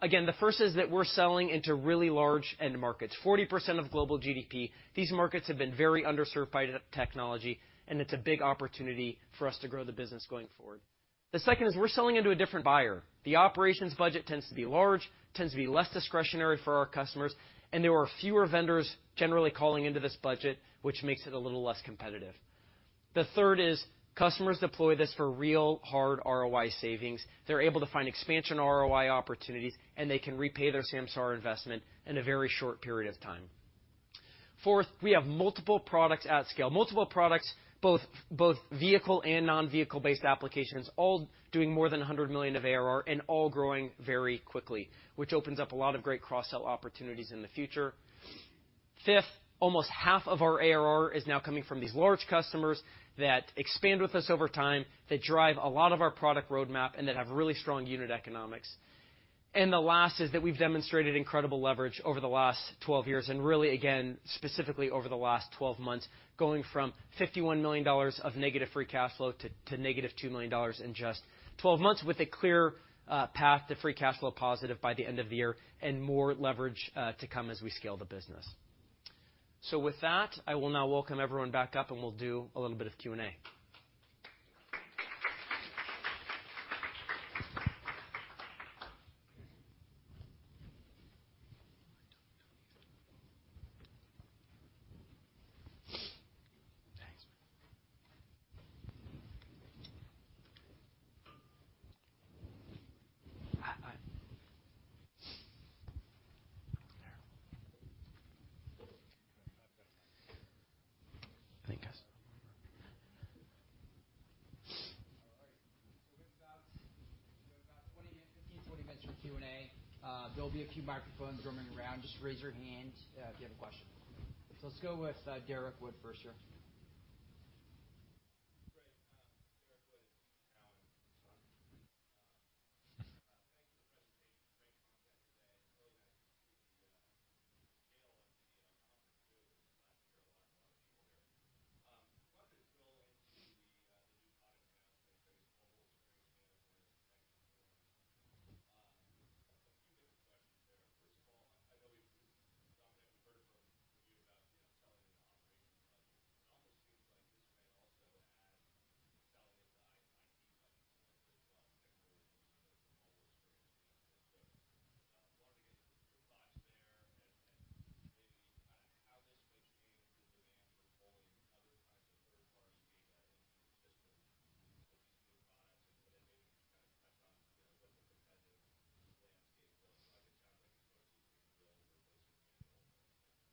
Again, the first is that we're selling into really large end markets, 40% of global GDP. These markets have been very underserved by the technology. It's a big opportunity for us to grow the business going forward. The second is we're selling into a different buyer. The operations budget tends to be large, tends to be less discretionary for our customers. There are fewer vendors generally calling into this budget, which makes it a little less competitive. The third is customers deploy this for real hard ROI savings. They're able to find expansion ROI opportunities. They can repay their Samsara investment in a very short period of time. Fourth, we have multiple products at scale, multiple products, both vehicle and non-vehicle-based applications, all doing more than $100 million of ARR. All growing very quickly, which opens up a lot of great cross-sell opportunities in the future. Fifth, almost half of our ARR is now coming from these large customers that expand with us over time, that drive a lot of our product roadmap, and that have really strong unit economics. The last is that we've demonstrated incredible leverage over the last 12 years, and really, again, specifically over the last 12 months, going from $51 million of negative free cash flow to negative $2 million in just 12 months, with a clear path to free cash flow positive by the end of the year and more leverage to come as we scale the business. With that, I will now welcome everyone back up, and we'll do a little bit of Q&A. Thanks. Thank you, guys. All right. We have about 15, 20 minutes for Q&A. There'll be a few microphones roaming around. Just raise your hand if you have a question. Let's go with Derrick Wood first,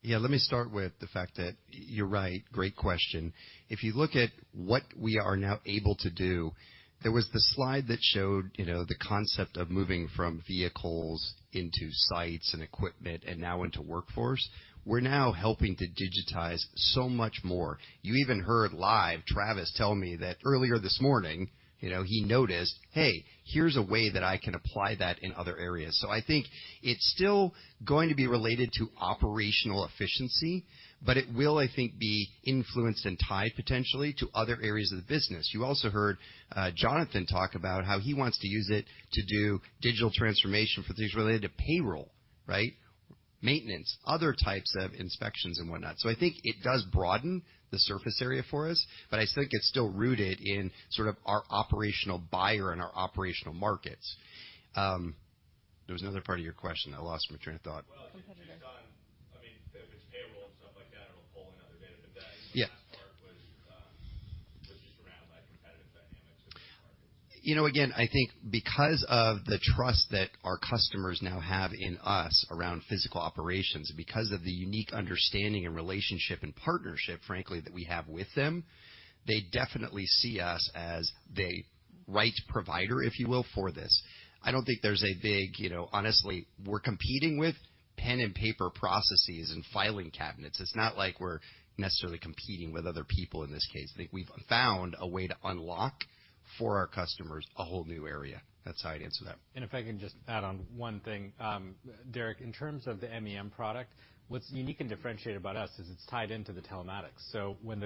sir. Great. Derrick Wood Let me start with the fact that you're right. Great question. If you look at what we are now able to do, there was the slide that showed, you know, the concept of moving from vehicles into sites and equipment and now into workforce. We're now helping to digitize so much more. You even heard live, Travis tell me that earlier this morning, you know, he noticed, "Hey, here's a way that I can apply that in other areas." I think it's still going to be related to operational efficiency, but it will, I think, be influenced and tied potentially to other areas of the business. You also heard Jonathan talk about how he wants to use it to do digital transformation for things related to payroll, right? maintenance, other types of inspections and whatnot. I think it does broaden the surface area for us, but I think it's still rooted in sort of our operational buyer and our operational markets. There was another part of your question. I lost my train of thought. Well, just on, I mean, if it's payroll and stuff like that, it'll pull in other data. Yeah. -last part was just around, like, competitive dynamics with our- You know, again, I think because of the trust that our customers now have in us around physical operations, because of the unique understanding and relationship and partnership, frankly, that we have with them, they definitely see us as the right provider, if you will, for this. I don't think there's a big, you know. Honestly, we're competing with pen and paper processes and filing cabinets. It's not like we're necessarily competing with other people in this case. I think we've found a way to unlock for our customers a whole new area. That's how I'd answer that. If I can just add on one thing, Derek, in terms of the MEM product, what's unique and differentiated about us is it's tied into the telematics. When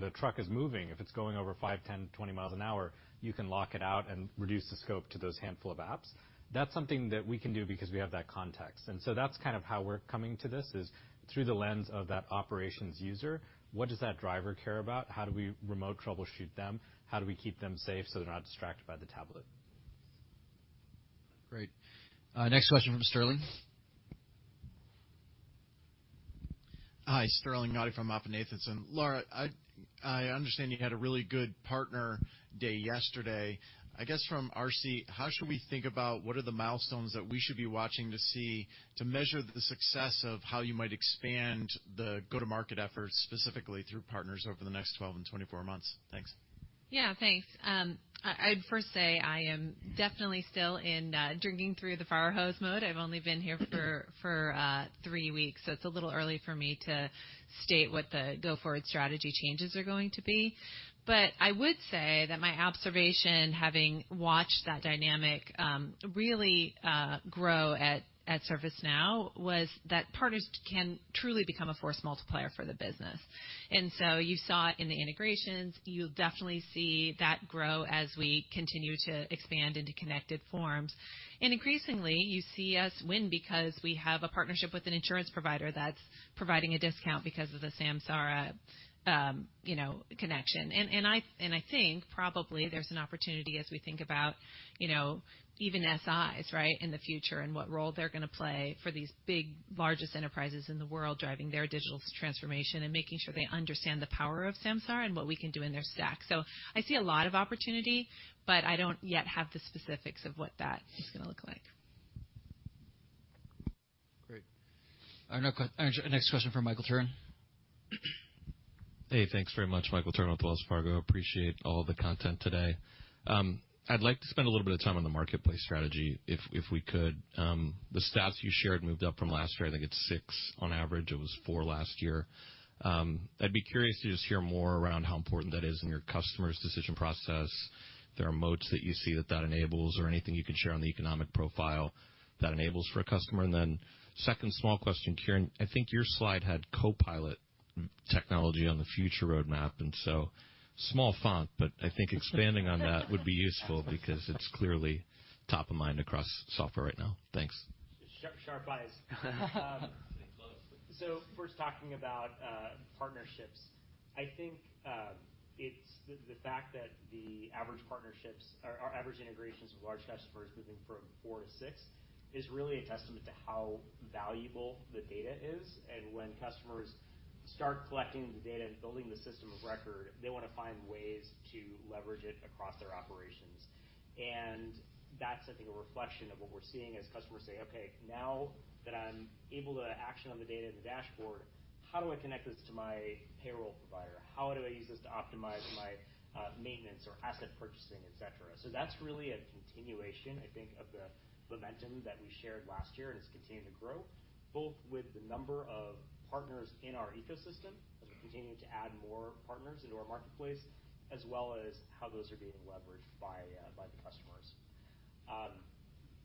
the truck is moving, if it's going over 5, 10, 20 miles an hour, you can lock it out and reduce the scope to those handful of apps. That's something that we can do because we have that context. That's kind of how we're coming to this, is through the lens of that operations user. What does that driver care about? How do we remote troubleshoot them? How do we keep them safe so they're not distracted by the tablet? Great. Next question from Sterling. Hi, Sterling Auty from MoffettNathanson. Lara, I understand you had a really good partner day yesterday. I guess from our seat, how should we think about what are the milestones that we should be watching to see to measure the success of how you might expand the go-to-market efforts, specifically through partners, over the next 12 and 24 months? Thanks. Yeah, thanks. I'd first say I am definitely still in drinking-through-the-fire-hose mode. I've only been here for 3 weeks, so it's a little early for me to state what the go-forward strategy changes are going to be. I would say that my observation, having watched that dynamic, really grow at ServiceNow, was that partners can truly become a force multiplier for the business. You saw it in the integrations. You'll definitely see that grow as we continue to expand into Connected Forms. Increasingly, you see us win because we have a partnership with an insurance provider that's providing a discount because of the Samsara, you know, connection. I think probably there's an opportunity as we think about, you know, even SIs, right, in the future and what role they're going to play for these big, largest enterprises in the world, driving their digital transformation and making sure they understand the power of Samsara and what we can do in their stack. I see a lot of opportunity, but I don't yet have the specifics of what that is going to look like. Great. Our next question from Michael Turrin. Hey, thanks very much. Michael Turrin with Wells Fargo. Appreciate all the content today. I'd like to spend a little bit of time on the marketplace strategy, if we could. The stats you shared moved up from last year. I think it's 6 on average. It was 4 last year. I'd be curious to just hear more around how important that is in your customers' decision process. There are moats that you see that enables, or anything you can share on the economic profile that enables for a customer. Second small question, Kiren, I think your slide had CoPilot technology on the future roadmap, small font, but I think expanding on that would be useful because it's clearly top of mind across software right now. Thanks. Sharp, sharp eyes. First talking about partnerships. I think, it's the fact that the average partnerships or our average integrations with large customers moving from 4 to 6 is really a testament to how valuable the data is. When customers start collecting the data and building the system of record, they want to find ways to leverage it across their operations. That's, I think, a reflection of what we're seeing as customers say, "Okay, now that I'm able to action on the data in the dashboard, how do I connect this to my payroll provider? How do I use this to optimize my maintenance or asset purchasing, et cetera? That's really a continuation, I think, of the momentum that we shared last year, and it's continuing to grow, both with the number of partners in our ecosystem, as we're continuing to add more partners into our marketplace, as well as how those are being leveraged by the customers.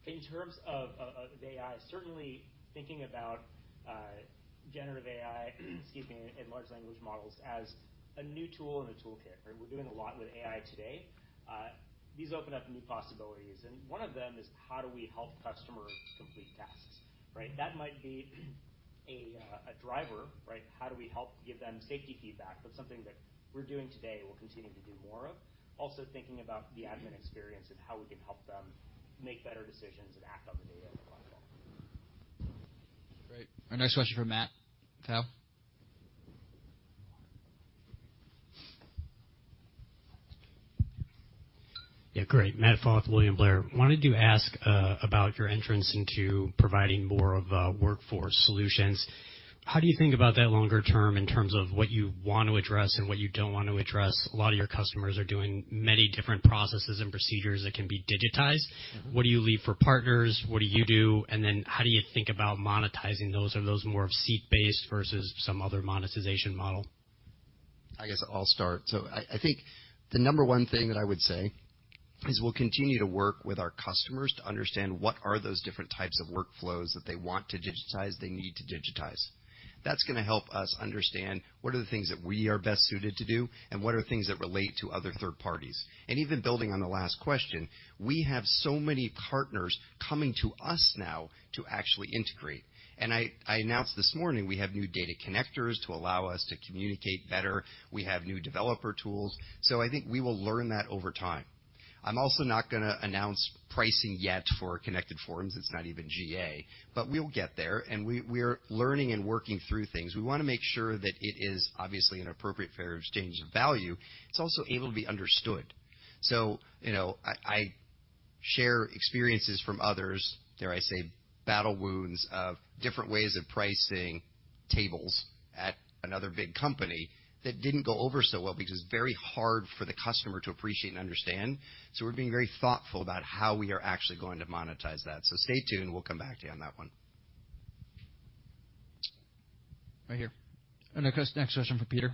In terms of AI, certainly thinking about generative AI, excuse me, and large language models as a new tool in the toolkit, right? We're doing a lot with AI today. These open up new possibilities, and one of them is: How do we help customers complete tasks, right? That might be a driver, right? How do we help give them safety feedback? Something that we're doing today, we'll continue to do more of. Thinking about the admin experience and how we can help them make better decisions and act on the data as well. Great. Our next question from Matt Stotler. Yeah, great. Matt Stotler, William Blair. Wanted to ask about your entrance into providing more of a workforce solutions. How do you think about that longer term in terms of what you want to address and what you don't want to address? A lot of your customers are doing many different processes and procedures that can be digitized. What do you leave for partners? What do you do? How do you think about monetizing those? Are those more of seat-based versus some other monetization model? I guess I'll start. I think the number one thing that I would say. is we'll continue to work with our customers to understand what are those different types of workflows that they want to digitize, they need to digitize. That's gonna help us understand what are the things that we are best suited to do, and what are things that relate to other third parties. Even building on the last question, we have so many partners coming to us now to actually integrate. I announced this morning, we have new data connectors to allow us to communicate better. We have new developer tools, so I think we will learn that over time. I'm also not gonna announce pricing yet for Connected Forms. It's not even GA, but we'll get there, and we're learning and working through things. We wanna make sure that it is obviously an appropriate fair exchange of value. It's also able to be understood. You know, I share experiences from others, dare I say, battle wounds, of different ways of pricing tables at another big company that didn't go over so well because it's very hard for the customer to appreciate and understand. We're being very thoughtful about how we are actually going to monetize that. Stay tuned, we'll come back to you on that one. Right here. Our next question from Peter.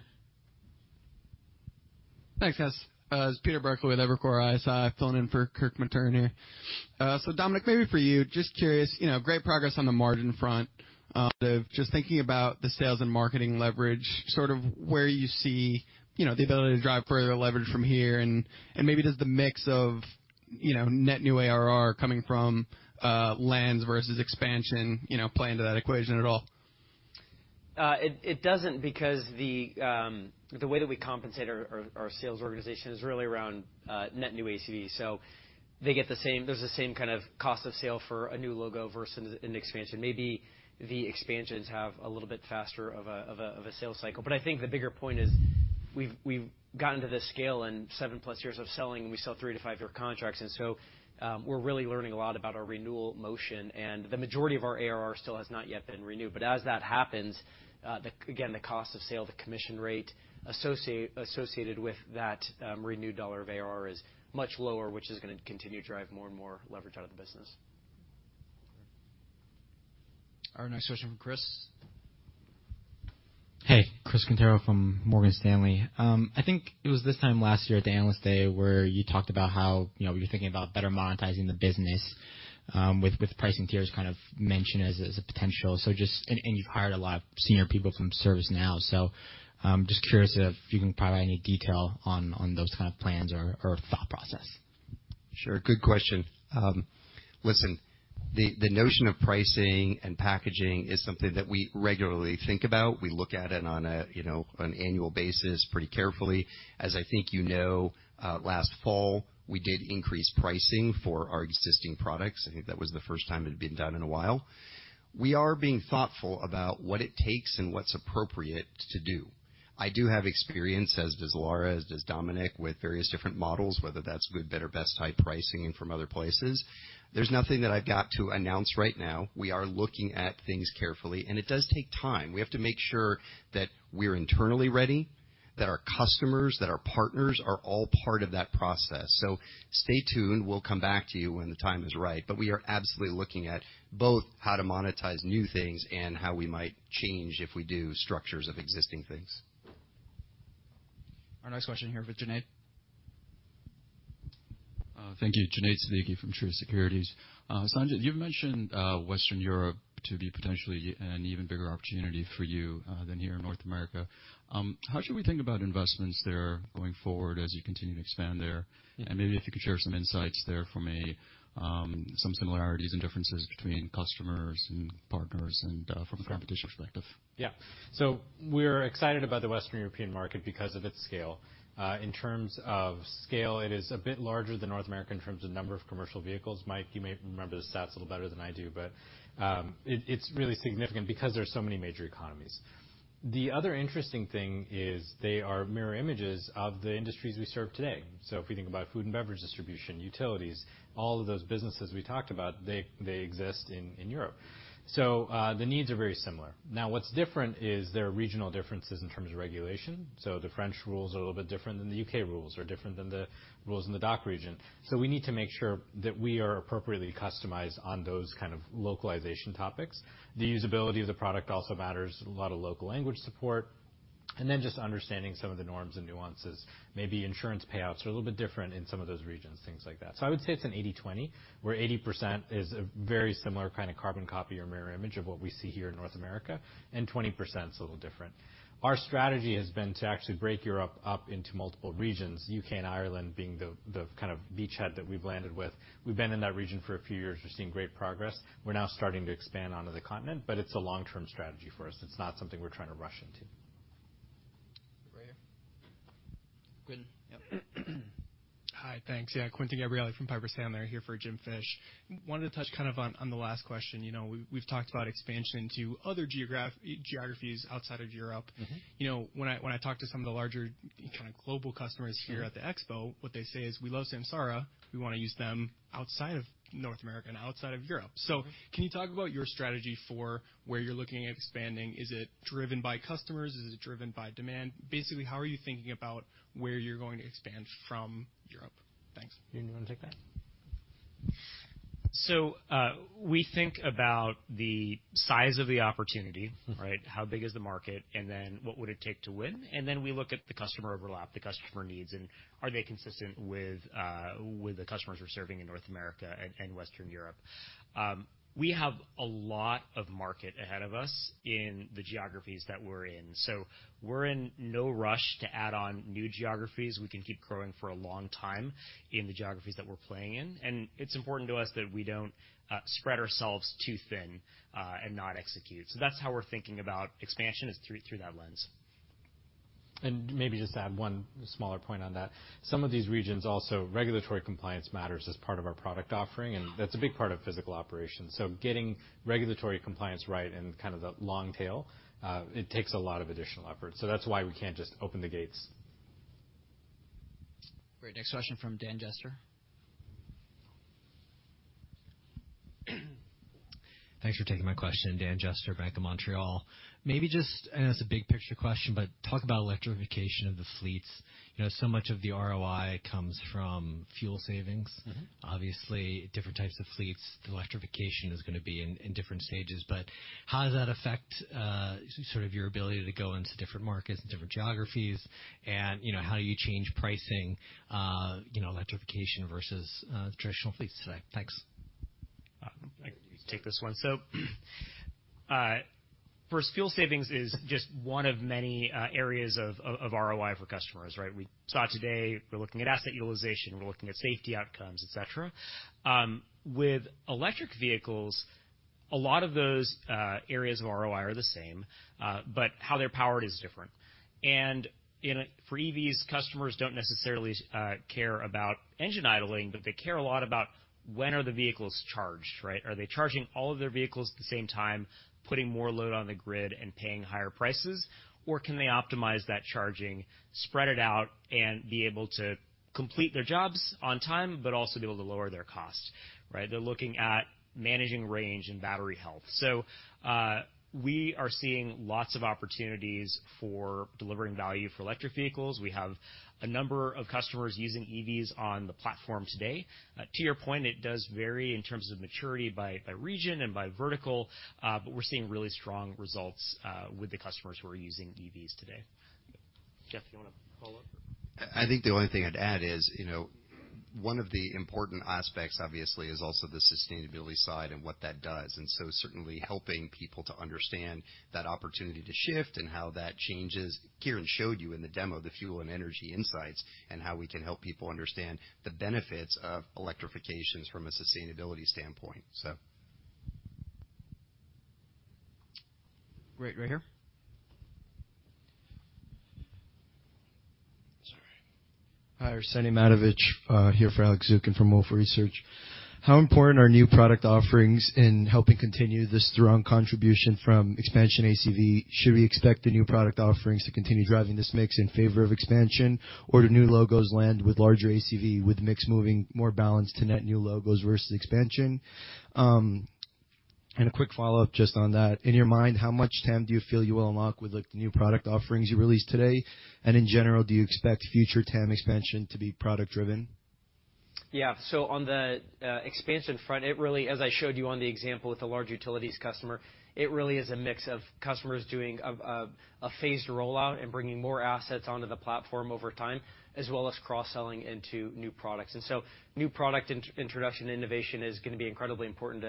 Thanks, guys, it's Peter Burkly with Evercore ISI. I'm filling in for Kirk Materne here. Dominic, maybe for you, just curious, you know, great progress on the margin front. just thinking about the sales and marketing leverage, sort of where you see, you know, the ability to drive further leverage from here, and maybe does the mix of, you know, net new ARR coming from, lands versus expansion, you know, play into that equation at all? It doesn't, because the way that we compensate our sales organization is really around net new ACV. They get the same kind of cost of sale for a new logo versus an expansion. Maybe the expansions have a little bit faster of a sales cycle. I think the bigger point is, we've gotten to this scale, 7+ years of selling, we sell 3- to 5-year contracts, we're really learning a lot about our renewal motion, the majority of our ARR still has not yet been renewed. As that happens, again, the cost of sale, the commission rate associated with that renewed $ of ARR is much lower, which is gonna continue to drive more and more leverage out of the business. Our next question from Chris. Hey, Chris Quintero from Morgan Stanley. I think it was this time last year at the Analyst Day, where you talked about how, you know, you're thinking about better monetizing the business, with pricing tiers kind of mentioned as a potential. You've hired a lot of senior people from ServiceNow. Just curious if you can provide any detail on those kind of plans or thought process? Sure. Good question. Listen, the notion of pricing and packaging is something that we regularly think about. We look at it on a, you know, an annual basis pretty carefully. As I think you know, last fall, we did increase pricing for our existing products. I think that was the first time it had been done in a while. We are being thoughtful about what it takes and what's appropriate to do. I do have experience, as does Lara, as does Dominic, with various different models, whether that's good, better, best type pricing and from other places. There's nothing that I've got to announce right now. We are looking at things carefully, and it does take time. We have to make sure that we're internally ready, that our customers, that our partners are all part of that process. Stay tuned, we'll come back to you when the time is right. We are absolutely looking at both how to monetize new things and how we might change, if we do, structures of existing things. Our next question here with Junaid. Thank you. Junaid Siddiqui from Truist Securities. Sanjit, you've mentioned Western Europe to be potentially an even bigger opportunity for you than here in North America. How should we think about investments there going forward as you continue to expand there? Yeah. Maybe if you could share some insights there for me, some similarities and differences between customers and partners and, from a competition perspective. Yeah. We're excited about the Western European market because of its scale. In terms of scale, it is a bit larger than North America in terms of number of commercial vehicles. Mike, you may remember the stats a little better than I do. It's really significant because there are so many major economies. The other interesting thing is they are mirror images of the industries we serve today. If we think about food and beverage distribution, utilities, all of those businesses we talked about, they exist in Europe. The needs are very similar. Now, what's different is there are regional differences in terms of regulation. The French rules are a little bit different than the UK rules, are different than the rules in the DACH region. We need to make sure that we are appropriately customized on those kind of localization topics. The usability of the product also matters, a lot of local language support, and then just understanding some of the norms and nuances. Maybe insurance payouts are a little bit different in some of those regions, things like that. I would say it's an 80/20, where 80% is a very similar kind of carbon copy or mirror image of what we see here in North America, and 20% is a little different. Our strategy has been to actually break Europe up into multiple regions, U.K. and Ireland being the kind of beachhead that we've landed with. We've been in that region for a few years. We're seeing great progress. We're now starting to expand onto the continent, but it's a long-term strategy for us. It's not something we're trying to rush into. Right here. Quentin, yep. Hi. Thanks. Quinton Gabrielli from Piper Sandler, here for Jim Fish. Wanted to touch kind of on the last question. You know, we've talked about expansion into other geographies outside of Europe. Mm-hmm. You know, when I talk to some of the larger, kind of global customers. Sure here at the expo, what they say is, "We love Samsara. We wanna use them outside of North America and outside of Europe. Mm-hmm. Can you talk about your strategy for where you're looking at expanding? Is it driven by customers? Is it driven by demand? Basically, how are you thinking about where you're going to expand from Europe? Thanks. You wanna take that? We think about the size of the opportunity, right? How big is the market, what would it take to win? We look at the customer overlap, the customer needs, and are they consistent with the customers we're serving in North America and Western Europe. We have a lot of market ahead of us in the geographies that we're in, so we're in no rush to add on new geographies. We can keep growing for a long time in the geographies that we're playing in, and it's important to us that we don't spread ourselves too thin and not execute. That's how we're thinking about expansion, is through that lens. Maybe just to add 1 smaller point on that. Some of these regions also, regulatory compliance matters as part of our product offering, and that's a big part of physical operations. Getting regulatory compliance right and kind of the long tail, it takes a lot of additional effort. That's why we can't just open the gates. Great. Next question from Dan Jester. Thanks for taking my question. Dan Jester, BMO Capital Markets. Maybe just, I know it's a big picture question, but talk about electrification of the fleets. You know, so much of the ROI comes from fuel savings. Mm-hmm. Obviously, different types of fleets, the electrification is gonna be in different stages. How does that affect, sort of your ability to go into different markets and different geographies? You know, how do you change pricing, you know, electrification versus traditional fleets today? Thanks. I can take this one. First, fuel savings is just one of many areas of ROI for customers, right? We saw it today. We're looking at asset utilization, we're looking at safety outcomes, et cetera. With electric vehicles, a lot of those areas of ROI are the same, but how they're powered is different. For EVs, customers don't necessarily care about engine idling, but they care a lot about when are the vehicles charged, right? Are they charging all of their vehicles at the same time, putting more load on the grid and paying higher prices, or can they optimize that charging, spread it out, and be able to complete their jobs on time, but also be able to lower their cost, right? They're looking at managing range and battery health. We are seeing lots of opportunities for delivering value for electric vehicles. We have a number of customers using EVs on the platform today. To your point, it does vary in terms of maturity by region and by vertical, but we're seeing really strong results with the customers who are using EVs today. Jeff, you want to follow up? I think the only thing I'd add is, you know, one of the important aspects, obviously, is also the sustainability side and what that does, and so certainly helping people to understand that opportunity to shift and how that changes. Kiren showed you in the demo, the fuel and energy insights, and how we can help people understand the benefits of electrifications from a sustainability standpoint, so. Great. Right here. Sorry. Hi, Arsenije Matovich, here for Alex Zukin from Wolfe Research. How important are new product offerings in helping continue the strong contribution from expansion ACV? Should we expect the new product offerings to continue driving this mix in favor of expansion, or do new logos land with larger ACV, with the mix moving more balanced to net new logos versus expansion? A quick follow-up just on that. In your mind, how much TAM do you feel you will unlock with, like, the new product offerings you released today? In general, do you expect future TAM expansion to be product driven? Yeah. On the expansion front, it really, as I showed you on the example with the large utilities customer, it really is a mix of customers doing a phased rollout and bringing more assets onto the platform over time, as well as cross-selling into new products. New product introduction innovation is gonna be incredibly important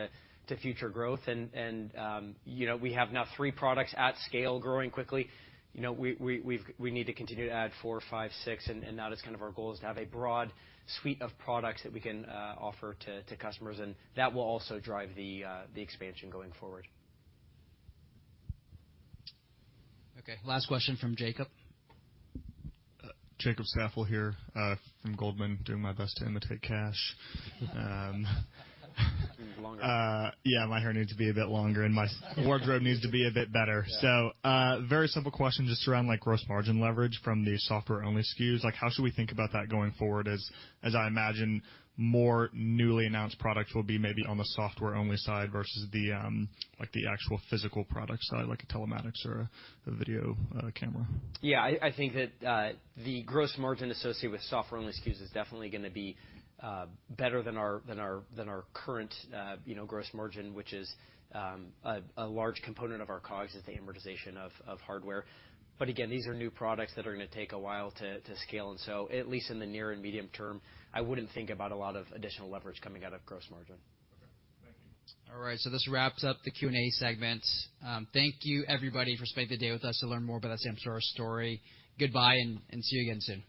to future growth. And, you know, we have now three products at scale growing quickly. You know, we need to continue to add four, five, six, and that is kind of our goal, is to have a broad suite of products that we can offer to customers, and that will also drive the expansion going forward. Okay, last question from Jacob. Jacob Staffel here, from Goldman, doing my best to imitate Kash. You need longer hair. Yeah, my hair needs to be a bit longer and my wardrobe needs to be a bit better. Yeah. Very simple question, just around, like, gross margin leverage from the software-only SKUs. How should we think about that going forward, as I imagine more newly announced products will be maybe on the software-only side versus the, like, the actual physical product side, like a telematics or a video camera? I think that the gross margin associated with software-only SKUs is definitely gonna be better than our current, you know, gross margin, which is a large component of our COGS is the amortization of hardware. Again, these are new products that are gonna take a while to scale. At least in the near and medium term, I wouldn't think about a lot of additional leverage coming out of gross margin. Okay. Thank you. All right, this wraps up the Q&A segment. Thank you everybody for spending the day with us to learn more about the Samsara story. Goodbye, and see you again soon.